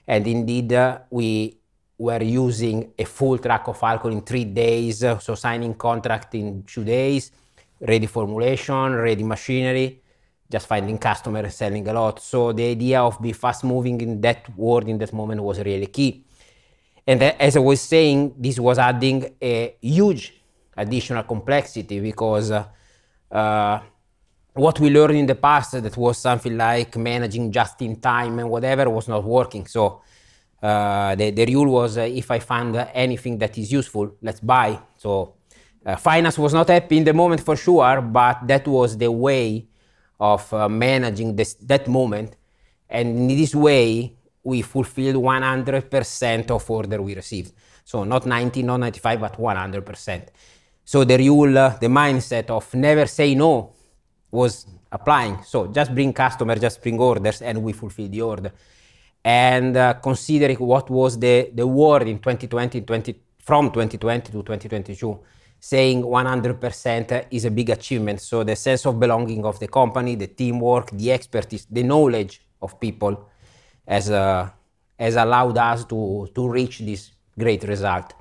Indeed, we were using a full truck of alcohol in three days, so signing contract in two days, ready formulation, ready machinery, just finding customers, selling a lot. The idea of be fast moving in that world in that moment was really key. As I was saying, this was adding a huge additional complexity because what we learned in the past that was something like managing just in time and whatever was not working. The rule was, if I find anything that is useful, let's buy. Finance was not happy in the moment for sure, but that was the way of managing this, that moment. In this way, we fulfilled 100% of order we received. Not 90%, not 95%, but 100%. The rule, the mindset of never say no was applying. Just bring customer, just bring orders, and we fulfill the order. Considering what was the world in 2020, from 2020 to 2022, saying 100% is a big achievement. The sense of belonging of the company, the teamwork, the expertise, the knowledge of people has allowed us to reach this great result.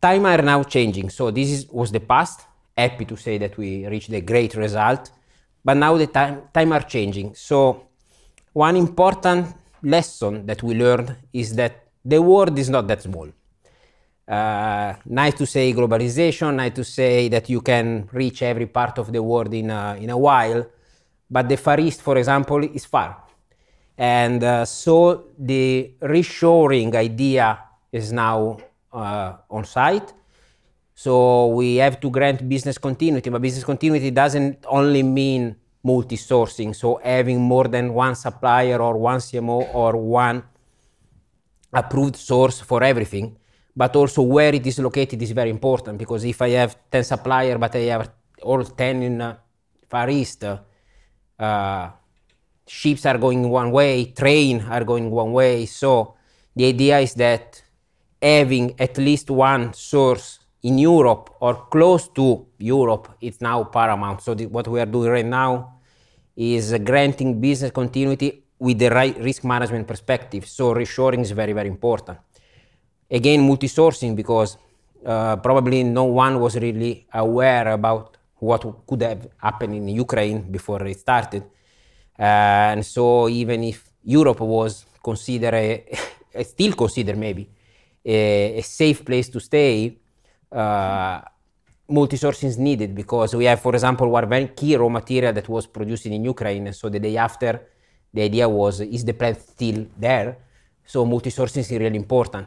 Time are now changing. This is, was the past. Happy to say that we reached a great result, now the time are changing. One important lesson that we learned is that the world is not that small. Nice to say globalization, nice to say that you can reach every part of the world in a while, the Far East, for example, is far. The reshoring idea is now on site. We have to grant business continuity, but business continuity doesn't only mean multi-sourcing, so having more than one supplier or one CMO or one-Approved source for everything, but also where it is located is very important because if I have 10 supplier, but I have all 10 in Far East, ships are going one way, train are going one way. The idea is that having at least one source in Europe or close to Europe is now paramount. What we are doing right now is granting business continuity with the right risk management perspective. Reshoring is very, very important. Again, multi-sourcing because probably no one was really aware about what could have happened in Ukraine before it started. Even if Europe was considered a... Still considered maybe a safe place to stay, multi-sourcing is needed because we have, for example, one very key raw material that was produced in Ukraine. The day after, the idea was, "Is the plant still there?" Multi-sourcing is really important.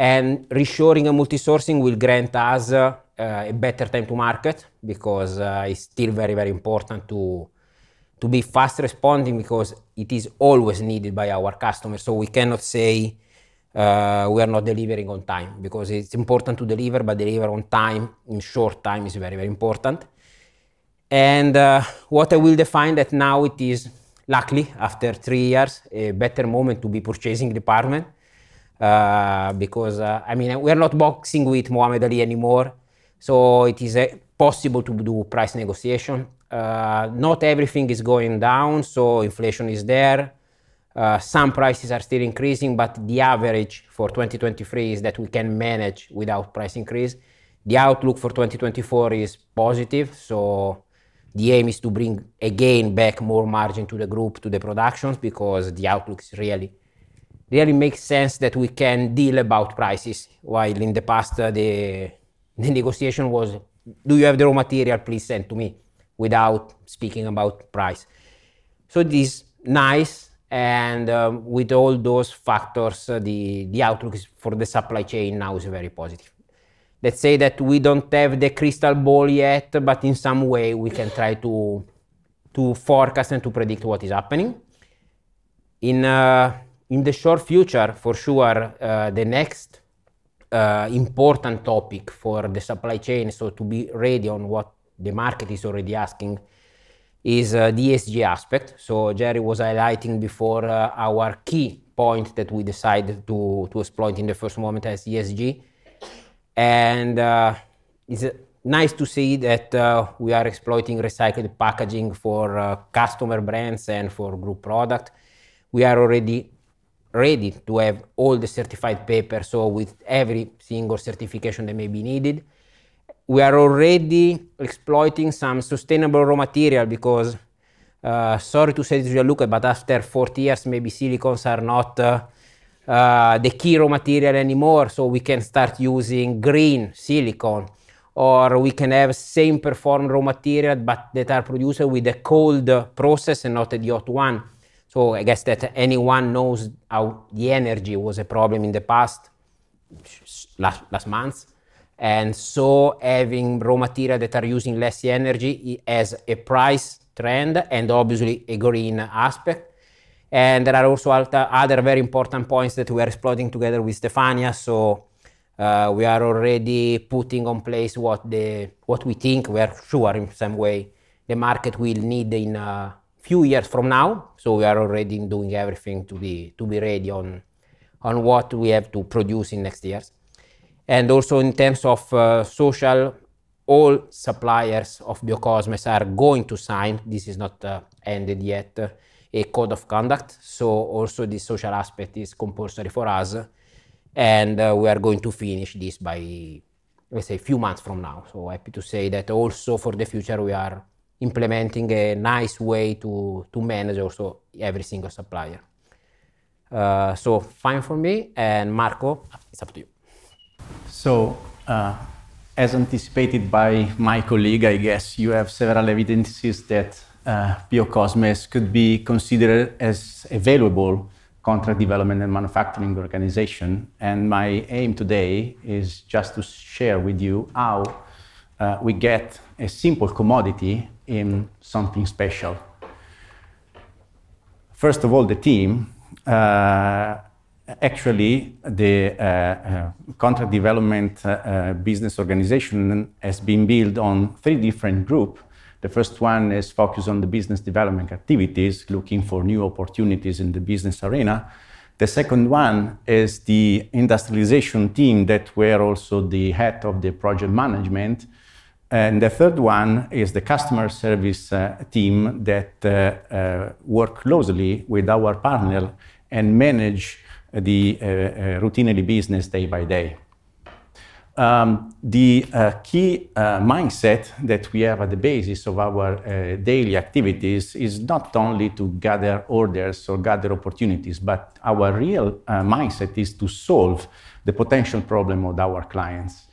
Reshoring and multi-sourcing will grant us a better time to market because it's still very, very important to be fast responding because it is always needed by our customers. We cannot say we are not delivering on time because it's important to deliver on time, in short time is very, very important. What I will define that now it is luckily after three years, a better moment to be purchasing department, because I mean, we're not boxing with Muhammad Ali anymore, it is possible to do price negotiation. Not everything is going down. Inflation is there. Some prices are still increasing. The average for 2023 is that we can manage without price increase. The outlook for 2024 is positive. The aim is to bring again back more margin to the group, to the productions because the outlook's really makes sense that we can deal about prices while in the past, the negotiation was, "Do you have the raw material? Please send to me," without speaking about price. It is nice and, with all those factors, the outlook is, for the supply chain now is very positive. Let's say that we don't have the crystal ball yet, but in some way we can try to forecast and to predict what is happening. In, in the short future for sure, the next important topic for the supply chain, to be ready on what the market is already asking is, the ESG aspect. Jerry was highlighting before, our key point that we decided to exploit in the first moment as ESG. It's nice to see that, we are exploiting recycled packaging for, customer brands and for Group product. We are already ready to have all the certified paper, so with every single certification that may be needed. We are already exploiting some sustainable raw material because, sorry to say this, Gianluca, but after 40 years, maybe silicones are not the key raw material anymore, so we can start using green silicone, or we can have same perform raw material, but that are produced with a colder process and not the yacht one. I guess that anyone knows how the energy was a problem in the past last months. Having raw material that are using less energy as a price trend and obviously a green aspect. There are also other very important points that we are exploring together with Stefania. We are already putting on place what we think we are sure in some way the market will need in a few years from now. We are already doing everything to be ready on what we have to produce in next years. Also in terms of social, all suppliers of Biokosmes are going to sign, this is not ended yet, a code of conduct. Also this social aspect is compulsory for us, and we are going to finish this by, let's say, few months from now. Happy to say that also for the future, we are implementing a nice way to manage also every single supplier. Fine from me, and Marco, it's up to you. As anticipated by my colleague, I guess you have several evidences that Biokosmes could be considered as a valuable contract development and manufacturing organization. My aim today is just to share with you how we get a simple commodity in something special. First of all, the team. Actually, the contract development business organization has been built on three different group. The first one is focused on the business development activities, looking for new opportunities in the business arena. The second one is the industrialization team that we're also the head of the project management. The third one is the customer service team that work closely with our partner and manage the routinely business day by day. The key mindset that we have at the basis of our daily activities is not only to gather orders or gather opportunities, but our real mindset is to solve the potential problem of our clients.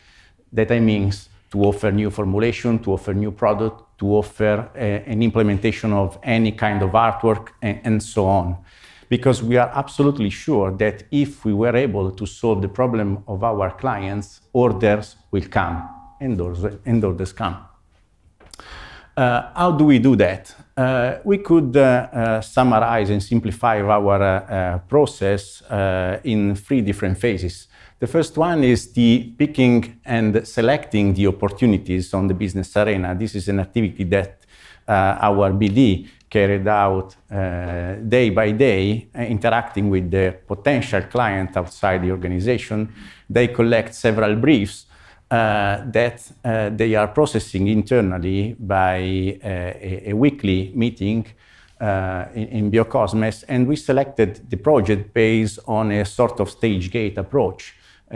That means to offer new formulation, to offer new product, to offer an implementation of any kind of artwork and so on. We are absolutely sure that if we were able to solve the problem of our clients, orders will come, and orders come. How do we do that? We could summarize and simplify our process in three different phases. The first one is the picking and selecting the opportunities on the business arena. This is an activity that our BD carried out day by day, interacting with the potential client outside the organization. They collect several briefs that they are processing internally by a weekly meeting in Biokosmes. We selected the project based on a sort of stage-gate approach,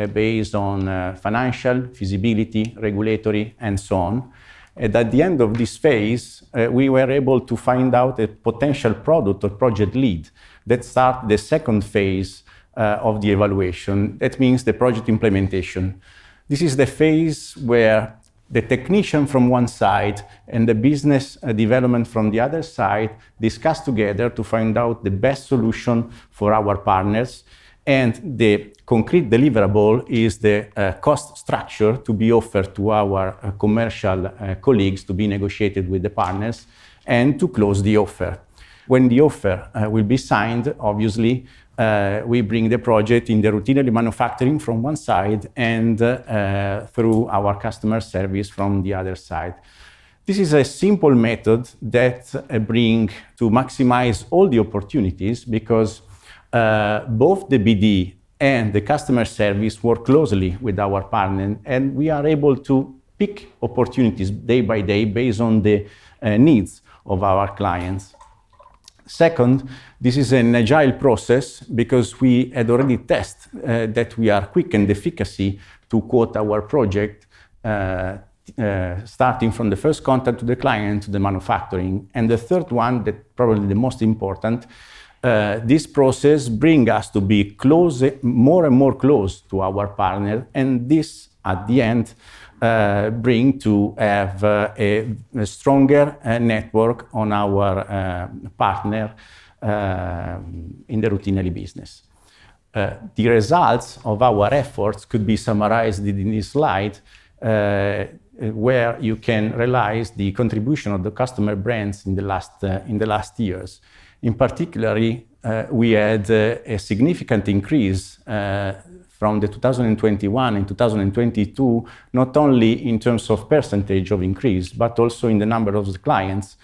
based on financial, feasibility, regulatory, and so on. At the end of this phase, we were able to find out a potential product or project lead that start the second phase of the evaluation. That means the project implementation. This is the phase where the technician from one side and the business development from the other side discuss together to find out the best solution for our partners. The concrete deliverable is the cost structure to be offered to our commercial colleagues to be negotiated with the partners and to close the offer. When the offer will be signed, obviously, we bring the project in the routinely manufacturing from one side and through our customer service from the other side. This is a simple method that bring to maximize all the opportunities because both the BD and the customer service work closely with our partner, and we are able to pick opportunities day by day based on the needs of our clients. Second, this is an agile process because we had already test that we are quick in the efficacy to quote our project starting from the first contact to the client, the manufacturing. The third one, the probably the most important, this process bring us to be close, more and more close to our partner. This, at the end, bring to have a stronger network on our partner in the routinely business. The results of our efforts could be summarized in this slide, where you can realize the contribution of the customer brands in the last years. In particularly, we had a significant increase from the 2021 and 2022, not only in terms of % of increase, but also in the number of clients.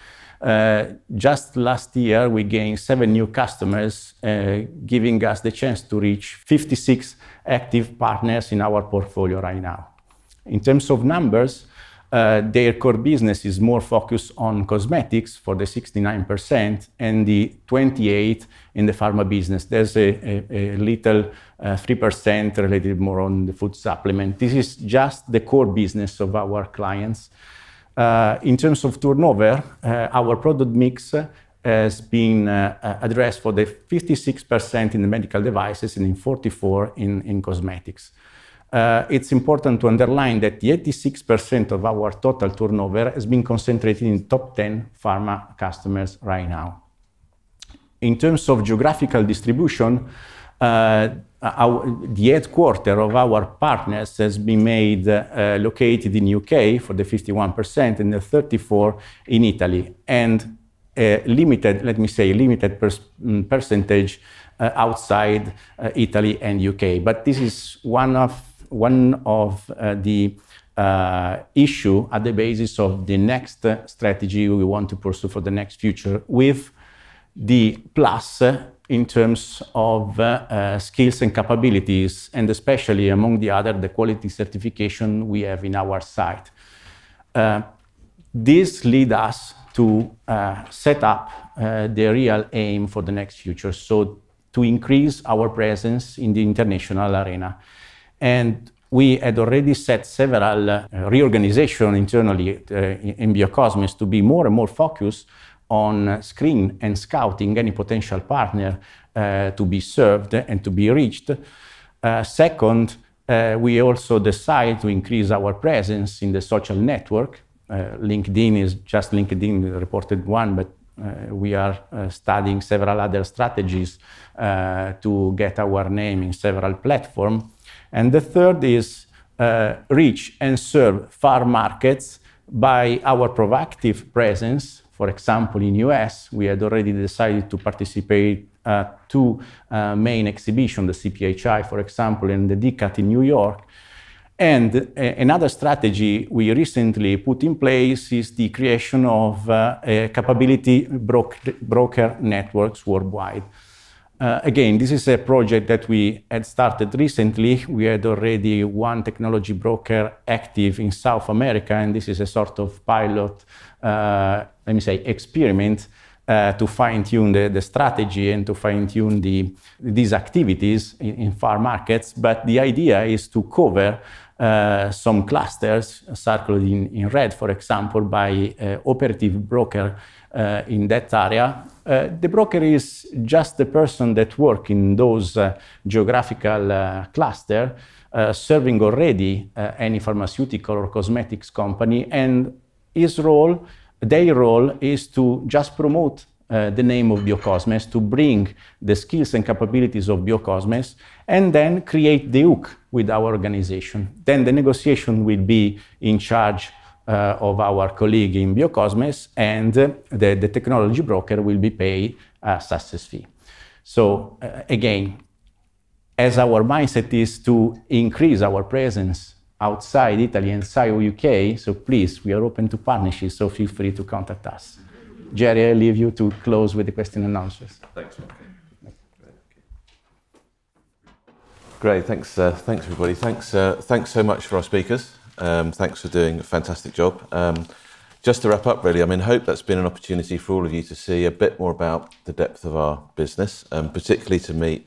Just last year, we gained seven new customers, giving us the chance to reach 56 active partners in our portfolio right now. In terms of numbers, their core business is more focused on cosmetics for the 69% and the 28% in the pharma business. There's a little 3% related more on the food supplement. This is just the core business of our clients. In terms of turnover, our product mix has been addressed for the 56% in the medical devices and in 44% in cosmetics. It's important to underline that the 86% of our total turnover has been concentrated in top 10 pharma customers right now. In terms of geographical distribution, our the headquarter of our partners has been located in U.K. for the 51% and the 34% in Italy, and a limited, let me say, limited percentage, outside Italy and U.K.. This is one of the issue at the basis of the next strategy we want to pursue for the next future with the plus in terms of skills and capabilities, and especially among the other, the quality certification we have in our site. This lead us to set up the real aim for the next future, so to increase our presence in the international arena. We had already set several reorganization internally in Biokosmes to be more and more focused on screen and scouting any potential partner to be served and to be reached. Second, we also decide to increase our presence in the social network. LinkedIn is just LinkedIn, the reported one, but we are studying several other strategies to get our name in several platform. The third is reach and serve far markets by our proactive presence. For example, in U.S., we had already decided to participate two main exhibition, the CPHI, for example, and the DCAT in New York. Another strategy we recently put in place is the creation of a capability broker networks worldwide. Again, this is a project that we had started recently. We had already one technology broker active in South America, and this is a sort of pilot, let me say, experiment to fine-tune the strategy and to fine-tune these activities in far markets. The idea is to cover some clusters circled in red, for example, by operative broker in that area. The broker is just the person that work in those geographical cluster serving already any pharmaceutical or cosmetics company. His role, their role is to just promote the name of Biokosmes, to bring the skills and capabilities of Biokosmes, and then create the hook with our organization. The negotiation will be in charge of our colleague in Biokosmes, and the technology broker will be paid a success fee. Again, as our mindset is to increase our presence outside Italy, inside U.K., so please, we are open to partnerships, so feel free to contact us. Jerry, I leave you to close with the question and answers. Thanks, Marco. Great. Thanks, everybody. Thanks, so much for our speakers. Thanks for doing a fantastic job. Just to wrap up really, I mean, hope that's been an opportunity for all of you to see a bit more about the depth of our business, particularly to meet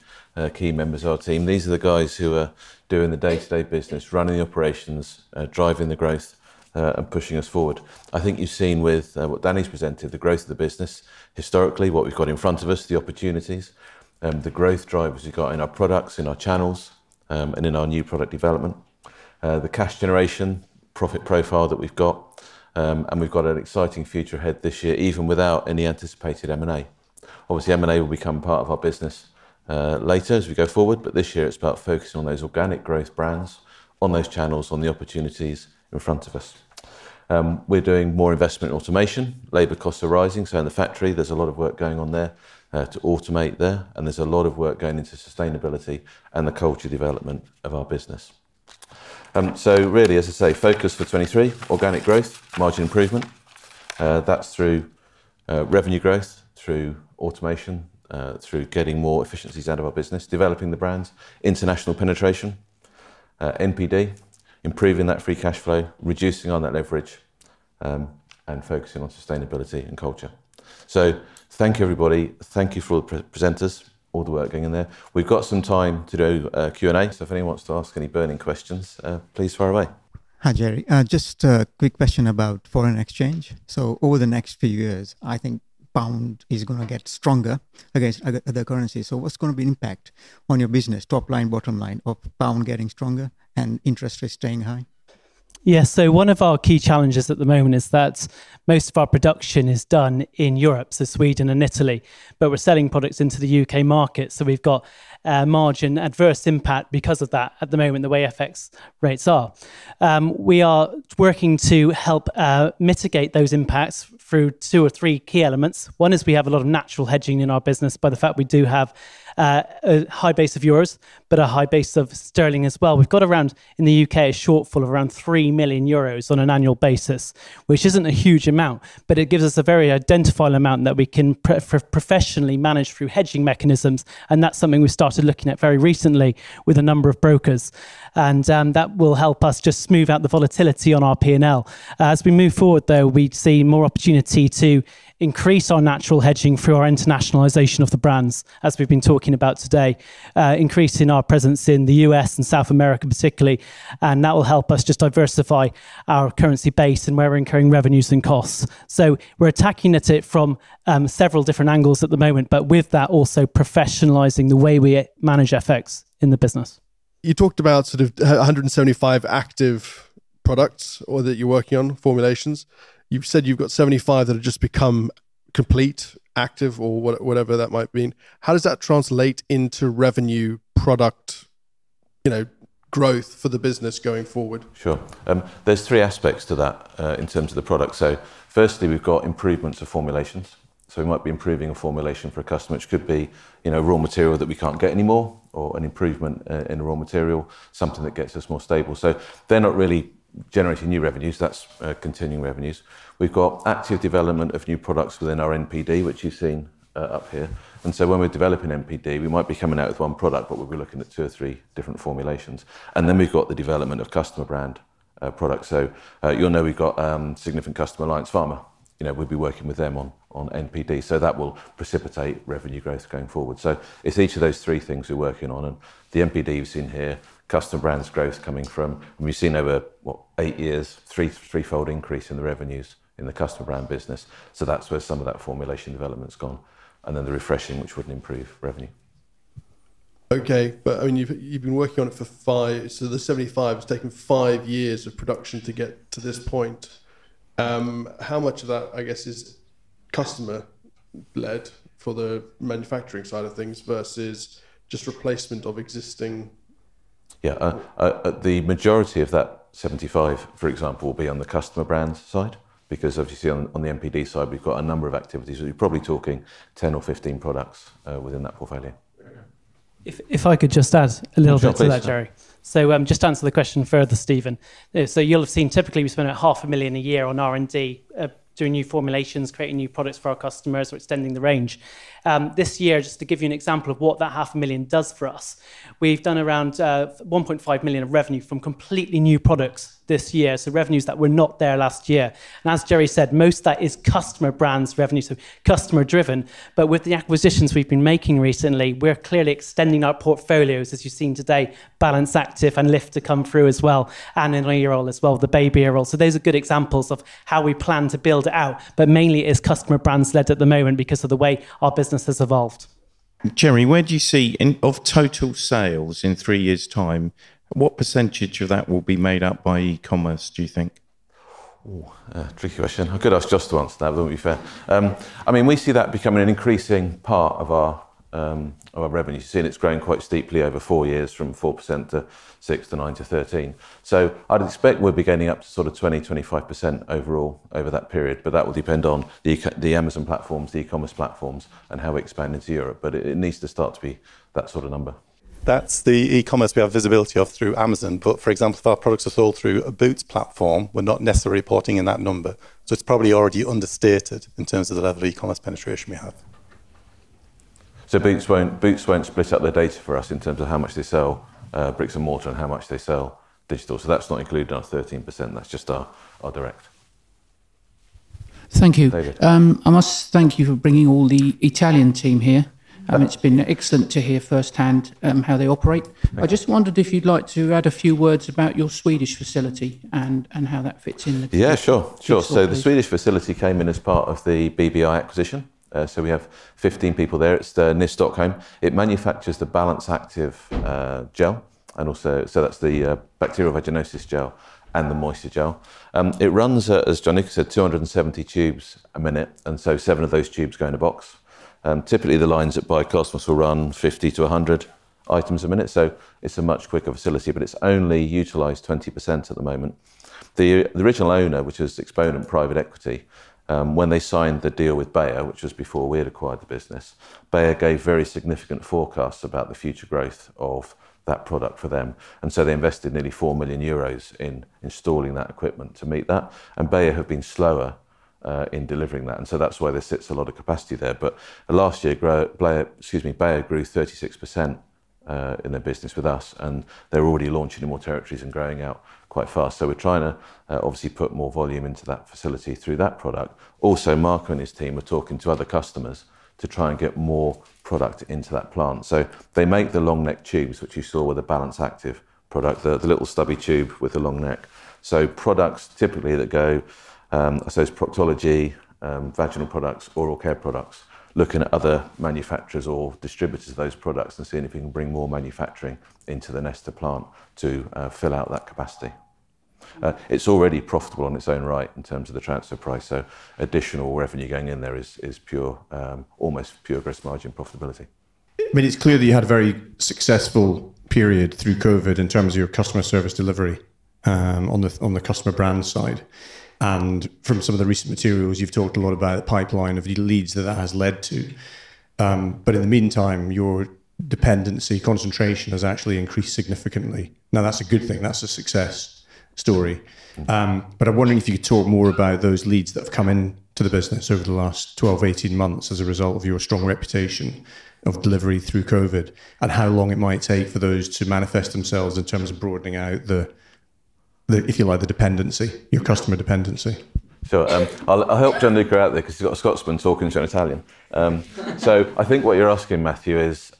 key members of our team. These are the guys who are doing the day-to-day business, running the operations, driving the growth, and pushing us forward. I think you've seen with what Danny's presented, the growth of the business historically, what we've got in front of us, the opportunities, the growth drivers we've got in our products, in our channels, and in our new product development. The cash generation, profit profile that we've got, and we've got an exciting future ahead this year, even without any anticipated M&A. Obviously, M&A will become part of our business, later as we go forward, but this year it's about focusing on those organic growth brands, on those channels, on the opportunities in front of us. We're doing more investment in automation. Labor costs are rising, so in the factory there's a lot of work going on there, to automate there, and there's a lot of work going into sustainability and the culture development of our business. Really, as I say, focus for 23, organic growth, margin improvement. That's through revenue growth, through automation, through getting more efficiencies out of our business, developing the brands, international penetration, NPD, improving that free cash flow, reducing on that leverage, and focusing on sustainability and culture. Thank you, everybody. Thank you for all the pre-presenters, all the work going in there. We've got some time to do, Q&A, so if anyone wants to ask any burning questions, please fire away. Hi, Jerry. Just a quick question about foreign exchange. Over the next few years, I think GBP is gonna get stronger against other currencies. What's gonna be the impact on your business, top line, bottom line, of GBP getting stronger and interest rates staying high? Yeah. One of our key challenges at the moment is that most of our production is done in Europe, so Sweden and Italy. We're selling products into the U.K. market. We've got a margin adverse impact because of that at the moment, the way FX rates are. We are working to help mitigate those impacts through two or three key elements. One is we have a lot of natural hedging in our business by the fact we do have a high base of euros, but a high base of sterling as well. We've got around, in the U.K., a shortfall of around 3 million euros on an annual basis, which isn't a huge amount, but it gives us a very identifiable amount that we can professionally manage through hedging mechanisms, and that's something we started looking at very recently with a number of brokers. That will help us just smooth out the volatility on our P&L. As we move forward, though, we'd see more opportunity to increase our natural hedging through our internationalization of the brands, as we've been talking about today. Increasing our presence in the U.S. and South America particularly, and that will help us just diversify our currency base and where we're incurring revenues and costs. We're attacking at it from several different angles at the moment. With that, also professionalizing the way we manage FX in the business. You talked about sort of 175 active products or that you're working on formulations. You've said you've got 75 that have just become complete, active or what-whatever that might mean. How does that translate into revenue product, you know, growth for the business going forward? Sure. There's three aspects to that in terms of the product. Firstly, we've got improvements of formulations. We might be improving a formulation for a customer, which could be, you know, raw material that we can't get anymore or an improvement in the raw material, something that gets us more stable. They're not really generating new revenues. That's continuing revenues. We've got active development of new products within our NPD, which you've seen up here. When we're developing NPD, we might be coming out with one product, but we'll be looking at two or three different formulations. We've got the development of customer brand products. You'll know we've got significant customer Alliance Pharma. You know, we'll be working with them on NPD. That will precipitate revenue growth going forward. It's each of those three things we're working on. The NPD you've seen here, customer brands growth coming from... We've seen over, what, eight years, three-fold increase in the revenues in the customer brand business. That's where some of that formulation development's gone, and then the refreshing, which would improve revenue. I mean, you've been working on it for five. The 75% has taken five years of production to get to this point. How much of that, I guess, is customer led for the manufacturing side of things versus just replacement of existing? The majority of that 75%, for example, will be on the customer brand side because obviously on the NPD side, we've got a number of activities. We'll be probably talking 10 or 15 products within that portfolio. I could just add a little bit to that, Jerry. Sure. Please. Just to answer the question further, Steven. You'll have seen typically we spend about GBP half a million a year on R&D doing new formulations, creating new products for our customers. We're extending the range. This year, just to give you an example of what that GBP half a million does for us, we've done around 1.5 million of revenue from completely new products this year, so revenues that were not there last year. As Jerry said, most of that is customer brands revenue, so customer driven. With the acquisitions we've been making recently, we're clearly extending our portfolios. As you've seen today, Balance Activ and Lift come through as well, and Earol as well, the baby Earol. Those are good examples of how we plan to build out. mainly it's customer brands led at the moment because of the way our business has evolved. Jeremy, where do you see of total sales in three years' time, what percentage of that will be made up by e-commerce, do you think? Tricky question. I could ask Jos to answer that. That would be fair. I mean, we see that becoming an increasing part of our revenue. It's grown quite steeply over four years from 4%-6%-9%-13%. I'd expect we'll be getting up to sort of 20-25% overall over that period. It, it needs to start to be that sort of number. That's the e-commerce we have visibility of through Amazon. For example, if our products are sold through a Boots platform, we're not necessarily reporting in that number. It's probably already understated in terms of the level of e-commerce penetration we have. Boots won't split up their data for us in terms of how much they sell, bricks and mortar and how much they sell digital. That's not included in our 13%. That's just our direct. Thank you. David. I must thank you for bringing all the Italian team here. Yeah. It's been excellent to hear firsthand, how they operate. No. I just wondered if you'd like to add a few words about your Swedish facility and how that fits in. Yeah, sure. Sure. Please. The Swedish facility came in as part of the BBI acquisition. We have 15 people there. It's near Stockholm. It manufactures the Balance Activ gel, that's the bacterial vaginosis gel and the moisture gel. It runs, as Gianluca said, 270 tubes a minute, seven of those tubes go in a box. Typically the lines at Biokosmes will run 50 to 100 items a minute. It's a much quicker facility, but it's only utilized 20% at the moment. The original owner, which was Exponent Private Equity, when they signed the deal with Bayer, which was before we had acquired the business, Bayer gave very significant forecasts about the future growth of that product for them. They invested nearly 4 million euros in installing that equipment to meet that. Bayer have been slower in delivering that. That's why there sits a lot of capacity there. Last year, excuse me, Bayer grew 36% in their business with us, and they're already launching in more territories and growing out quite fast. We're trying to obviously put more volume into that facility through that product. Also, Marco and his team are talking to other customers to try and get more product into that plant. They make the long neck tubes, which you saw with the Balance Activ product, the little stubby tube with the long neck. Products typically that go, it's proctology, vaginal products, oral care products, looking at other manufacturers or distributors of those products and seeing if we can bring more manufacturing into the Gnesta plant to fill out that capacity. It's already profitable in its own right in terms of the transfer price, so additional revenue going in there is pure, almost pure gross margin profitability. I mean, it's clear that you had a very successful period through COVID in terms of your customer service delivery, on the, on the customer brand side. From some of the recent materials, you've talked a lot about the pipeline of leads that that has led to. In the meantime, your dependency concentration has actually increased significantly. Now, that's a good thing. That's a success story. I'm wondering if you could talk more about those leads that have come into the business over the last 12 months, 18 months as a result of your strong reputation of delivery through COVID, and how long it might take for those to manifest themselves in terms of broadening out the, if you like, the dependency, your customer dependency. Sure. I'll help Gianluca out there 'cause he's got a Scotsman talking to an Italian. I think what you're asking, Matthew, is,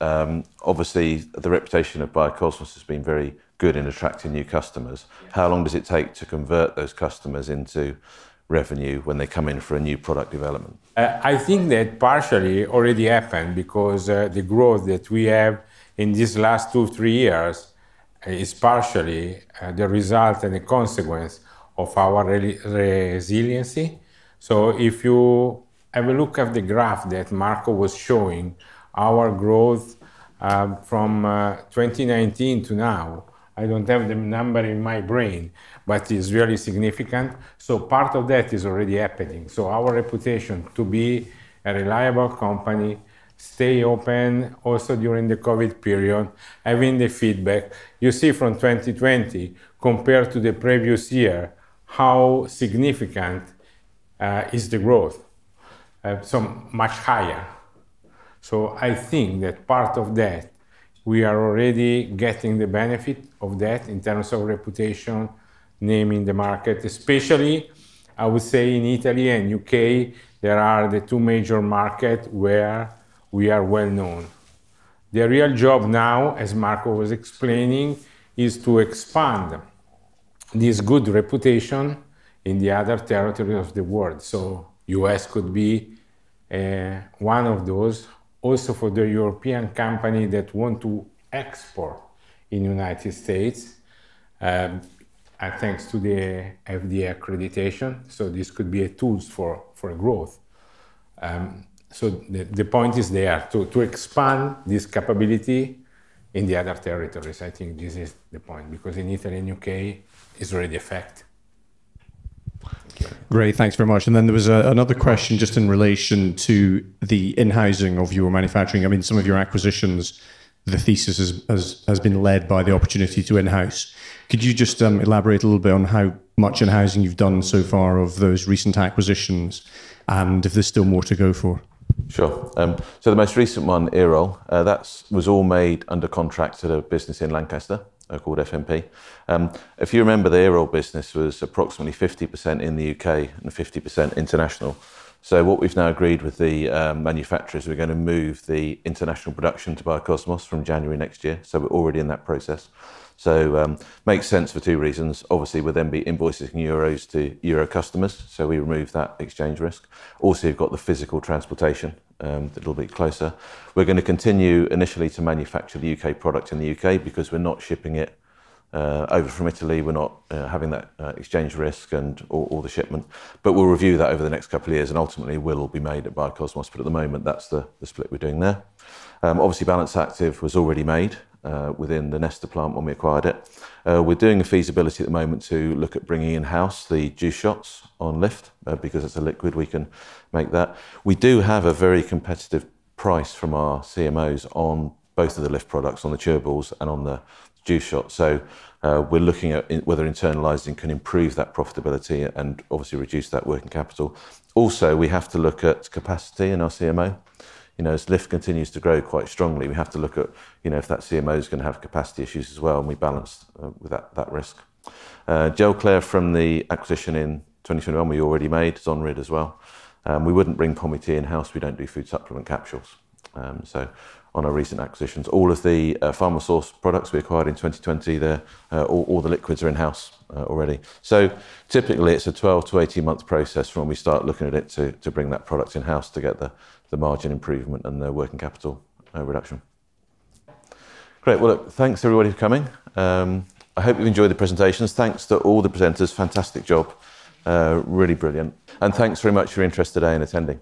obviously the reputation of Biokosmes has been very good in attracting new customers. How long does it take to convert those customers into revenue when they come in for a new product development? I think that partially already happened because the growth that we have in these last two, three years is partially the result and a consequence of our re-resiliency. If you have a look at the graph that Marco was showing, our growth from 2019 to now, I don't have the number in my brain, but is really significant. Part of that is already happening. Our reputation to be a reliable company, stay open also during the COVID-19 period, having the feedback. You see from 2020 compared to the previous year, how significant is the growth? So much higher. I think that part of that, we are already getting the benefit of that in terms of reputation, name in the market, especially, I would say in Italy and U.K., there are the two major market where we are well-known. The real job now, as Marco was explaining, is to expand this good reputation in the other territory of the world. U.S. could be one of those. Also for the European company that want to export in United States, and thanks to the FDA accreditation, this could be a tools for growth. The point is there. To expand this capability in the other territories. I think this is the point because in Italy and U.K. it's already a fact. Great. Thanks very much. Then there was another question just in relation to the in-housing of your manufacturing. I mean, some of your acquisitions, the thesis has been led by the opportunity to in-house. Could you just elaborate a little bit on how much in-housing you've done so far of those recent acquisitions, and if there's still more to go for? Sure. The most recent one, Earol, that's was all made under contract to the business in Lancaster, called FMP. If you remember, the Earol business was approximately 50% in the U.K. and 50% international. What we've now agreed with the manufacturers, we're gonna move the international production to Biokosmes from January next year. We're already in that process. Makes sense for two reasons. Obviously, we then be invoicing in euros to euro customers, so we remove that exchange risk. Also, you've got the physical transportation, a little bit closer. We're gonna continue initially to manufacture the U.K. product in the U.K. because we're not shipping it over from Italy. We're not having that exchange risk and all the shipment. We'll review that over the next couple of years, and ultimately will be made at Biokosmes. At the moment, that's the split we're doing there. Obviously Balance Activ was already made within the Gnesta plant when we acquired it. We're doing a feasibility at the moment to look at bringing in-house the juice shots on Lift. Because it's a liquid, we can make that. We do have a very competitive price from our CMOs on both of the Lift products, on the chewables and on the juice shots. We're looking at whether internalizing can improve that profitability and obviously reduce that working capital. Also, we have to look at capacity in our CMO. You know, as Lift continues to grow quite strongly, we have to look at, you know, if that CMO is gonna have capacity issues as well. We balance that risk. Gelclair from the acquisition in 2021 we already made. It's on rid as well. We wouldn't bring Pomi-T in-house. We don't do food supplement capsules. On our recent acquisitions, all of the Pharma Source products we acquired in 2020, all the liquids are in-house already. Typically, it's a 12 to 18 month process from when we start looking at it to bring that product in-house to get the margin improvement and the working capital reduction. Great. Well, look, thanks everybody for coming. I hope you enjoyed the presentations. Thanks to all the presenters. Fantastic job. Really brilliant. Thanks very much for your interest today in attending.